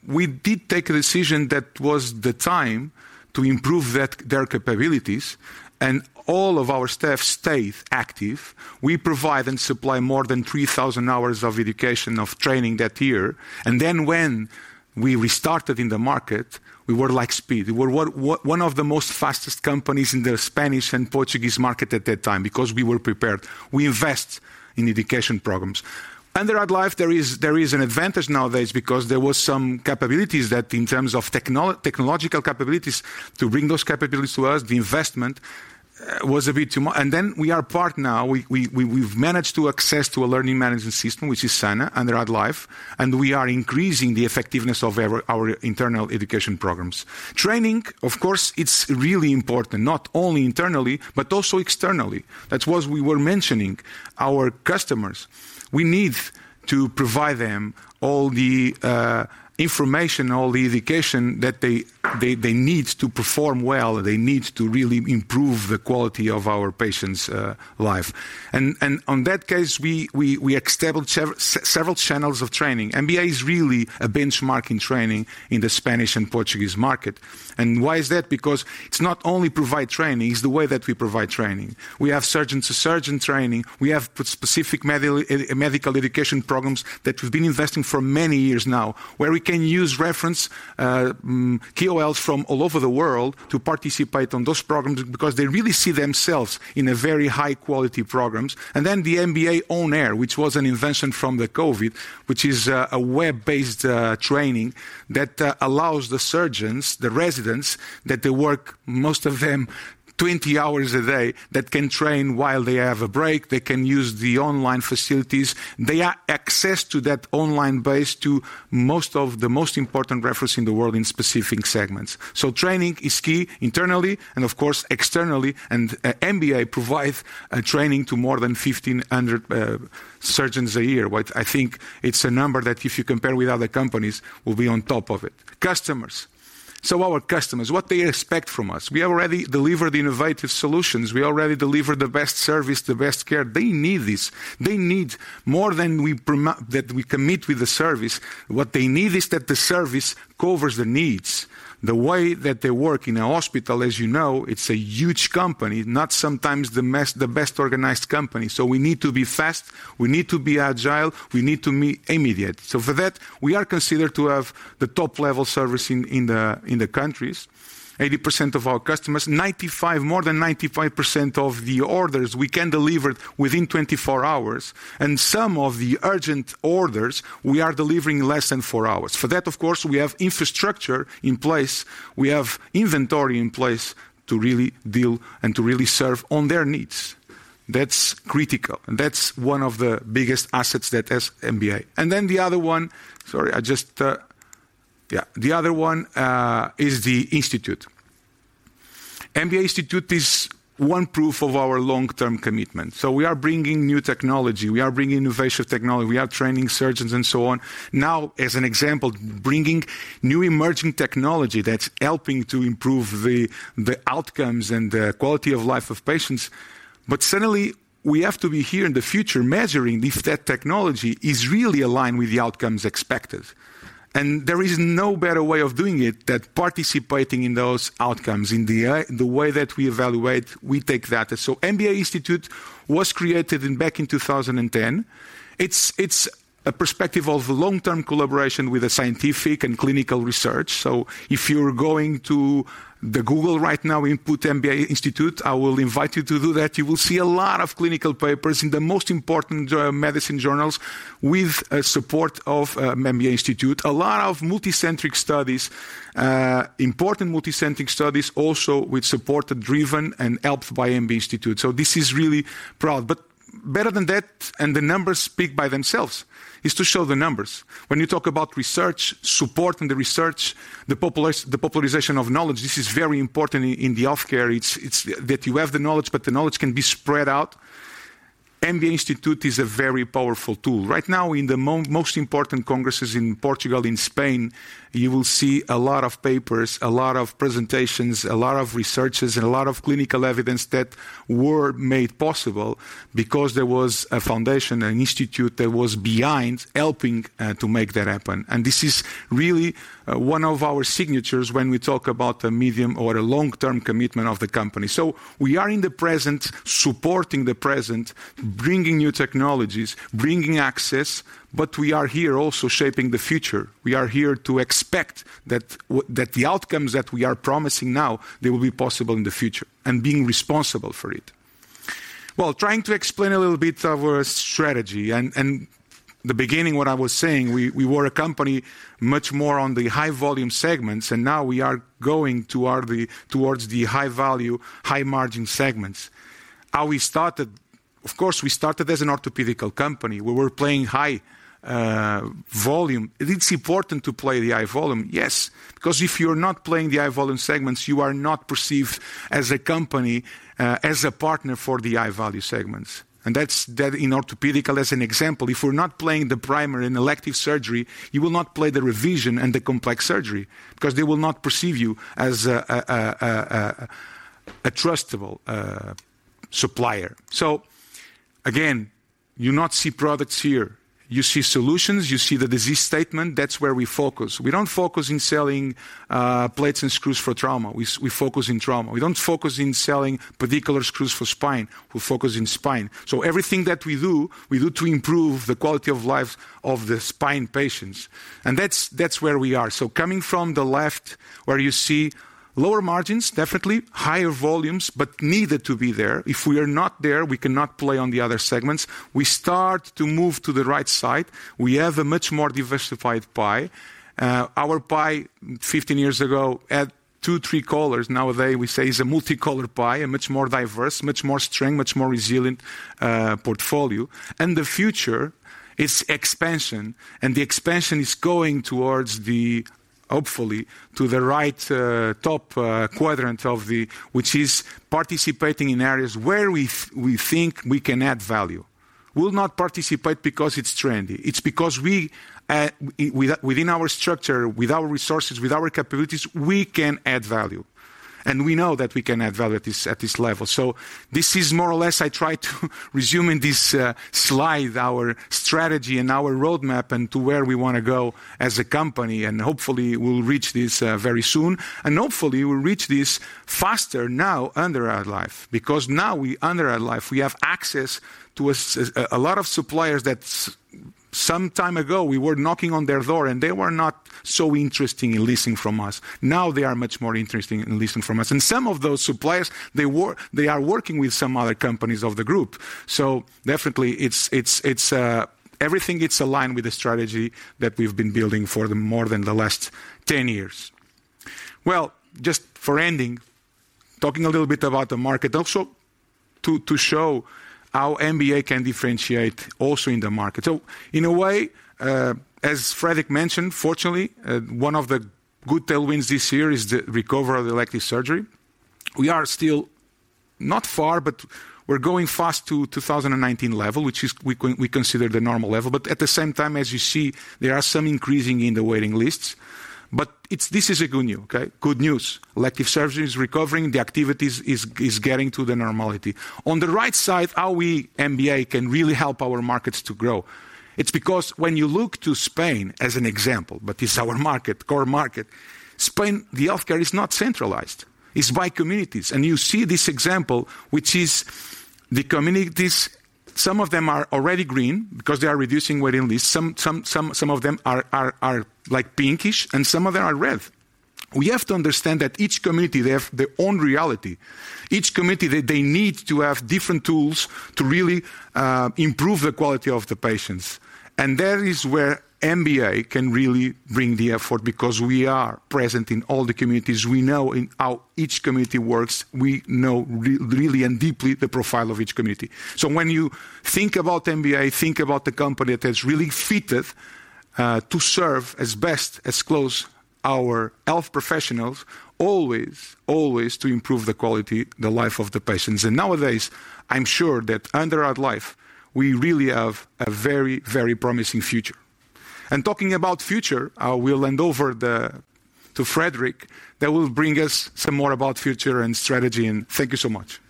[SPEAKER 11] We did take a decision that was the time to improve that their capabilities, and all of our staff stayed active. We provide and supply more than 3,000 hours of education, of training that year. Then when we restarted in the market, we were like speed. We were one of the most fastest companies in the Spanish and Portuguese market at that time because we were prepared. We invest in education programs. Under AddLife, there is an advantage nowadays because there was some capabilities that in terms of technological capabilities, to bring those capabilities to us, the investment was a bit too much. Then we are part now, we, we've managed to access to a learning management system, which is Sana, under AddLife, and we are increasing the effectiveness of our internal education programs. Training, of course, it's really important, not only internally, but also externally. That's what we were mentioning, our customers. We need to provide them all the information, all the education that they need to perform well, they need to really improve the quality of our patients' life. And on that case, we established several channels of training. MBA is really a benchmark in training in the Spanish and Portuguese market. And why is that? Because it's not only provide training, it's the way that we provide training. We have surgeon-to-surgeon training, we have specific medical education programs that we've been investing for many years now, where we can use reference KOLs from all over the world to participate on those programs because they really see themselves in a very high-quality programs. Then the MBA On Air, which was an invention from the COVID, which is a web-based training that allows the surgeons, the residents, that they work, most of them, 20 hours a day, that can train while they have a break, they can use the online facilities. They are access to that online base to most of the most important references in the world in specific segments. So training is key internally, and of course, externally, and MBA provide a training to more than 1,500 surgeons a year. I think it's a number that if you compare with other companies, will be on top of it. Customers. So our customers, what they expect from us? We already delivered innovative solutions. We already delivered the best service, the best care. They need this. They need more than that we commit with the service. What they need is that the service covers the needs. The way that they work in a hospital, as you know, it's a huge company, not sometimes the best organized company. So we need to be fast, we need to be agile, we need to be immediate. So for that, we are considered to have the top-level service in the countries. 80% of our customers, more than 95% of the orders, we can deliver within 24 hours, and some of the urgent orders, we are delivering in less than four hours. For that, of course, we have infrastructure in place, we have inventory in place to really deal and to really serve on their needs. That's critical, and that's one of the biggest assets that has MBA. And then the other one... Sorry, I just, Yeah. The other one, is the institute. MBA Institute is one proof of our long-term commitment. So we are bringing new technology, we are bringing innovative technology, we are training surgeons, and so on. Now, as an example, bringing new emerging technology that's helping to improve the, the outcomes and the quality of life of patients, but suddenly we have to be here in the future, measuring if that technology is really aligned with the outcomes expected. And there is no better way of doing it than participating in those outcomes. In the, in the way that we evaluate, we take that. So MBA Institute was created in-- back in 2010. It's, it's a perspective of long-term collaboration with the scientific and clinical research. So if you're going to the Google right now, input MBA Institute, I will invite you to do that. You will see a lot of clinical papers in the most important, medicine journals with the support of, MBA Institute. A lot of multicentric studies, important multicentric studies, also with support driven and helped by MBA Institute. So this is really proud. But better than that, and the numbers speak by themselves, is to show the numbers. When you talk about research, supporting the research, the popularization of knowledge, this is very important in the healthcare. It's, it's that you have the knowledge, but the knowledge can be spread out. MBA Institute is a very powerful tool. Right now, in the most important congresses in Portugal, in Spain, you will see a lot of papers, a lot of presentations, a lot of researches, and a lot of clinical evidence that were made possible because there was a foundation, an institute that was behind, helping, to make that happen. And this is really one of our signatures when we talk about the medium or the long-term commitment of the company. So we are in the present, supporting the present, bringing new technologies, bringing access, but we are here also shaping the future. We are here to expect that the outcomes that we are promising now, they will be possible in the future, and being responsible for it. Well, trying to explain a little bit of our strategy, and the beginning, what I was saying, we were a company much more on the high-volume segments, and now we are going toward the high-value, high-margin segments. How we started? Of course, we started as an orthopedic company. We were playing high volume. It is important to play the high volume, yes, because if you're not playing the high-volume segments, you are not perceived as a company, as a partner for the high-value segments. And that's in orthopedic, as an example, if we're not playing the primary and elective surgery, you will not play the revision and the complex surgery because they will not perceive you as a trustable supplier. So again, you not see products here, you see solutions, you see the disease statement. That's where we focus. We don't focus in selling, plates and screws for trauma. We focus in trauma. We don't focus in selling particular screws for spine. We focus in spine. So everything that we do, we do to improve the quality of life of the spine patients, and that's, that's where we are. So coming from the left, where you see lower margins, definitely higher volumes, but needed to be there. If we are not there, we cannot play on the other segments. We start to move to the right side. We have a much more diversified pie. Our pie 15 years ago, had two, three colors. Nowadays, we say it's a multicolored pie, a much more diverse, much more strong, much more resilient, portfolio. And the future is expansion, and the expansion is going towards the... Hopefully, to the right, top quadrant, which is participating in areas where we think we can add value. We'll not participate because it's trendy. It's because we, within our structure, with our resources, with our capabilities, we can add value, and we know that we can add value at this, at this level. So this is more or less, I try to resume in this slide, our strategy and our roadmap, and to where we wanna go as a company, and hopefully, we'll reach this very soon. And hopefully, we'll reach this faster now under AddLife, because now we, under AddLife, we have access to a lot of suppliers that some time ago, we were knocking on their door, and they were not so interested in leasing from us. Now they are much more interested in leasing from us, and some of those suppliers, they are working with some other companies of the group. So definitely, it's everything, it's aligned with the strategy that we've been building for more than the last 10 years. Well, just for ending, talking a little bit about the market, also to show how MBA can differentiate also in the market. So in a way, as Fredrik mentioned, fortunately, one of the good tailwinds this year is the recovery of the elective surgery. We are still not far, but we're going fast to 2019 level, which we consider the normal level. But at the same time, as you see, there are some increasing in the waiting lists, but it's... this is good news, okay, good news. Elective surgery is recovering, the activities is getting to the normality. On the right side, how we, MBA, can really help our markets to grow. It's because when you look to Spain as an example, but it's our market, core market, Spain, the healthcare is not centralized. It's by communities. And you see this example, which is the communities, some of them are already green because they are reducing waiting lists. Some of them are like pinkish, and some of them are red. We have to understand that each community, they have their own reality. Each community, they need to have different tools to really improve the quality of the patients. And that is where MBA can really bring the effort, because we are present in all the communities. We know how each community works. We know really and deeply the profile of each community. So when you think about MBA, think about the company that is really fitted to serve as best, as close our health professionals, always, always to improve the quality, the life of the patients. And nowadays, I'm sure that under AddLife, we really have a very, very promising future. And talking about future, I will hand over to Fredrik, that will bring us some more about future and strategy and thank you so much.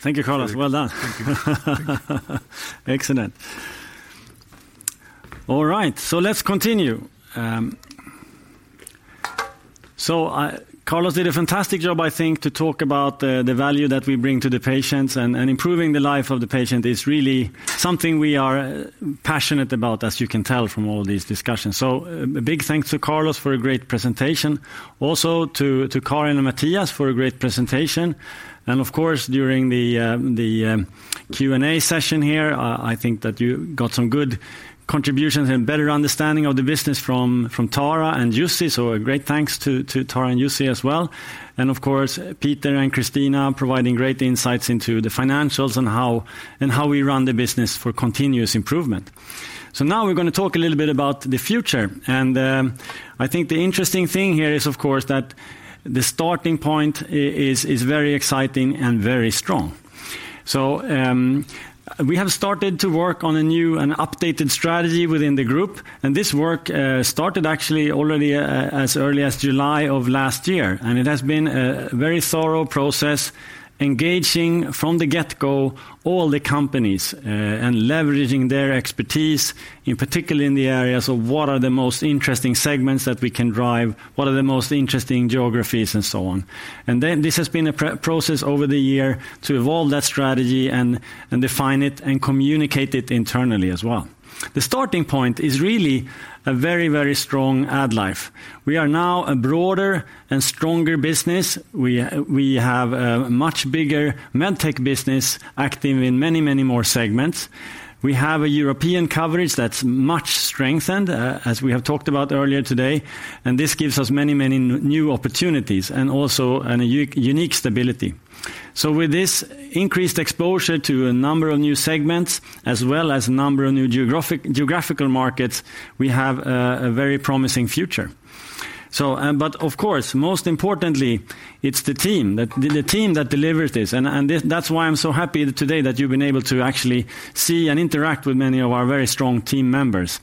[SPEAKER 2] Thank you, Carlos. Well done.
[SPEAKER 11] Thank you.
[SPEAKER 2] Excellent. All right, so let's continue. So, Carlos did a fantastic job, I think, to talk about the value that we bring to the patients, and improving the life of the patient is really something we are passionate about, as you can tell from all these discussions. So a big thanks to Carlos for a great presentation. Also to Karin and Mattias for a great presentation. And of course, during the Q&A session here, I think that you got some good contributions and better understanding of the business from Tara and Jussi. So a great thanks to Tara and Jussi as well. And of course, Peter and Christina providing great insights into the financials and how we run the business for continuous improvement. So now we're gonna talk a little bit about the future, and I think the interesting thing here is, of course, that the starting point is very exciting and very strong. So, we have started to work on a new and updated strategy within the group, and this work started actually already, as early as July of last year. And it has been a very thorough process, engaging from the get-go all the companies, and leveraging their expertise, in particular in the areas of what are the most interesting segments that we can drive, what are the most interesting geographies, and so on. And then, this has been a process over the year to evolve that strategy and, and define it, and communicate it internally as well. The starting point is really a very, very strong AddLife. We are now a broader and stronger business. We, we have a much bigger MedTech business active in many, many more segments. We have a European coverage that's much strengthened, as we have talked about earlier today, and this gives us many, many new opportunities and also a unique stability. So with this increased exposure to a number of new segments, as well as a number of new geographical markets, we have a very promising future. So, but of course, most importantly, it's the team, the team that delivers this, and that's why I'm so happy today that you've been able to actually see and interact with many of our very strong team members.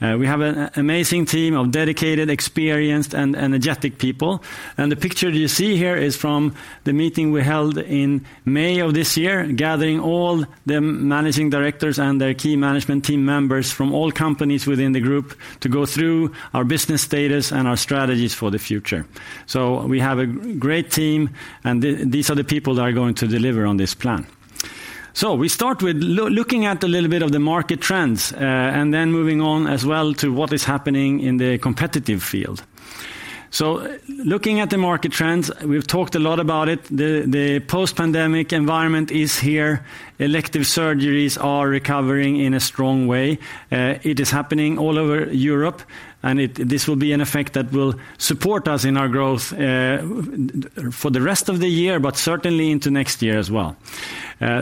[SPEAKER 2] We have an amazing team of dedicated, experienced, and energetic people. The picture you see here is from the meeting we held in May of this year, gathering all the managing directors and their key management team members from all companies within the group to go through our business status and our strategies for the future. So we have a great team, and these are the people that are going to deliver on this plan. So we start with looking at a little bit of the market trends, and then moving on as well to what is happening in the competitive field. So looking at the market trends, we've talked a lot about it. The post-pandemic environment is here. Elective surgeries are recovering in a strong way. It is happening all over Europe, and it, this will be an effect that will support us in our growth, for the rest of the year, but certainly into next year as well.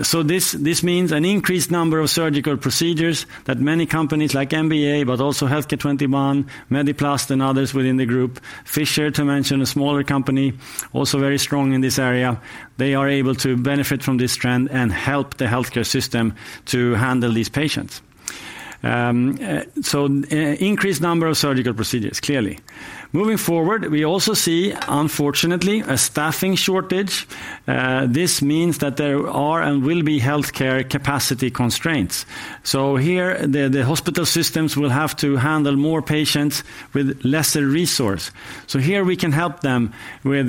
[SPEAKER 2] So this, this means an increased number of surgical procedures that many companies like MBA, but also Healthcare 21, Mediplast, and others within the group, Fischer, to mention a smaller company, also very strong in this area. They are able to benefit from this trend and help the healthcare system to handle these patients. So increased number of surgical procedures, clearly. Moving forward, we also see, unfortunately, a staffing shortage. This means that there are and will be healthcare capacity constraints. So here, the hospital systems will have to handle more patients with lesser resource. So here we can help them with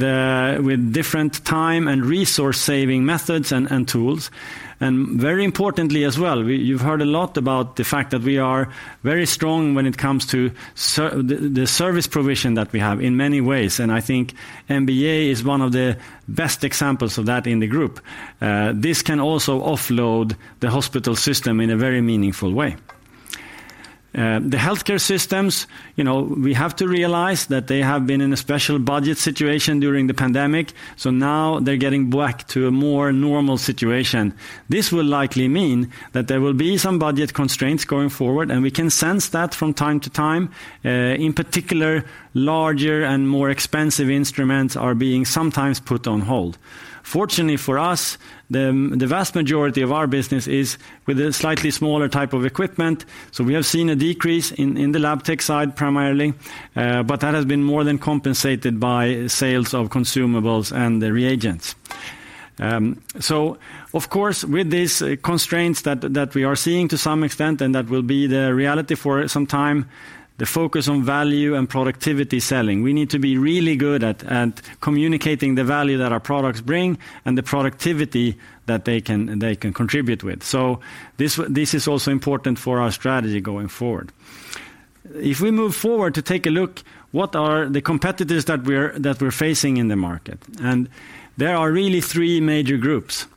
[SPEAKER 2] different time and resource-saving methods and tools. And very importantly as well, you've heard a lot about the fact that we are very strong when it comes to the service provision that we have in many ways, and I think MBA is one of the best examples of that in the group. This can also offload the hospital system in a very meaningful way. The healthcare systems, you know, we have to realize that they have been in a special budget situation during the pandemic, so now they're getting back to a more normal situation. This will likely mean that there will be some budget constraints going forward, and we can sense that from time to time. In particular, larger and more expensive instruments are being sometimes put on hold. Fortunately for us, the vast majority of our business is with a slightly smaller type of equipment, so we have seen a decrease in the lab tech side, primarily, but that has been more than compensated by sales of consumables and the reagents. So of course, with these constraints that we are seeing to some extent, and that will be the reality for some time, the focus on value and productivity selling. We need to be really good at communicating the value that our products bring and the productivity that they can contribute with. So this is also important for our strategy going forward. If we move forward to take a look, what are the competitors that we're facing in the market? And there are really three major groups.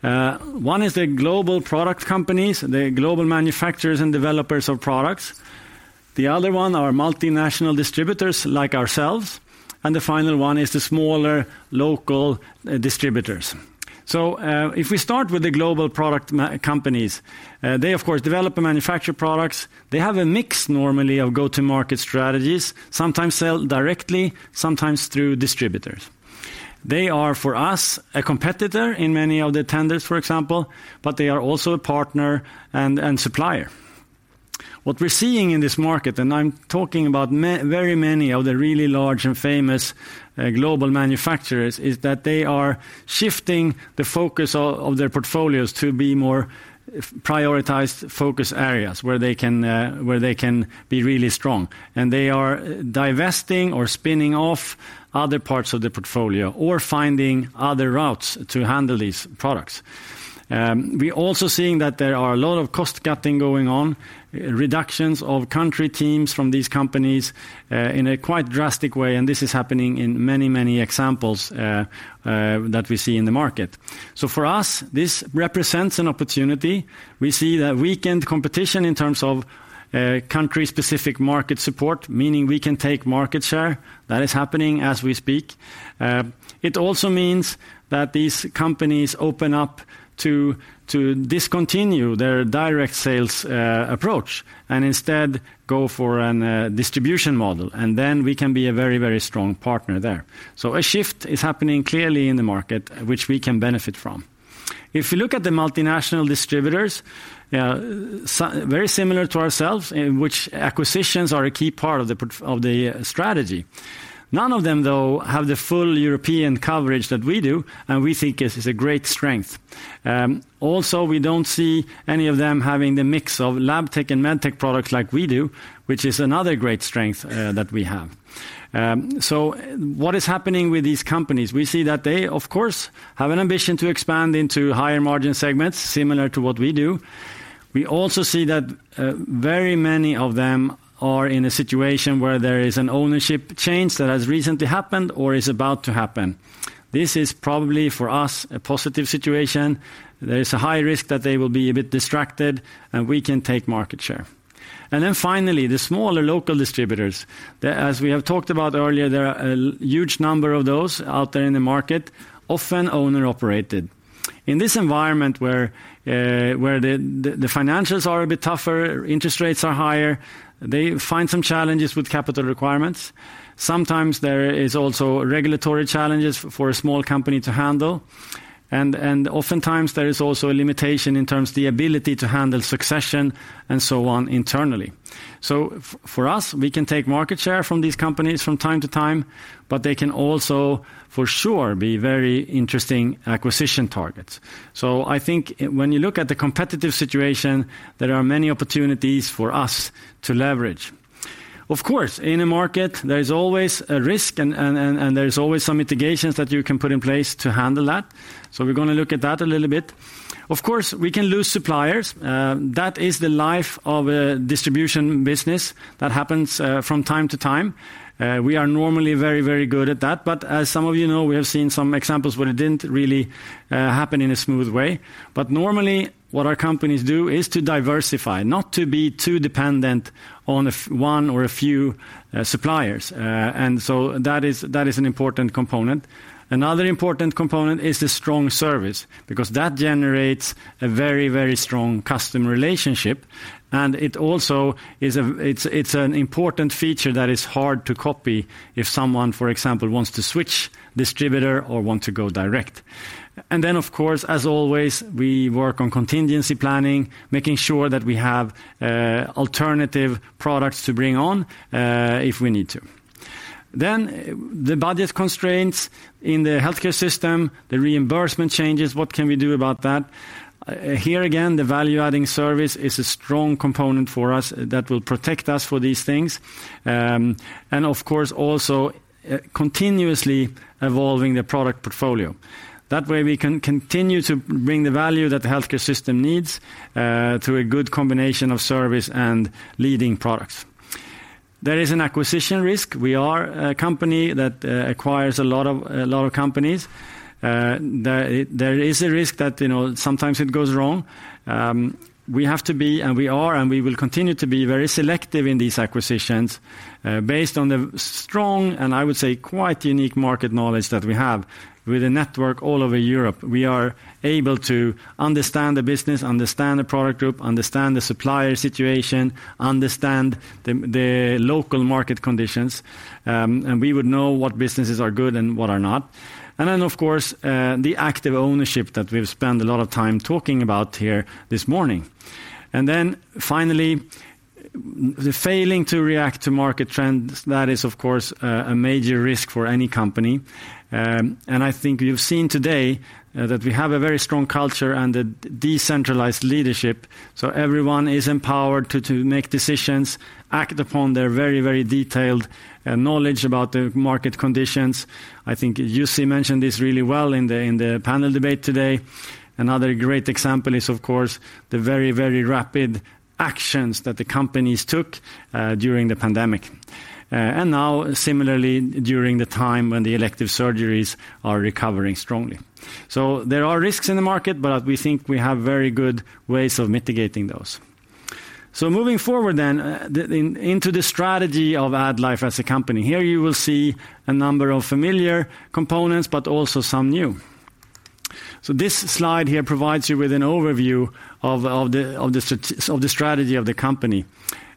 [SPEAKER 2] One is the global product companies, the global manufacturers and developers of products. The other one are multinational distributors like ourselves, and the final one is the smaller, local, distributors. So, if we start with the global product companies, they, of course, develop and manufacture products. They have a mix normally of go-to-market strategies, sometimes sell directly, sometimes through distributors. They are, for us, a competitor in many of the tenders, for example, but they are also a partner and supplier. What we're seeing in this market, and I'm talking about very many of the really large and famous, global manufacturers, is that they are shifting the focus of their portfolios to be more prioritized focus areas where they can, where they can be really strong. They are divesting or spinning off other parts of the portfolio or finding other routes to handle these products. We also seeing that there are a lot of cost-cutting going on, reductions of country teams from these companies, in a quite drastic way, and this is happening in many, many examples, that we see in the market. So for us, this represents an opportunity. We see a weakened competition in terms of, country-specific market support, meaning we can take market share. That is happening as we speak. It also means that these companies open up to, to discontinue their direct sales, approach, and instead go for an, distribution model, and then we can be a very, very strong partner there. So a shift is happening clearly in the market, which we can benefit from. If you look at the multinational distributors, very similar to ourselves, in which acquisitions are a key part of the strategy. None of them, though, have the full European coverage that we do, and we think this is a great strength. Also, we don't see any of them having the mix of lab tech and med tech products like we do, which is another great strength that we have. So what is happening with these companies? We see that they, of course, have an ambition to expand into higher margin segments, similar to what we do. We also see that very many of them are in a situation where there is an ownership change that has recently happened or is about to happen. This is probably, for us, a positive situation. There is a high risk that they will be a bit distracted, and we can take market share. And then finally, the smaller local distributors. As we have talked about earlier, there are a huge number of those out there in the market, often owner-operated. In this environment, where the financials are a bit tougher, interest rates are higher, they find some challenges with capital requirements. Sometimes there is also regulatory challenges for a small company to handle, and oftentimes, there is also a limitation in terms of the ability to handle succession and so on internally. So for us, we can take market share from these companies from time to time, but they can also, for sure, be very interesting acquisition targets. So I think when you look at the competitive situation, there are many opportunities for us to leverage. Of course, in a market, there is always a risk, and there is always some mitigations that you can put in place to handle that. So we're gonna look at that a little bit. Of course, we can lose suppliers. That is the life of a distribution business. That happens from time to time. We are normally very, very good at that, but as some of you know, we have seen some examples where it didn't really happen in a smooth way. But normally, what our companies do is to diversify, not to be too dependent on a few suppliers. And so that is an important component. Another important component is the strong service, because that generates a very, very strong customer relationship, and it also is a—it's, it's an important feature that is hard to copy if someone, for example, wants to switch distributor or want to go direct. And then, of course, as always, we work on contingency planning, making sure that we have alternative products to bring on if we need to. Then the budget constraints in the healthcare system, the reimbursement changes, what can we do about that? Here again, the value-adding service is a strong component for us that will protect us for these things. And of course, also continuously evolving the product portfolio. That way, we can continue to bring the value that the healthcare system needs through a good combination of service and leading products. There is an acquisition risk. We are a company that acquires a lot of, a lot of companies. There is a risk that, you know, sometimes it goes wrong. We have to be, and we are, and we will continue to be very selective in these acquisitions based on the strong, and I would say, quite unique market knowledge that we have. With a network all over Europe, we are able to understand the business, understand the product group, understand the supplier situation, understand the local market conditions, and we would know what businesses are good and what are not. And then, of course, the active ownership that we've spent a lot of time talking about here this morning. And then finally, failing to react to market trends, that is, of course, a major risk for any company. And I think you've seen today that we have a very strong culture and a decentralized leadership, so everyone is empowered to make decisions, act upon their very, very detailed knowledge about the market conditions. I think Jussi mentioned this really well in the panel debate today. Another great example is, of course, the very, very rapid actions that the companies took during the pandemic, and now similarly, during the time when the elective surgeries are recovering strongly. So there are risks in the market, but we think we have very good ways of mitigating those. So moving forward then, into the strategy of AddLife as a company. Here you will see a number of familiar components, but also some new. So this slide here provides you with an overview of the strategy of the company.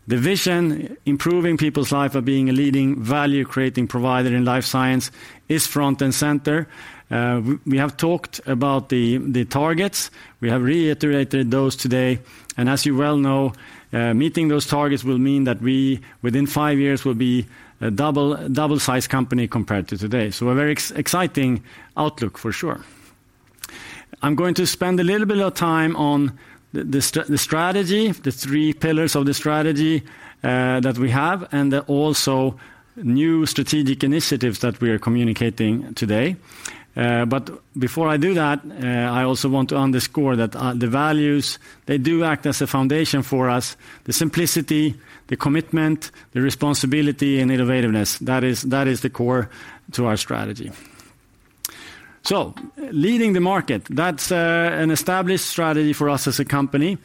[SPEAKER 2] The vision, improving people's life by being a leading value-creating provider in life science, is front and center. We have talked about the targets. We have reiterated those today, and as you well know, meeting those targets will mean that we, within five years, will be a double-sized company compared to today. So a very exciting outlook for sure. I'm going to spend a little bit of time on the strategy, the three pillars of the strategy, that we have, and then also new strategic initiatives that we are communicating today. But before I do that, I also want to underscore that the values, they do act as a foundation for us. The simplicity, the commitment, the responsibility, and innovativeness, that is the core to our strategy. So leading the market, that's an established strategy for us as a company.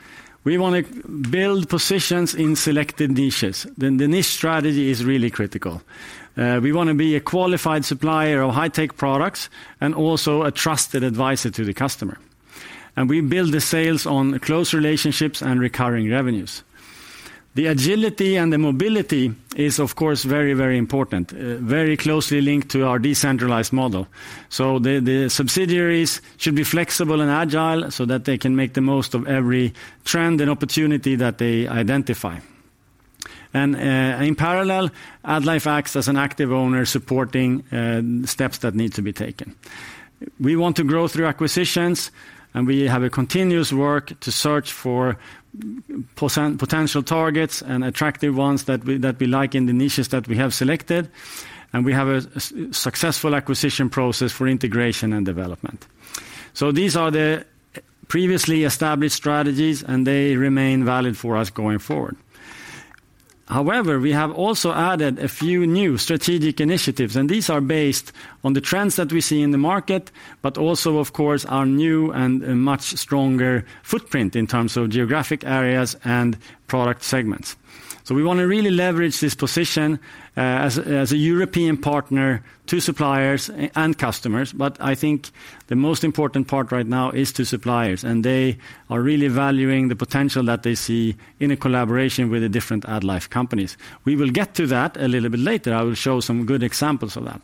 [SPEAKER 2] We wanna build positions in selected niches. Then the niche strategy is really critical. We wanna be a qualified supplier of high-tech products and also a trusted advisor to the customer, and we build the sales on close relationships and recurring revenues. The agility and the mobility is, of course, very, very important, very closely linked to our decentralized model. So the subsidiaries should be flexible and agile so that they can make the most of every trend and opportunity that they identify. And, in parallel, AddLife acts as an active owner, supporting steps that need to be taken. We want to grow through acquisitions, and we have a continuous work to search for potential targets and attractive ones that we like in the niches that we have selected, and we have a successful acquisition process for integration and development. So these are the previously established strategies, and they remain valid for us going forward. However, we have also added a few new strategic initiatives, and these are based on the trends that we see in the market, but also, of course, our new and much stronger footprint in terms of geographic areas and product segments. So we wanna really leverage this position as a European partner to suppliers and customers. But I think the most important part right now is to suppliers, and they are really valuing the potential that they see in a collaboration with the different AddLife companies. We will get to that a little bit later. I will show some good examples of that.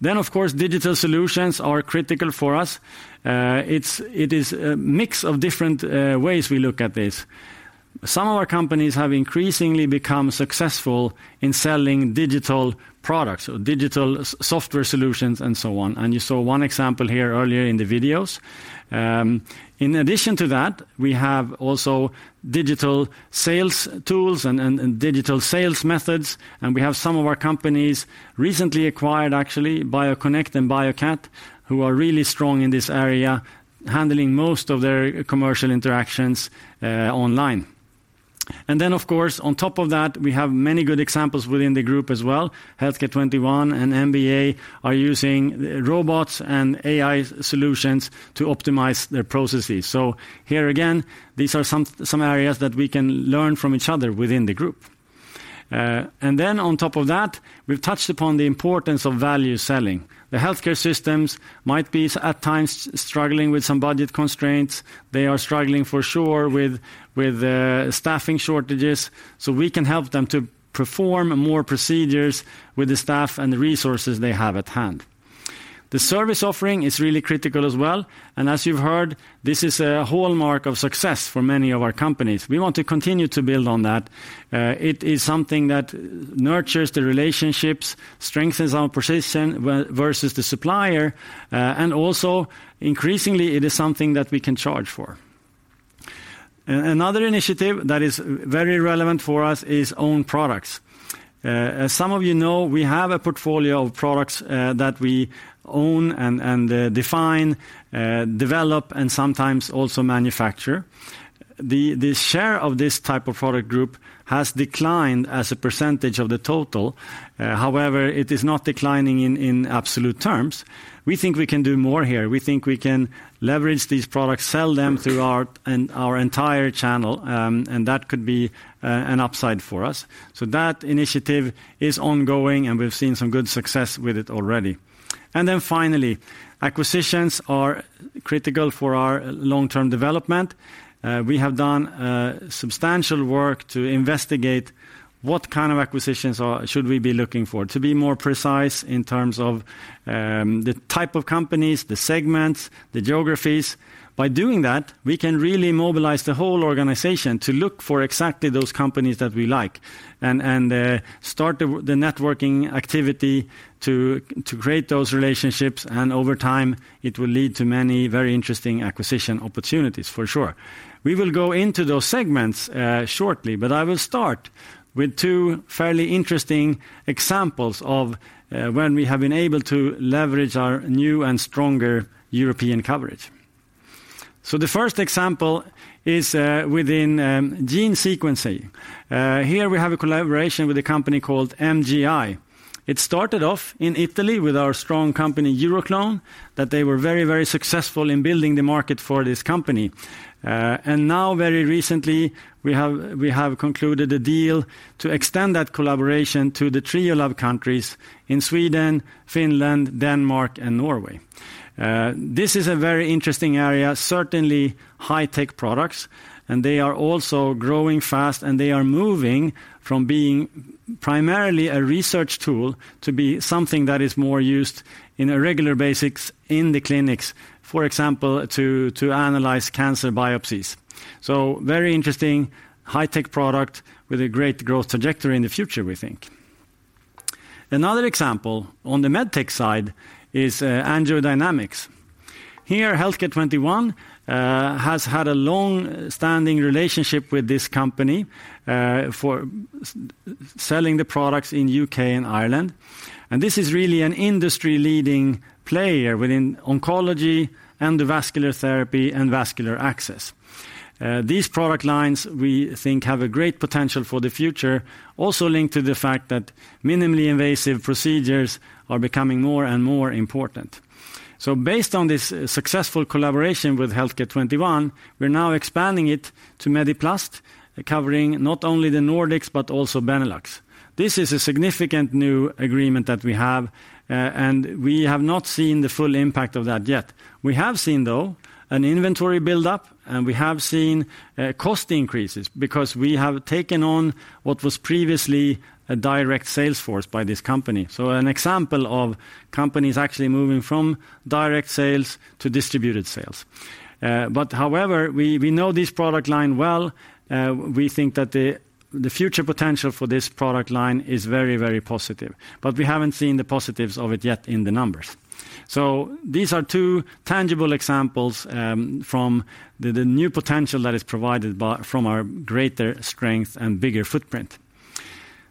[SPEAKER 2] Then, of course, digital solutions are critical for us. It is a mix of different ways we look at this. Some of our companies have increasingly become successful in selling digital products or digital software solutions, and so on, and you saw one example here earlier in the videos. In addition to that, we have also digital sales tools and digital sales methods, and we have some of our companies, recently acquired, actually, Bio-connect and BioCat, who are really strong in this area, handling most of their commercial interactions online. And then, of course, on top of that, we have many good examples within the group as well. Healthcare21 and MBA are using robots and AI solutions to optimize their processes. So here again, these are some areas that we can learn from each other within the group. And then on top of that, we've touched upon the importance of value selling. The healthcare systems might be at times struggling with some budget constraints. They are struggling for sure with staffing shortages, so we can help them to perform more procedures with the staff and the resources they have at hand. The service offering is really critical as well, and as you've heard, this is a hallmark of success for many of our companies. We want to continue to build on that. It is something that nurtures the relationships, strengthens our position versus the supplier, and also, increasingly, it is something that we can charge for. Another initiative that is very relevant for us is own products. As some of you know, we have a portfolio of products that we own and design, develop, and sometimes also manufacture. The share of this type of product group has declined as a percentage of the total. However, it is not declining in absolute terms. We think we can do more here. We think we can leverage these products, sell them through our entire channel, and that could be an upside for us. So that initiative is ongoing, and we've seen some good success with it already. Then finally, acquisitions are critical for our long-term development. We have done substantial work to investigate what kind of acquisitions we should be looking for, to be more precise in terms of the type of companies, the segments, the geographies. By doing that, we can really mobilize the whole organization to look for exactly those companies that we like and start the networking activity to create those relationships, and over time, it will lead to many very interesting acquisition opportunities for sure. We will go into those segments shortly, but I will start with two fairly interesting examples of when we have been able to leverage our new and stronger European coverage. So the first example is within gene sequencing. Here we have a collaboration with a company called MGI. It started off in Italy with our strong company, Euroclone, that they were very, very successful in building the market for this company. And now, very recently, we have concluded a deal to extend that collaboration to the Triolab countries in Sweden, Finland, Denmark, and Norway. This is a very interesting area, certainly high tech products, and they are also growing fast, and they are moving from being primarily a research tool to be something that is more used on a regular basis in the clinics, for example, to analyze cancer biopsies. So very interesting, high tech product with a great growth trajectory in the future, we think. Another example on the MedTech side is AngioDynamics. Here, Healthcare21 has had a long-standing relationship with this company for selling the products in UK and Ireland. And this is really an industry-leading player within oncology and the vascular therapy and vascular access. These product lines, we think, have a great potential for the future, also linked to the fact that minimally invasive procedures are becoming more and more important. So based on this successful collaboration with Healthcare21, we're now expanding it to Mediplast, covering not only the Nordics, but also Benelux. This is a significant new agreement that we have, and we have not seen the full impact of that yet. We have seen, though, an inventory build-up, and we have seen, cost increases because we have taken on what was previously a direct sales force by this company. So an example of companies actually moving from direct sales to distributed sales. But however, we know this product line well, we think that the future potential for this product line is very, very positive, but we haven't seen the positives of it yet in the numbers. So these are two tangible examples from the new potential that is provided from our greater strength and bigger footprint.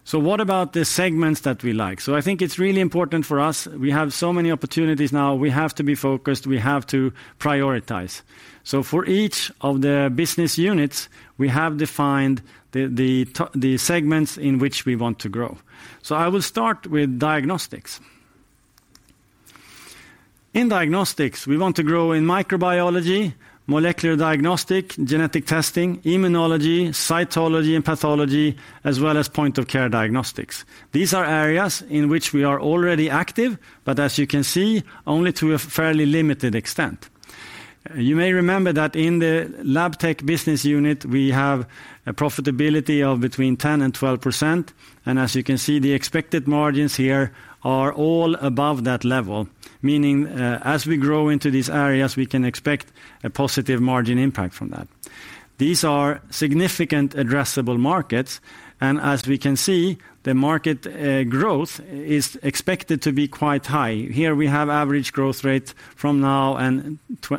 [SPEAKER 2] So what about the segments that we like? So I think it's really important for us. We have so many opportunities now. We have to be focused, we have to prioritize. So for each of the business units, we have defined the segments in which we want to grow. So I will start with diagnostics. In diagnostics, we want to grow in microbiology, molecular diagnostic, genetic testing, immunology, cytology and pathology, as well as point-of-care diagnostics. These are areas in which we are already active, but as you can see, only to a fairly limited extent. You may remember that in the Labtech business unit, we have a profitability of between 10% and 12%, and as you can see, the expected margins here are all above that level, meaning as we grow into these areas, we can expect a positive margin impact from that. These are significant addressable markets, and as we can see, the market growth is expected to be quite high. Here we have average growth rate from now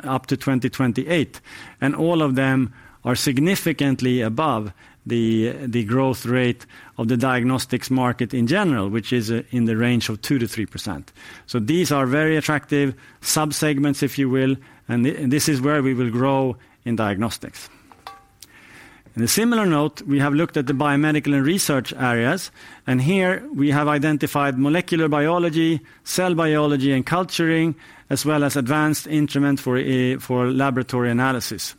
[SPEAKER 2] up to 2028, and all of them are significantly above the growth rate of the diagnostics market in general, which is in the range of 2%-3%. So these are very attractive subsegments, if you will, and this is where we will grow in diagnostics. On a similar note, we have looked at the biomedical and research areas, and here we have identified molecular biology, cell biology and culturing, as well as advanced instrument for laboratory analysis.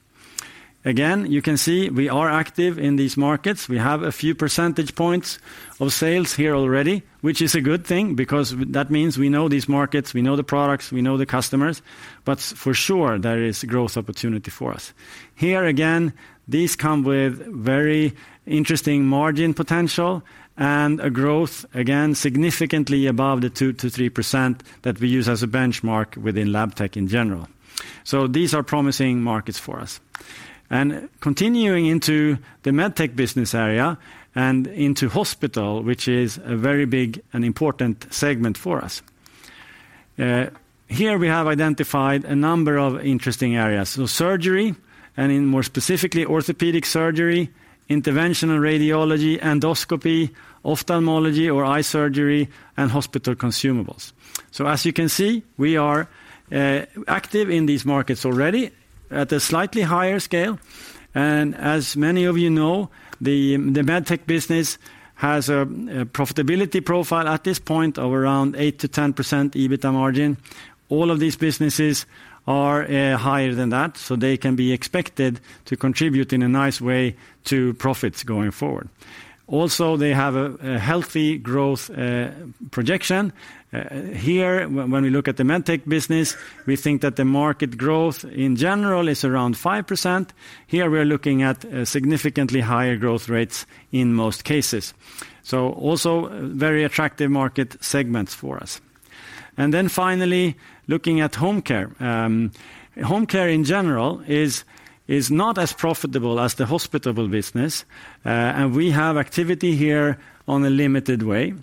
[SPEAKER 2] Again, you can see we are active in these markets. We have a few percentage points of sales here already, which is a good thing because that means we know these markets, we know the products, we know the customers, but for sure, there is growth opportunity for us. Here again, these come with very interesting margin potential and a growth, again, significantly above the 2%-3% that we use as a benchmark within Labtech in general. So these are promising markets for us. Continuing into the Medtech business area and into hospital, which is a very big and important segment for us. Here we have identified a number of interesting areas. So surgery, and in more specifically, orthopedic surgery, interventional radiology, endoscopy, ophthalmology or eye surgery, and hospital consumables. So as you can see, we are active in these markets already at a slightly higher scale. As many of you know, the Medtech business has a profitability profile at this point of around 8%-10% EBITDA margin. All of these businesses are higher than that, so they can be expected to contribute in a nice way to profits going forward. Also, they have a healthy growth projection. Here, when we look at the Medtech business, we think that the market growth in general is around 5%. Here, we're looking at a significantly higher growth rates in most cases. So also very attractive market segments for us. Then finally, looking at home care. Home care in general is not as profitable as the hospital business, and we have activity here in a limited way.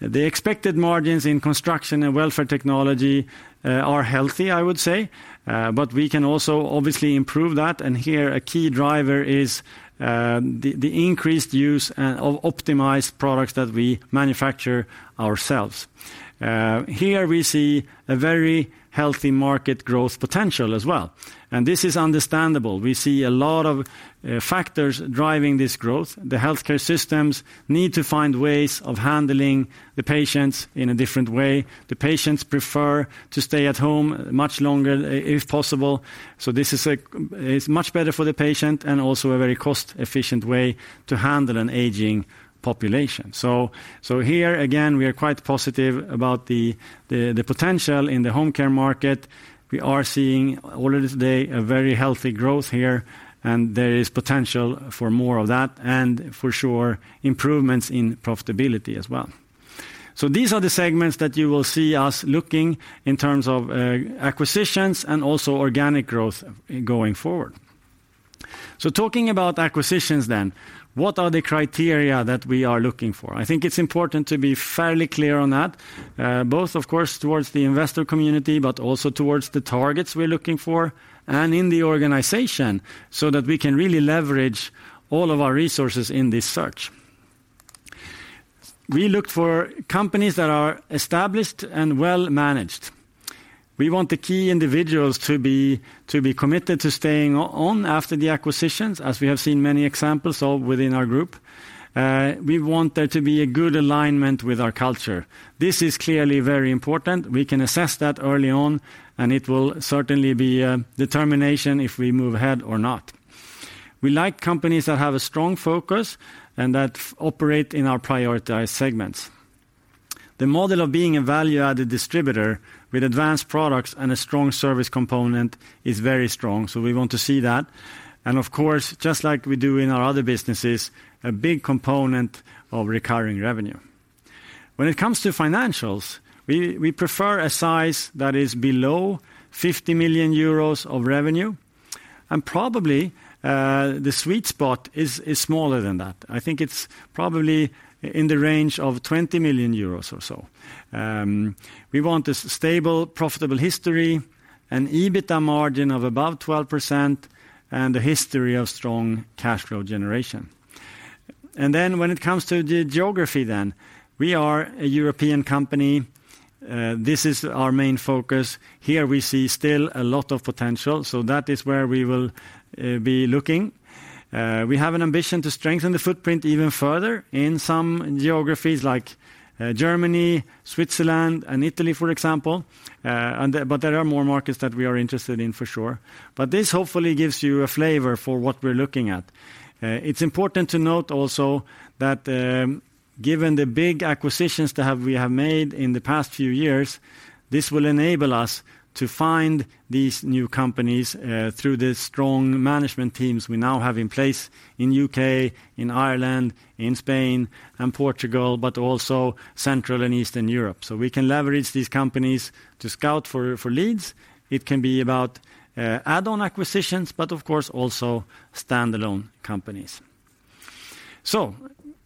[SPEAKER 2] The expected margins in construction and welfare technology are healthy, I would say, but we can also obviously improve that, and here a key driver is the increased use and of optimized products that we manufacture ourselves. Here we see a very healthy market growth potential as well, and this is understandable. We see a lot of factors driving this growth. The healthcare systems need to find ways of handling the patients in a different way. The patients prefer to stay at home much longer, if possible. So this is—it's much better for the patient and also a very cost-efficient way to handle an aging population. So here, again, we are quite positive about the potential in the home care market. We are seeing already today a very healthy growth here, and there is potential for more of that and for sure, improvements in profitability as well... So these are the segments that you will see us looking in terms of acquisitions and also organic growth going forward. So talking about acquisitions then, what are the criteria that we are looking for? I think it's important to be fairly clear on that, both, of course, towards the investor community, but also towards the targets we're looking for and in the organization, so that we can really leverage all of our resources in this search. We look for companies that are established and well managed. We want the key individuals to be committed to staying on after the acquisitions, as we have seen many examples of within our group. We want there to be a good alignment with our culture. This is clearly very important. We can assess that early on, and it will certainly be a determination if we move ahead or not. We like companies that have a strong focus and that operate in our prioritized segments. The model of being a value-added distributor with advanced products and a strong service component is very strong, so we want to see that. And of course, just like we do in our other businesses, a big component of recurring revenue. When it comes to financials, we prefer a size that is below 50 million euros of revenue, and probably the sweet spot is smaller than that. I think it's probably in the range of 20 million euros or so. We want a stable, profitable history, an EBITDA margin of above 12%, and a history of strong cash flow generation. And then when it comes to the geography then, we are a European company, this is our main focus. Here we see still a lot of potential, so that is where we will be looking. We have an ambition to strengthen the footprint even further in some geographies like Germany, Switzerland, and Italy, for example, and there are more markets that we are interested in, for sure. But this hopefully gives you a flavor for what we're looking at. It's important to note also that, given the big acquisitions that we have made in the past few years, this will enable us to find these new companies through the strong management teams we now have in place in U.K, in Ireland, in Spain and Portugal, but also Central and Eastern Europe. We can leverage these companies to scout for leads. It can be about add-on acquisitions, but of course, also standalone companies.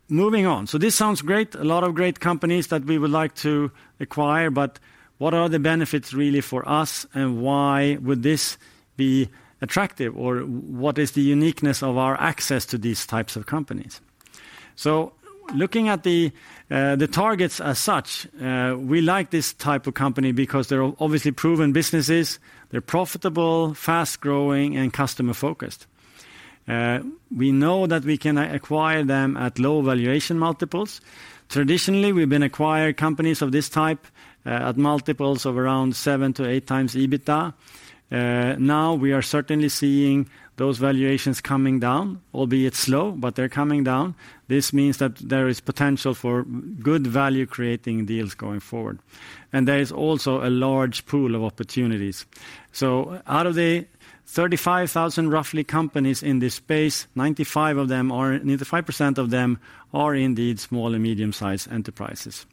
[SPEAKER 2] Moving on. This sounds great, a lot of great companies that we would like to acquire, but what are the benefits really for us, and why would this be attractive, or what is the uniqueness of our access to these types of companies? So looking at the targets as such, we like this type of company because they're obviously proven businesses, they're profitable, fast-growing, and customer-focused. We know that we can acquire them at low valuation multiples. Traditionally, we've been acquiring companies of this type at multiples of around 7-8x EBITDA. Now we are certainly seeing those valuations coming down, albeit slow, but they're coming down. This means that there is potential for good value-creating deals going forward. And there is also a large pool of opportunities. So out of the 35,000, roughly, companies in this space, 95 of them, or nearly 5% of them, are indeed small and medium-sized enterprises.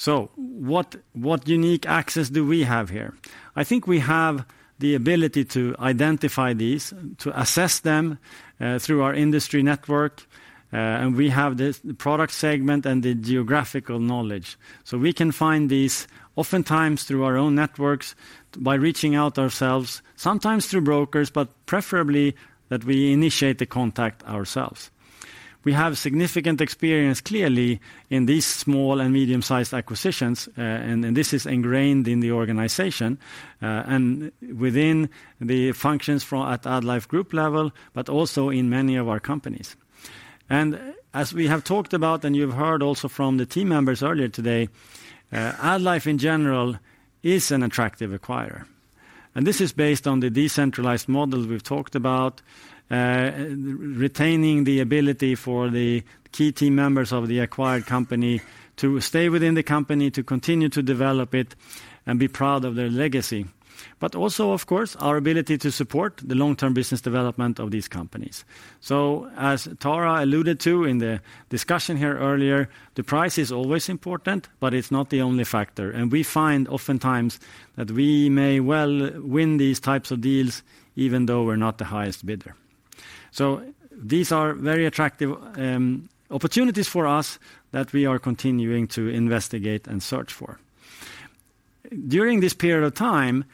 [SPEAKER 2] So what unique access do we have here? I think we have the ability to identify these, to assess them, through our industry network, and we have the product segment and the geographical knowledge. So we can find these oftentimes through our own networks by reaching out ourselves, sometimes through brokers, but preferably that we initiate the contact ourselves. We have significant experience, clearly, in these small and medium-sized acquisitions, and this is ingrained in the organization, and within the functions for at AddLife group level, but also in many of our companies. And as we have talked about, and you've heard also from the team members earlier today, AddLife in general is an attractive acquirer. This is based on the decentralized model we've talked about, retaining the ability for the key team members of the acquired company to stay within the company, to continue to develop it and be proud of their legacy. But also, of course, our ability to support the long-term business development of these companies. As Tara alluded to in the discussion here earlier, the price is always important, but it's not the only factor. We find oftentimes that we may well win these types of deals, even though we're not the highest bidder. These are very attractive opportunities for us that we are continuing to investigate and search for. During this period of time,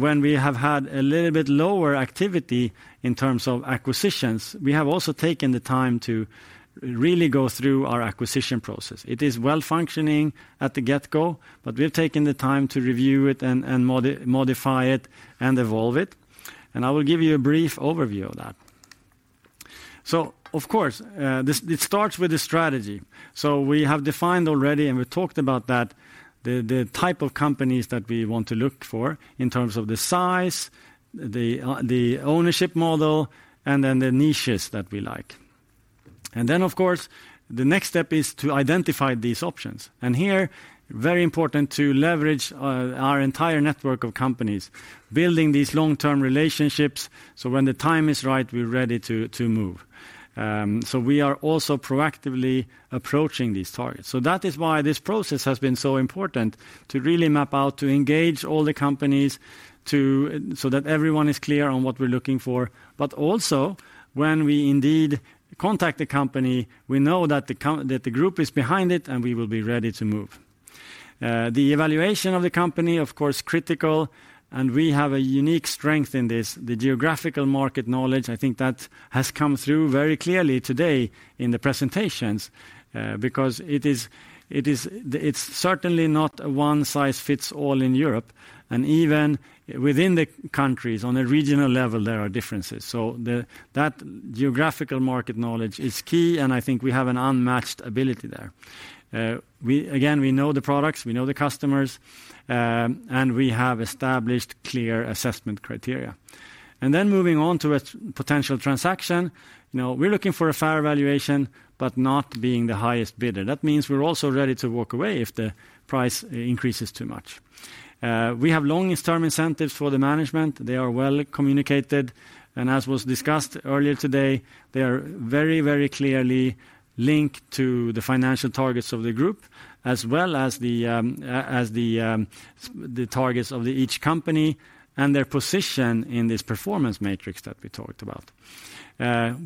[SPEAKER 2] when we have had a little bit lower activity in terms of acquisitions, we have also taken the time to really go through our acquisition process. It is well functioning at the get-go, but we've taken the time to review it and modify it and evolve it. I will give you a brief overview of that. So of course, this. It starts with the strategy. We have defined already, and we talked about that, the type of companies that we want to look for in terms of the size, the ownership model, and then the niches that we like.... And then, of course, the next step is to identify these options. And here, very important to leverage our entire network of companies, building these long-term relationships, so when the time is right, we're ready to move. So we are also proactively approaching these targets. So that is why this process has been so important to really map out, to engage all the companies, so that everyone is clear on what we're looking for. But also, when we indeed contact the company, we know that the group is behind it, and we will be ready to move. The evaluation of the company, of course, critical, and we have a unique strength in this. The geographical market knowledge, I think that has come through very clearly today in the presentations, because it is certainly not a one-size-fits-all in Europe, and even within the countries, on a regional level, there are differences. So that geographical market knowledge is key, and I think we have an unmatched ability there. We again know the products, we know the customers, and we have established clear assessment criteria. And then moving on to a potential transaction, you know, we're looking for a fair evaluation, but not being the highest bidder. That means we're also ready to walk away if the price increases too much. We have long-term incentives for the management. They are well communicated, and as was discussed earlier today, they are very, very clearly linked to the financial targets of the group, as well as the targets of each company and their position in this performance matrix that we talked about.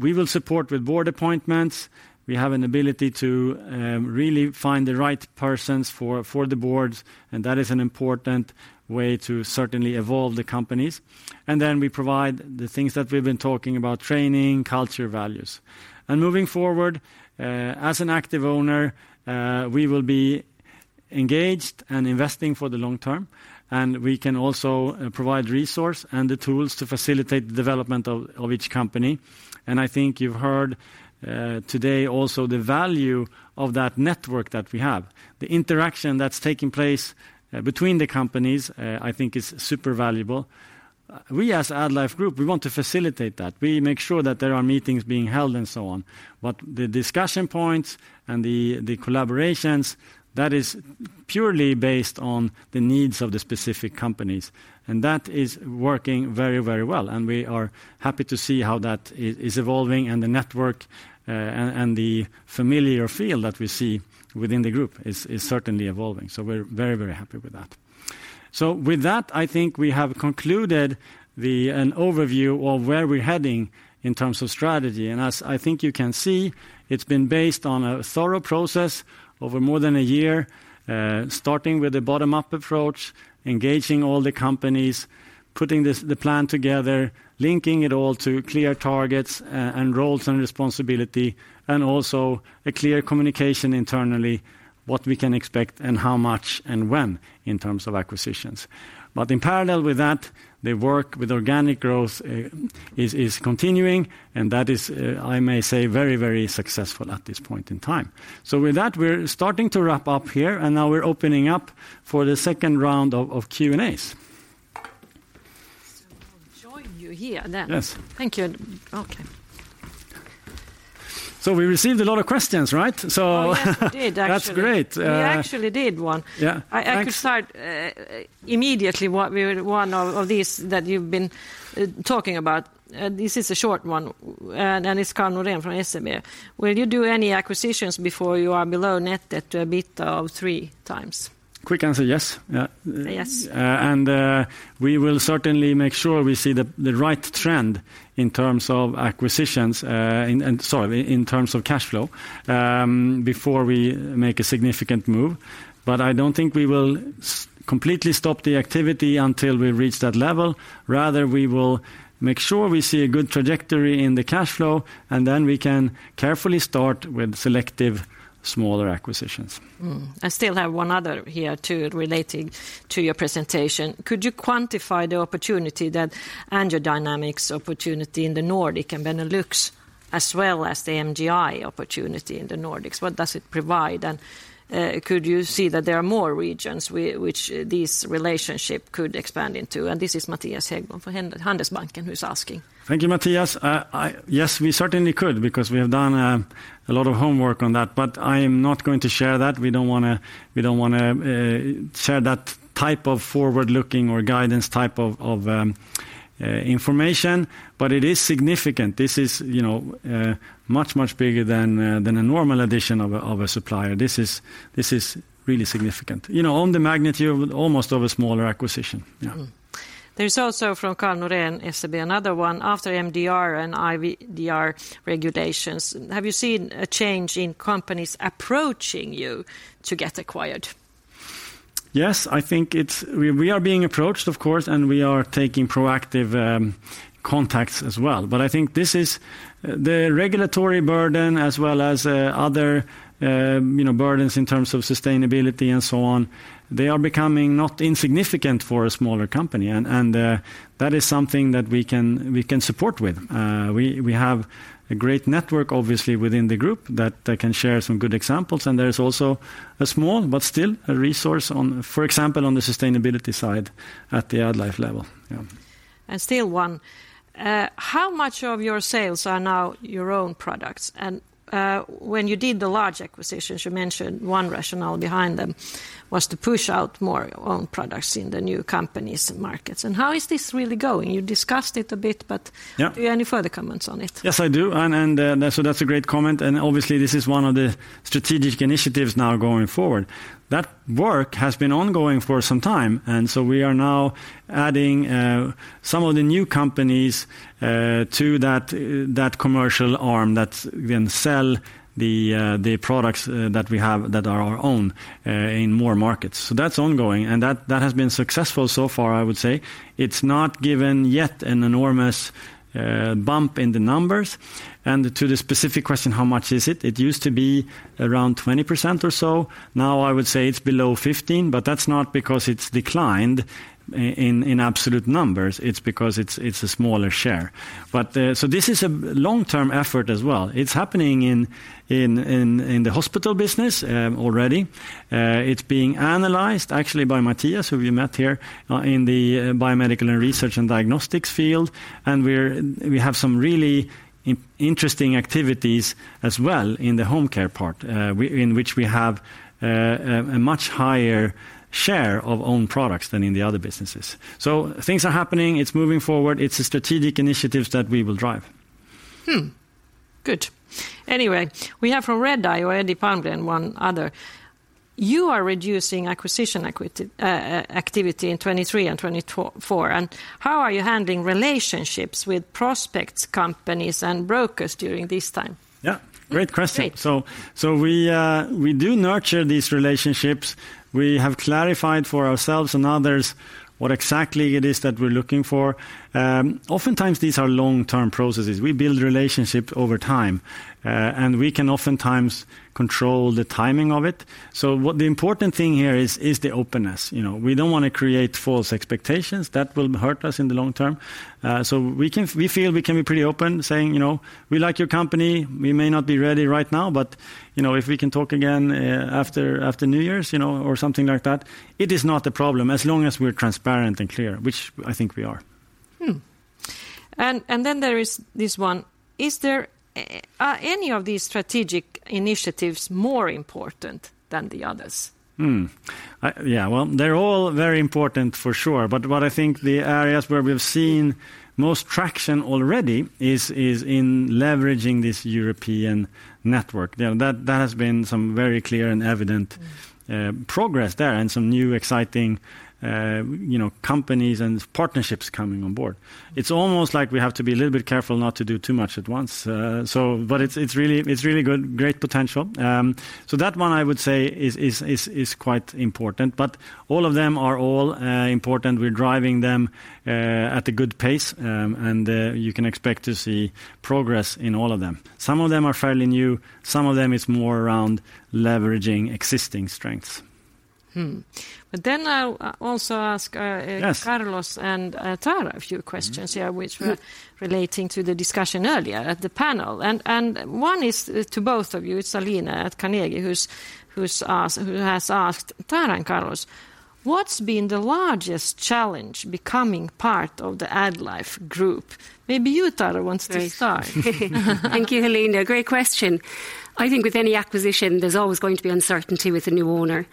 [SPEAKER 2] We will support with board appointments. We have an ability to really find the right persons for the boards, and that is an important way to certainly evolve the companies. And then we provide the things that we've been talking about: training, culture, values. And moving forward, as an active owner, we will be engaged and investing for the long term, and we can also provide resource and the tools to facilitate the development of each company. And I think you've heard today also the value of that network that we have. The interaction that's taking place between the companies, I think is super valuable. We, as AddLife Group, we want to facilitate that. We make sure that there are meetings being held and so on. But the discussion points and the collaborations, that is purely based on the needs of the specific companies, and that is working very, very well, and we are happy to see how that is evolving, and the network and the familiar feel that we see within the group is certainly evolving. So we're very, very happy with that. So with that, I think we have concluded an overview of where we're heading in terms of strategy. And as I think you can see, it's been based on a thorough process over more than a year, starting with a bottom-up approach, engaging all the companies, putting the plan together, linking it all to clear targets, and roles and responsibility, and also a clear communication internally, what we can expect and how much and when, in terms of acquisitions. But in parallel with that, the work with organic growth is continuing, and that is, I may say, very, very successful at this point in time. So with that, we're starting to wrap up here, and now we're opening up for the second round of Q&As.
[SPEAKER 1] I'll join you here, then.
[SPEAKER 2] Yes.
[SPEAKER 1] Thank you. Okay.
[SPEAKER 2] So we received a lot of questions, right?
[SPEAKER 1] Oh, yes, we did, actually.
[SPEAKER 2] That's great.
[SPEAKER 1] We actually did one.
[SPEAKER 2] Yeah. Ex-
[SPEAKER 1] I could start immediately with one of these that you've been talking about. This is a short one, and it's Karl Norén from SEB. Will you do any acquisitions before you are below net debt to EBITDA of 3x?
[SPEAKER 2] Quick answer, yes. Yeah.
[SPEAKER 1] Yes.
[SPEAKER 2] We will certainly make sure we see the right trend in terms of acquisitions, and sorry, in terms of cash flow, before we make a significant move. But I don't think we will completely stop the activity until we reach that level. Rather, we will make sure we see a good trajectory in the cash flow, and then we can carefully start with selective smaller acquisitions.
[SPEAKER 1] Mm-hmm. I still have one other here, too, relating to your presentation. Could you quantify the opportunity that AngioDynamics opportunity in the Nordics and Benelux, as well as the MGI opportunity in the Nordics? What does it provide, and could you see that there are more regions which this relationship could expand into? And this is Matthias Häggblom from Handelsbanken who's asking.
[SPEAKER 2] Thank you, Matthias. Yes, we certainly could because we have done a lot of homework on that, but I am not going to share that. We don't wanna share that type of forward-looking or guidance type of information, but it is significant. This is, you know, much, much bigger than a normal addition of a supplier. This is really significant. You know, on the magnitude of almost of a smaller acquisition. Yeah.
[SPEAKER 1] Mm-hmm. There is also from Karl Norén, SEB, another one. After MDR and IVDR regulations, have you seen a change in companies approaching you to get acquired?
[SPEAKER 2] Yes, I think it's we are being approached, of course, and we are taking proactive contacts as well. But I think this is the regulatory burden as well as other, you know, burdens in terms of sustainability and so on. They are becoming not insignificant for a smaller company, and that is something that we can support with. We have a great network, obviously, within the group that they can share some good examples, and there's also a small, but still, a resource on, for example, on the sustainability side at the AddLife level. Yeah....
[SPEAKER 1] and still one. How much of your sales are now your own products? And, when you did the large acquisitions, you mentioned one rationale behind them, was to push out more own products in the new companies and markets. And how is this really going? You discussed it a bit, but-
[SPEAKER 2] Yeah.
[SPEAKER 1] Do you have any further comments on it?
[SPEAKER 2] Yes, I do. And so that's a great comment, and obviously, this is one of the strategic initiatives now going forward. That work has been ongoing for some time, and so we are now adding some of the new companies to that commercial arm that's then sell the products that we have, that are our own, in more markets. So that's ongoing, and that has been successful so far, I would say. It's not given yet an enormous bump in the numbers. And to the specific question, how much is it? It used to be around 20% or so. Now, I would say it's below 15%, but that's not because it's declined in absolute numbers, it's because it's a smaller share. But so this is a long-term effort as well. It's happening in the hospital business already. It's being analyzed, actually, by Matthias, who we met here, in the biomedical and research and diagnostics field. And we're—we have some really interesting activities as well in the home care part, in which we have a much higher share of own products than in the other businesses. So things are happening. It's moving forward. It's a strategic initiative that we will drive.
[SPEAKER 1] Hmm, good. Anyway, we have from Redeye, Eddie Palmgren and one other. You are reducing acquisition equity activity in 2023 and 2024. How are you handling relationships with prospects, companies, and brokers during this time?
[SPEAKER 2] Yeah, great question.
[SPEAKER 1] Great.
[SPEAKER 2] So we do nurture these relationships. We have clarified for ourselves and others what exactly it is that we're looking for. Oftentimes, these are long-term processes. We build relationships over time, and we can oftentimes control the timing of it. So what the important thing here is the openness. You know, we don't want to create false expectations. That will hurt us in the long term. So we can be pretty open, saying: "You know, we like your company. We may not be ready right now, but, you know, if we can talk again, after New Year's," you know, or something like that. It is not a problem, as long as we're transparent and clear, which I think we are.
[SPEAKER 1] And then there is this one: Is there... are any of these strategic initiatives more important than the others?
[SPEAKER 2] Yeah, well, they're all very important, for sure. But what I think the areas where we've seen most traction already is in leveraging this European network. You know, that has been some very clear and evident-
[SPEAKER 1] Mm.
[SPEAKER 2] Progress there and some new exciting, you know, companies and partnerships coming on board. It's almost like we have to be a little bit careful not to do too much at once, so but it's really good, great potential. So that one, I would say, is quite important, but all of them are important. We're driving them at a good pace, and you can expect to see progress in all of them. Some of them are fairly new, some of them it's more around leveraging existing strengths.
[SPEAKER 1] Hmm. But then I'll also ask,
[SPEAKER 2] Yes...
[SPEAKER 1] Carlos and, Tara, a few questions here, which were-
[SPEAKER 2] Good
[SPEAKER 1] Relating to the discussion earlier at the panel. One is to both of you. It's Alina at Carnegie, who has asked: "Tara and Carlos, what's been the largest challenge becoming part of the AddLife group?" Maybe you, Tara, wants to start.
[SPEAKER 10] Thank you, Helena. Great question. I think with any acquisition, there's always going to be uncertainty with a new owner.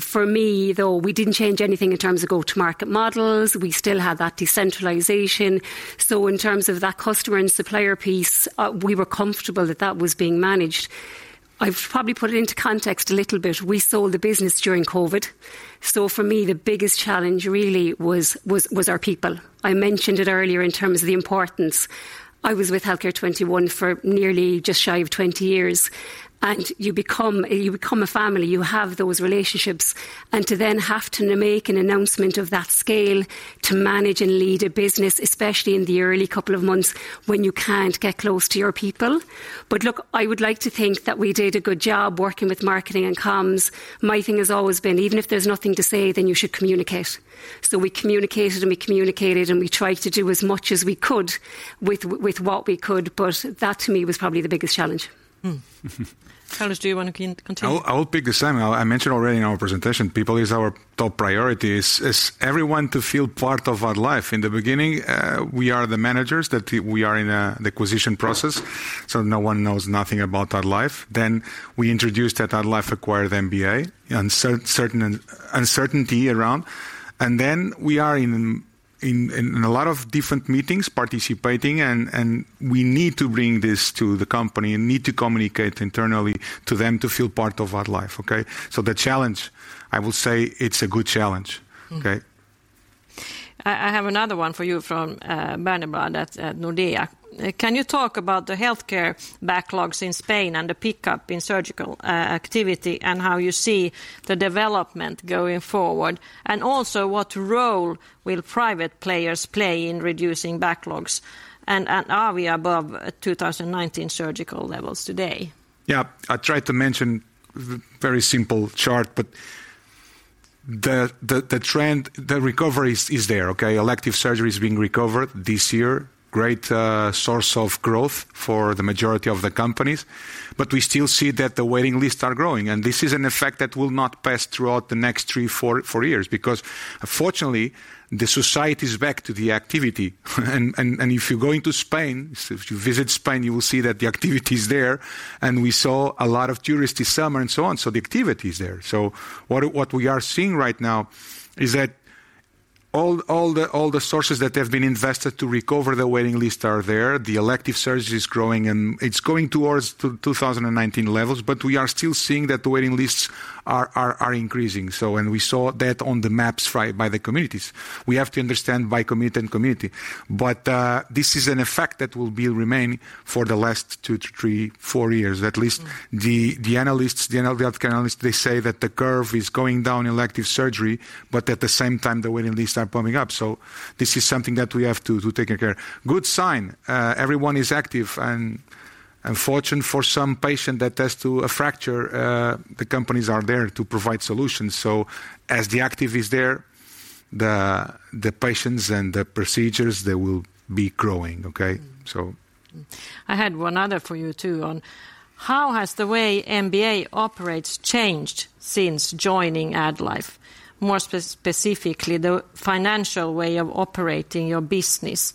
[SPEAKER 10] For me, though, we didn't change anything in terms of go-to-market models. We still had that decentralization. So in terms of that customer and supplier piece, we were comfortable that that was being managed. I've probably put it into context a little bit. We sold the business during COVID, so for me, the biggest challenge really was our people. I mentioned it earlier in terms of the importance. I was with Healthcare21 for nearly just shy of 20 years, and you become a family. You have those relationships, and to then have to make an announcement of that scale, to manage and lead a business, especially in the early couple of months, when you can't get close to your people. But look, I would like to think that we did a good job working with marketing and comms. My thing has always been, even if there's nothing to say, then you should communicate. So we communicated, and we communicated, and we tried to do as much as we could with what we could, but that, to me, was probably the biggest challenge.
[SPEAKER 1] Carlos, do you want to continue?
[SPEAKER 11] I will pick the same. I mentioned already in our presentation, people is our top priority. It's everyone to feel part of AddLife. In the beginning, we are the managers that we are in an acquisition process, so no one knows nothing about AddLife. Then we introduced that AddLife acquired MBA, uncertainty around. And then we are in a lot of different meetings, participating, and we need to bring this to the company and need to communicate internally to them to feel part of AddLife, okay? So the challenge, I will say, it's a good challenge.
[SPEAKER 1] Mm.
[SPEAKER 11] Okay.
[SPEAKER 1] I have another one for you from Berneblad at Nordea. Can you talk about the healthcare backlogs in Spain and the pickup in surgical activity, and how you see the development going forward? And also, what role will private players play in reducing backlogs? And are we above 2019 surgical levels today?
[SPEAKER 11] Yeah, I tried to mention very simple chart, but the trend, the recovery is there, okay? Elective surgery is being recovered this year. Great source of growth for the majority of the companies, but we still see that the waiting lists are growing, and this is an effect that will not pass throughout the next three, four years. Because unfortunately, the society is back to the activity. And if you're going to Spain, so if you visit Spain, you will see that the activity is there, and we saw a lot of tourists this summer, and so on. So the activity is there. So what we are seeing right now is that all the sources that have been invested to recover the waiting lists are there. The elective surgery is growing, and it's going towards 2019 levels, but we are still seeing that the waiting lists are increasing. So we saw that on the maps by the communities. We have to understand by community and community. But this is an effect that will remain for the last 2 to 3, 4 years. At least the analysts, the health care analysts, they say that the curve is going down in elective surgery, but at the same time, the waiting lists are ballooning up. So this is something that we have to take care. Good sign, everyone is active, and fortunate for some patient that has a fracture, the companies are there to provide solutions. So as the activity is there, the patients and the procedures, they will be growing. Okay? So-
[SPEAKER 1] I had one other for you, too, on how has the way MBA operates changed since joining AddLife? More specifically, the financial way of operating your business,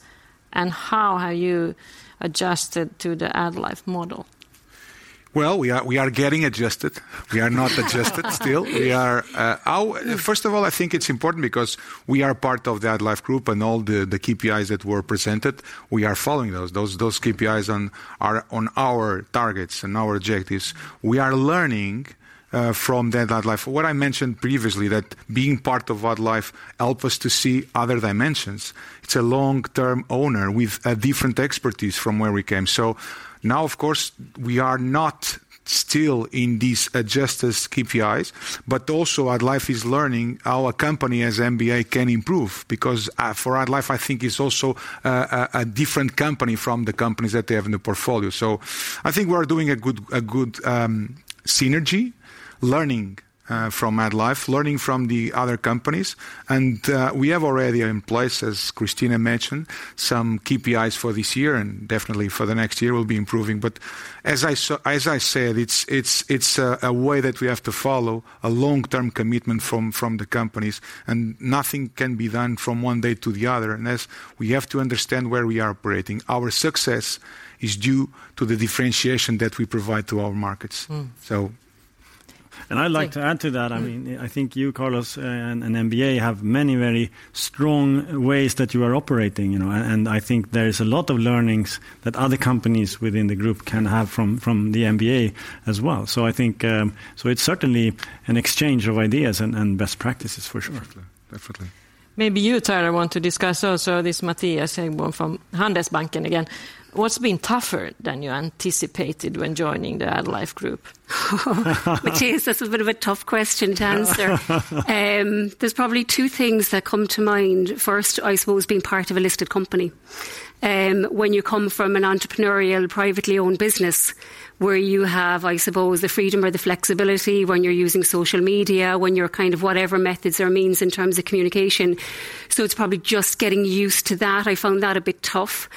[SPEAKER 1] and how have you adjusted to the AddLife model?
[SPEAKER 11] Well, we are getting adjusted. We are not adjusted still. Our-- First of all, I think it's important because we are part of the AddLife Group and all the KPIs that were presented, we are following those. Those KPIs are on our targets and our objectives. We are learning from the AddLife. What I mentioned previously, that being part of AddLife helps us to see other dimensions. It's a long-term owner with a different expertise from where we came. So now, of course, we are not still in these adjusted KPIs, but also AddLife is learning our company, as MBA, can improve because for AddLife, I think, is also a different company from the companies that they have in the portfolio. So I think we are doing a good synergy, learning from AddLife, learning from the other companies. And we have already in place, as Christina mentioned, some KPIs for this year, and definitely for the next year, we'll be improving. But as I said, it's a way that we have to follow a long-term commitment from the companies, and nothing can be done from one day to the other. And as we have to understand where we are operating, our success is due to the differentiation that we provide to our markets.
[SPEAKER 1] Mm.
[SPEAKER 11] So-
[SPEAKER 2] I'd like to add to that.
[SPEAKER 1] Mm.
[SPEAKER 2] I mean, I think you, Carlos, and MBA have many very strong ways that you are operating, you know, and I think there is a lot of learnings that other companies within the group can have from the MBA as well. So I think, so it's certainly an exchange of ideas and best practices, for sure.
[SPEAKER 11] Definitely. Definitely.
[SPEAKER 1] Maybe you, Tara, want to discuss also this Matthias Häggblom from Handelsbanken again. What's been tougher than you anticipated when joining the AddLife Group?
[SPEAKER 10] Matthias, that's a bit of a tough question to answer. There's probably two things that come to mind. First, I suppose being part of a listed company. When you come from an entrepreneurial, privately owned business, where you have, I suppose, the freedom or the flexibility when you're using social media, when you're kind of whatever methods or means in terms of communication. So it's probably just getting used to that. I found that a bit tough.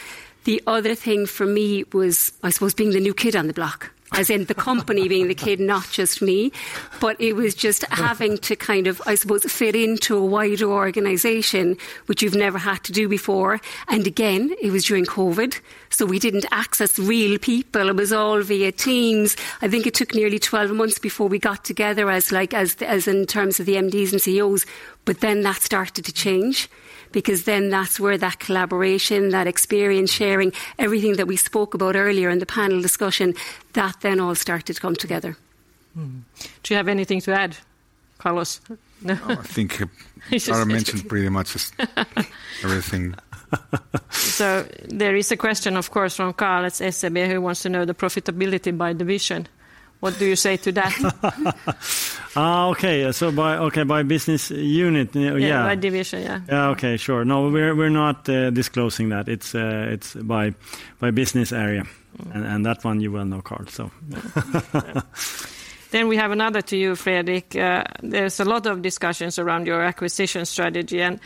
[SPEAKER 10] The other thing for me was, I suppose, being the new kid on the block. As in the company, being the kid, not just me. But it was just having-
[SPEAKER 2] Right
[SPEAKER 10] ...to kind of, I suppose, fit into a wider organization, which you've never had to do before. Again, it was during COVID, so we didn't access real people, it was all via Teams. I think it took nearly 12 months before we got together as like as in terms of the MDs and CEOs, but then that started to change, because then that's where that collaboration, that experience-sharing, everything that we spoke about earlier in the panel discussion, that then all started to come together.
[SPEAKER 1] Mm-hmm. Do you have anything to add, Carlos?
[SPEAKER 11] No, I think Tara mentioned pretty much just everything.
[SPEAKER 1] There is a question, of course, from Karl at SEB, who wants to know the profitability by division. What do you say to that?
[SPEAKER 2] Okay, so by business unit? Yeah.
[SPEAKER 1] By division, yeah.
[SPEAKER 2] Yeah, okay. Sure. No, we're not disclosing that. It's by business area, and that one you well know, Karl, so.
[SPEAKER 1] Then we have another to you, Fredrik. There's a lot of discussions around your acquisition strategy, and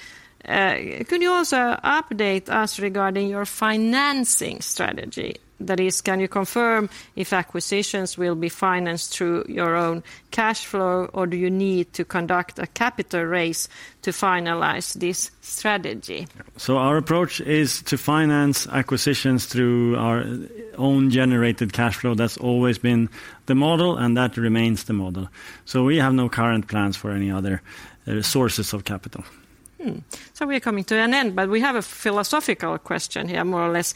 [SPEAKER 1] could you also update us regarding your financing strategy? That is, can you confirm if acquisitions will be financed through your own cash flow, or do you need to conduct a capital raise to finalize this strategy?
[SPEAKER 2] So our approach is to finance acquisitions through our own generated cash flow. That's always been the model, and that remains the model. So we have no current plans for any other sources of capital.
[SPEAKER 1] So we're coming to an end, but we have a philosophical question here, more or less.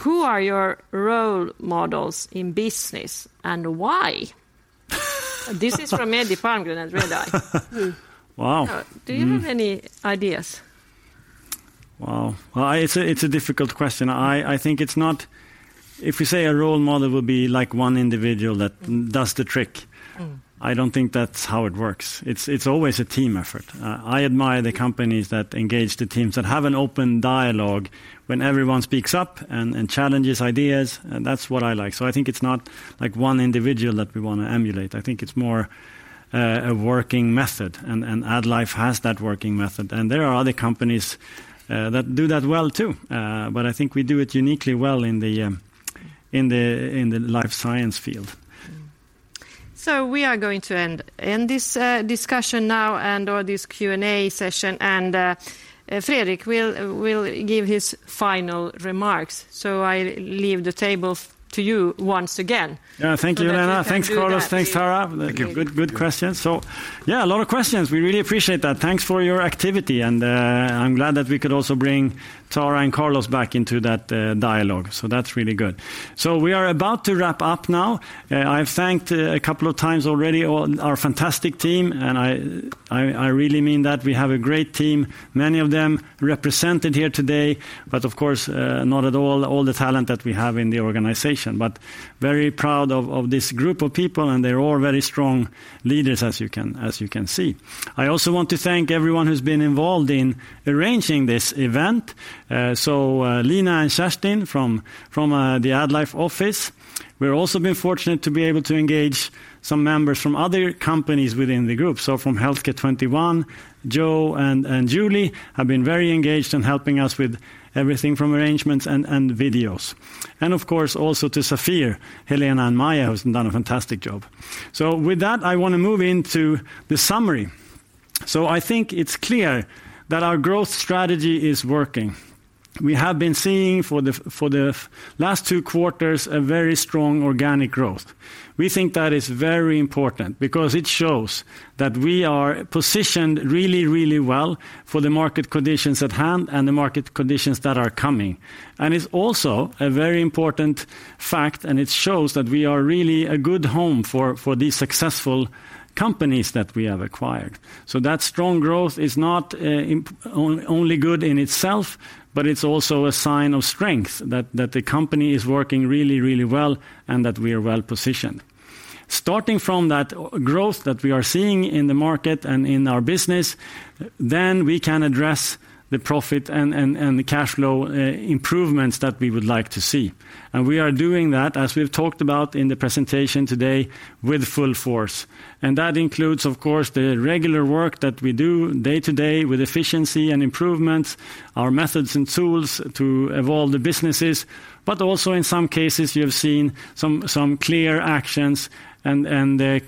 [SPEAKER 1] Who are your role models in business, and why? This is from Eddie Palmgren at Redeye.
[SPEAKER 2] Wow! Mm.
[SPEAKER 1] Do you have any ideas?
[SPEAKER 2] Wow! It's a difficult question. I think if you say a role model would be like one individual that does the trick, I don't think that's how it works. It's always a team effort. I admire the companies that engage the teams, that have an open dialogue when everyone speaks up and challenges ideas, and that's what I like. So I think it's not like one individual that we wanna emulate. I think it's more a working method, and AddLife has that working method. And there are other companies that do that well, too. But I think we do it uniquely well in the life science field. So we are going to end this discussion now and/or this Q&A session, and Fredrik will give his final remarks. So I leave the table to you once again.
[SPEAKER 1] Yeah, thank you, Helena. Thanks, Carlos. Thanks, Tara.
[SPEAKER 2] Thank you. Good, good questions. So, yeah, a lot of questions. We really appreciate that. Thanks for your activity, and, I'm glad that we could also bring Tara and Carlos back into that, dialogue. So that's really good. So we are about to wrap up now. I've thanked a couple of times already our fantastic team, and I really mean that. We have a great team, many of them represented here today, but of course, not all the talent that we have in the organization. But very proud of this group of people, and they're all very strong leaders, as you can see. I also want to thank everyone who's been involved in arranging this event. So, Helena and Sascha from the AddLife office. We've also been fortunate to be able to engage some members from other companies within the group. So from Healthcare21, Joe and Julie have been very engaged in helping us with everything from arrangements and videos. And of course, also to Safir, Helena and Maya, who's done a fantastic job. So with that, I wanna move into the summary. So I think it's clear that our growth strategy is working. We have been seeing for the last two quarters, a very strong organic growth. We think that is very important because it shows that we are positioned really, really well for the market conditions at hand and the market conditions that are coming. And it's also a very important fact, and it shows that we are really a good home for these successful companies that we have acquired. So that strong growth is not only good in itself, but it's also a sign of strength, that the company is working really, really well and that we are well-positioned. Starting from that growth that we are seeing in the market and in our business, then we can address the profit and the cashflow improvements that we would like to see. And we are doing that, as we've talked about in the presentation today, with full force. And that includes, of course, the regular work that we do day to day with efficiency and improvements, our methods and tools to evolve the businesses, but also in some cases, you've seen some clear actions and the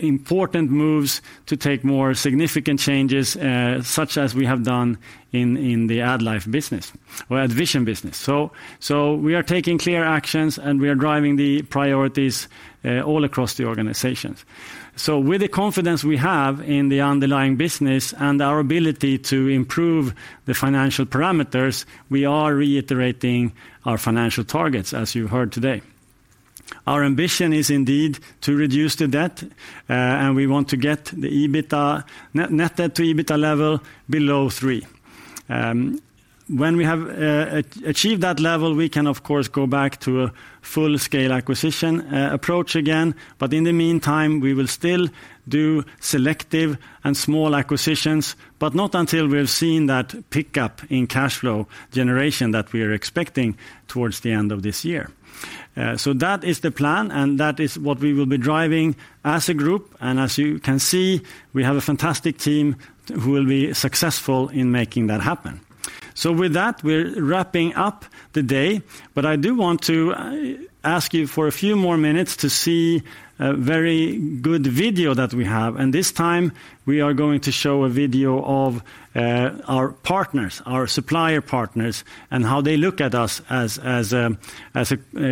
[SPEAKER 2] important moves to take more significant changes, such as we have done in the AddLife business or AddVision business. We are taking clear actions, and we are driving the priorities all across the organizations. With the confidence we have in the underlying business and our ability to improve the financial parameters, we are reiterating our financial targets, as you heard today. Our ambition is indeed to reduce the debt, and we want to get the net net debt to EBITDA level below 3. When we have achieved that level, we can, of course, go back to a full-scale acquisition approach again. But in the meantime, we will still do selective and small acquisitions, but not until we've seen that pickup in cash flow generation that we are expecting towards the end of this year. So that is the plan, and that is what we will be driving as a group, and as you can see, we have a fantastic team who will be successful in making that happen. So with that, we're wrapping up the day, but I do want to ask you for a few more minutes to see a very good video that we have, and this time we are going to show a video of our partners, our supplier partners, and how they look at us as a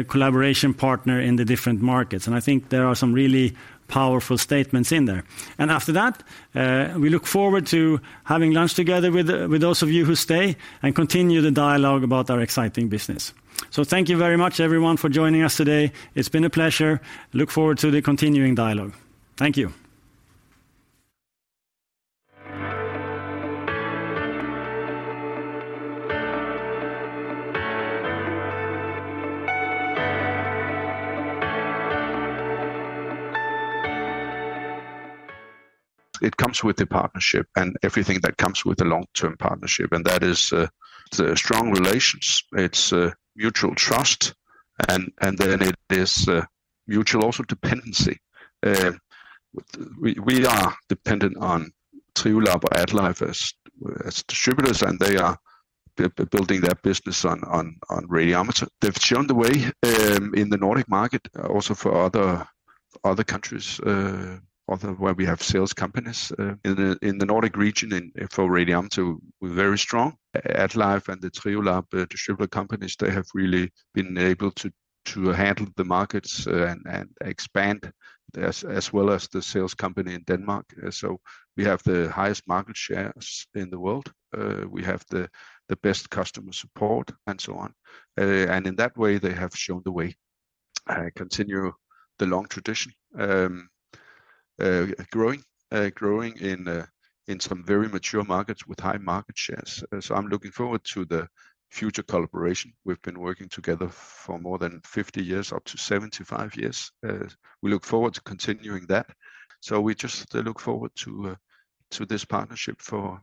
[SPEAKER 2] collaboration partner in the different markets. And I think there are some really powerful statements in there. And after that, we look forward to having lunch together with those of you who stay, and continue the dialogue about our exciting business. So thank you very much, everyone, for joining us today. It's been a pleasure. Look forward to the continuing dialogue. Thank you. It comes with the partnership and everything that comes with the long-term partnership, and that is, the strong relations. It's, mutual trust, and, and then it is, mutual also dependency. We, we are dependent on Triolab or AddLife as, as distributors, and they are building their business on, on, on Radiometer. They've shown the way, in the Nordic market, also for other, other countries, other where we have sales companies. In the, in the Nordic region and for Radiometer, we're very strong. AddLife and the Triolab, distributor companies, they have really been able to, to handle the markets, and, and expand as, as well as the sales company in Denmark. So we have the highest market shares in the world, we have the, the best customer support, and so on. And in that way, they have shown the way, continue the long tradition, growing in some very mature markets with high market shares. So I'm looking forward to the future collaboration. We've been working together for more than 50 years, up to 75 years. We look forward to continuing that, so we just look forward to this partnership for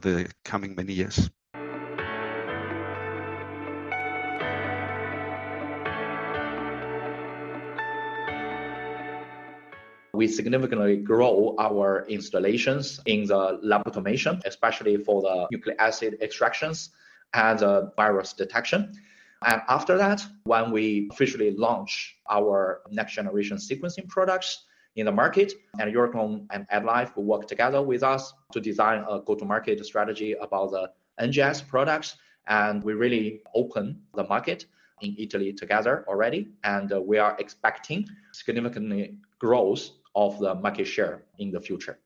[SPEAKER 2] the coming many years. We significantly grow our installations in the lab automation, especially for the nucleic acid extractions and virus detection. And after that, when we officially launch our next-generation sequencing products in the market, and Euroclone and AddLife will work together with us to design a go-to-market strategy about the NGS products, and we really open the market in Italy together already, and we are expecting significantly growth of the market share in the future.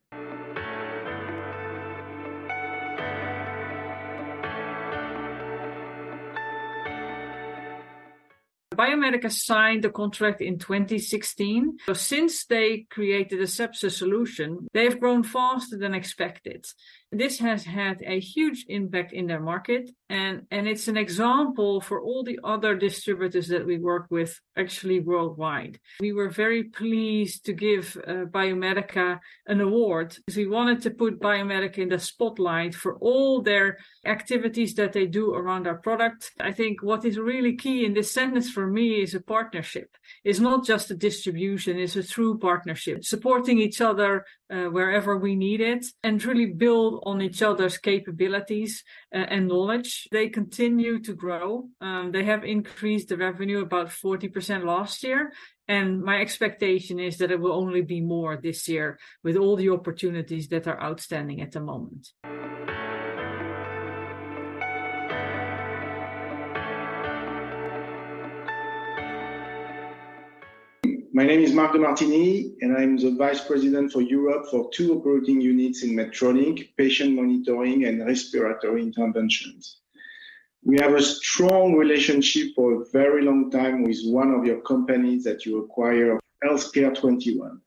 [SPEAKER 2] BioMedica signed the contract in 2016, but since they created a sepsis solution, they've grown faster than expected. This has had a huge impact in their market, and it's an example for all the other distributors that we work with actually worldwide. We were very pleased to give BioMedica an award, because we wanted to put BioMedica in the spotlight for all their activities that they do around our product. I think what is really key in this sentence for me is a partnership. It's not just a distribution, it's a true partnership, supporting each other, wherever we need it, and really build on each other's capabilities, and knowledge. They continue to grow. They have increased the revenue about 40% last year, and my expectation is that it will only be more this year with all the opportunities that are outstanding at the moment.
[SPEAKER 13] My name is Marco Martini, and I'm the Vice President for Europe for two operating units in Medtronic, Patient Monitoring and Respiratory Interventions. We have a strong relationship for a very long time with one of your companies that you acquire, Healthcare21.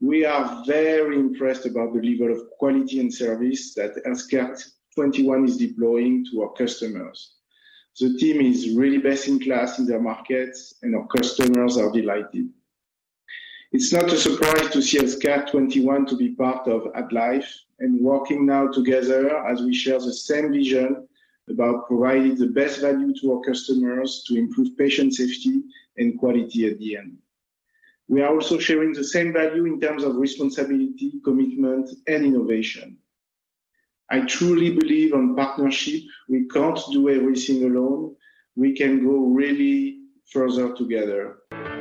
[SPEAKER 13] We are very impressed about the level of quality and service that Healthcare21 is deploying to our customers. The team is really best in class in their markets, and our customers are delighted. It's not a surprise to see Healthcare21 to be part of AddLife and working now together as we share the same vision about providing the best value to our customers to improve patient safety and quality at the end. We are also sharing the same value in terms of responsibility, commitment, and innovation. I truly believe in partnership, we can't do everything alone. We can go really further together.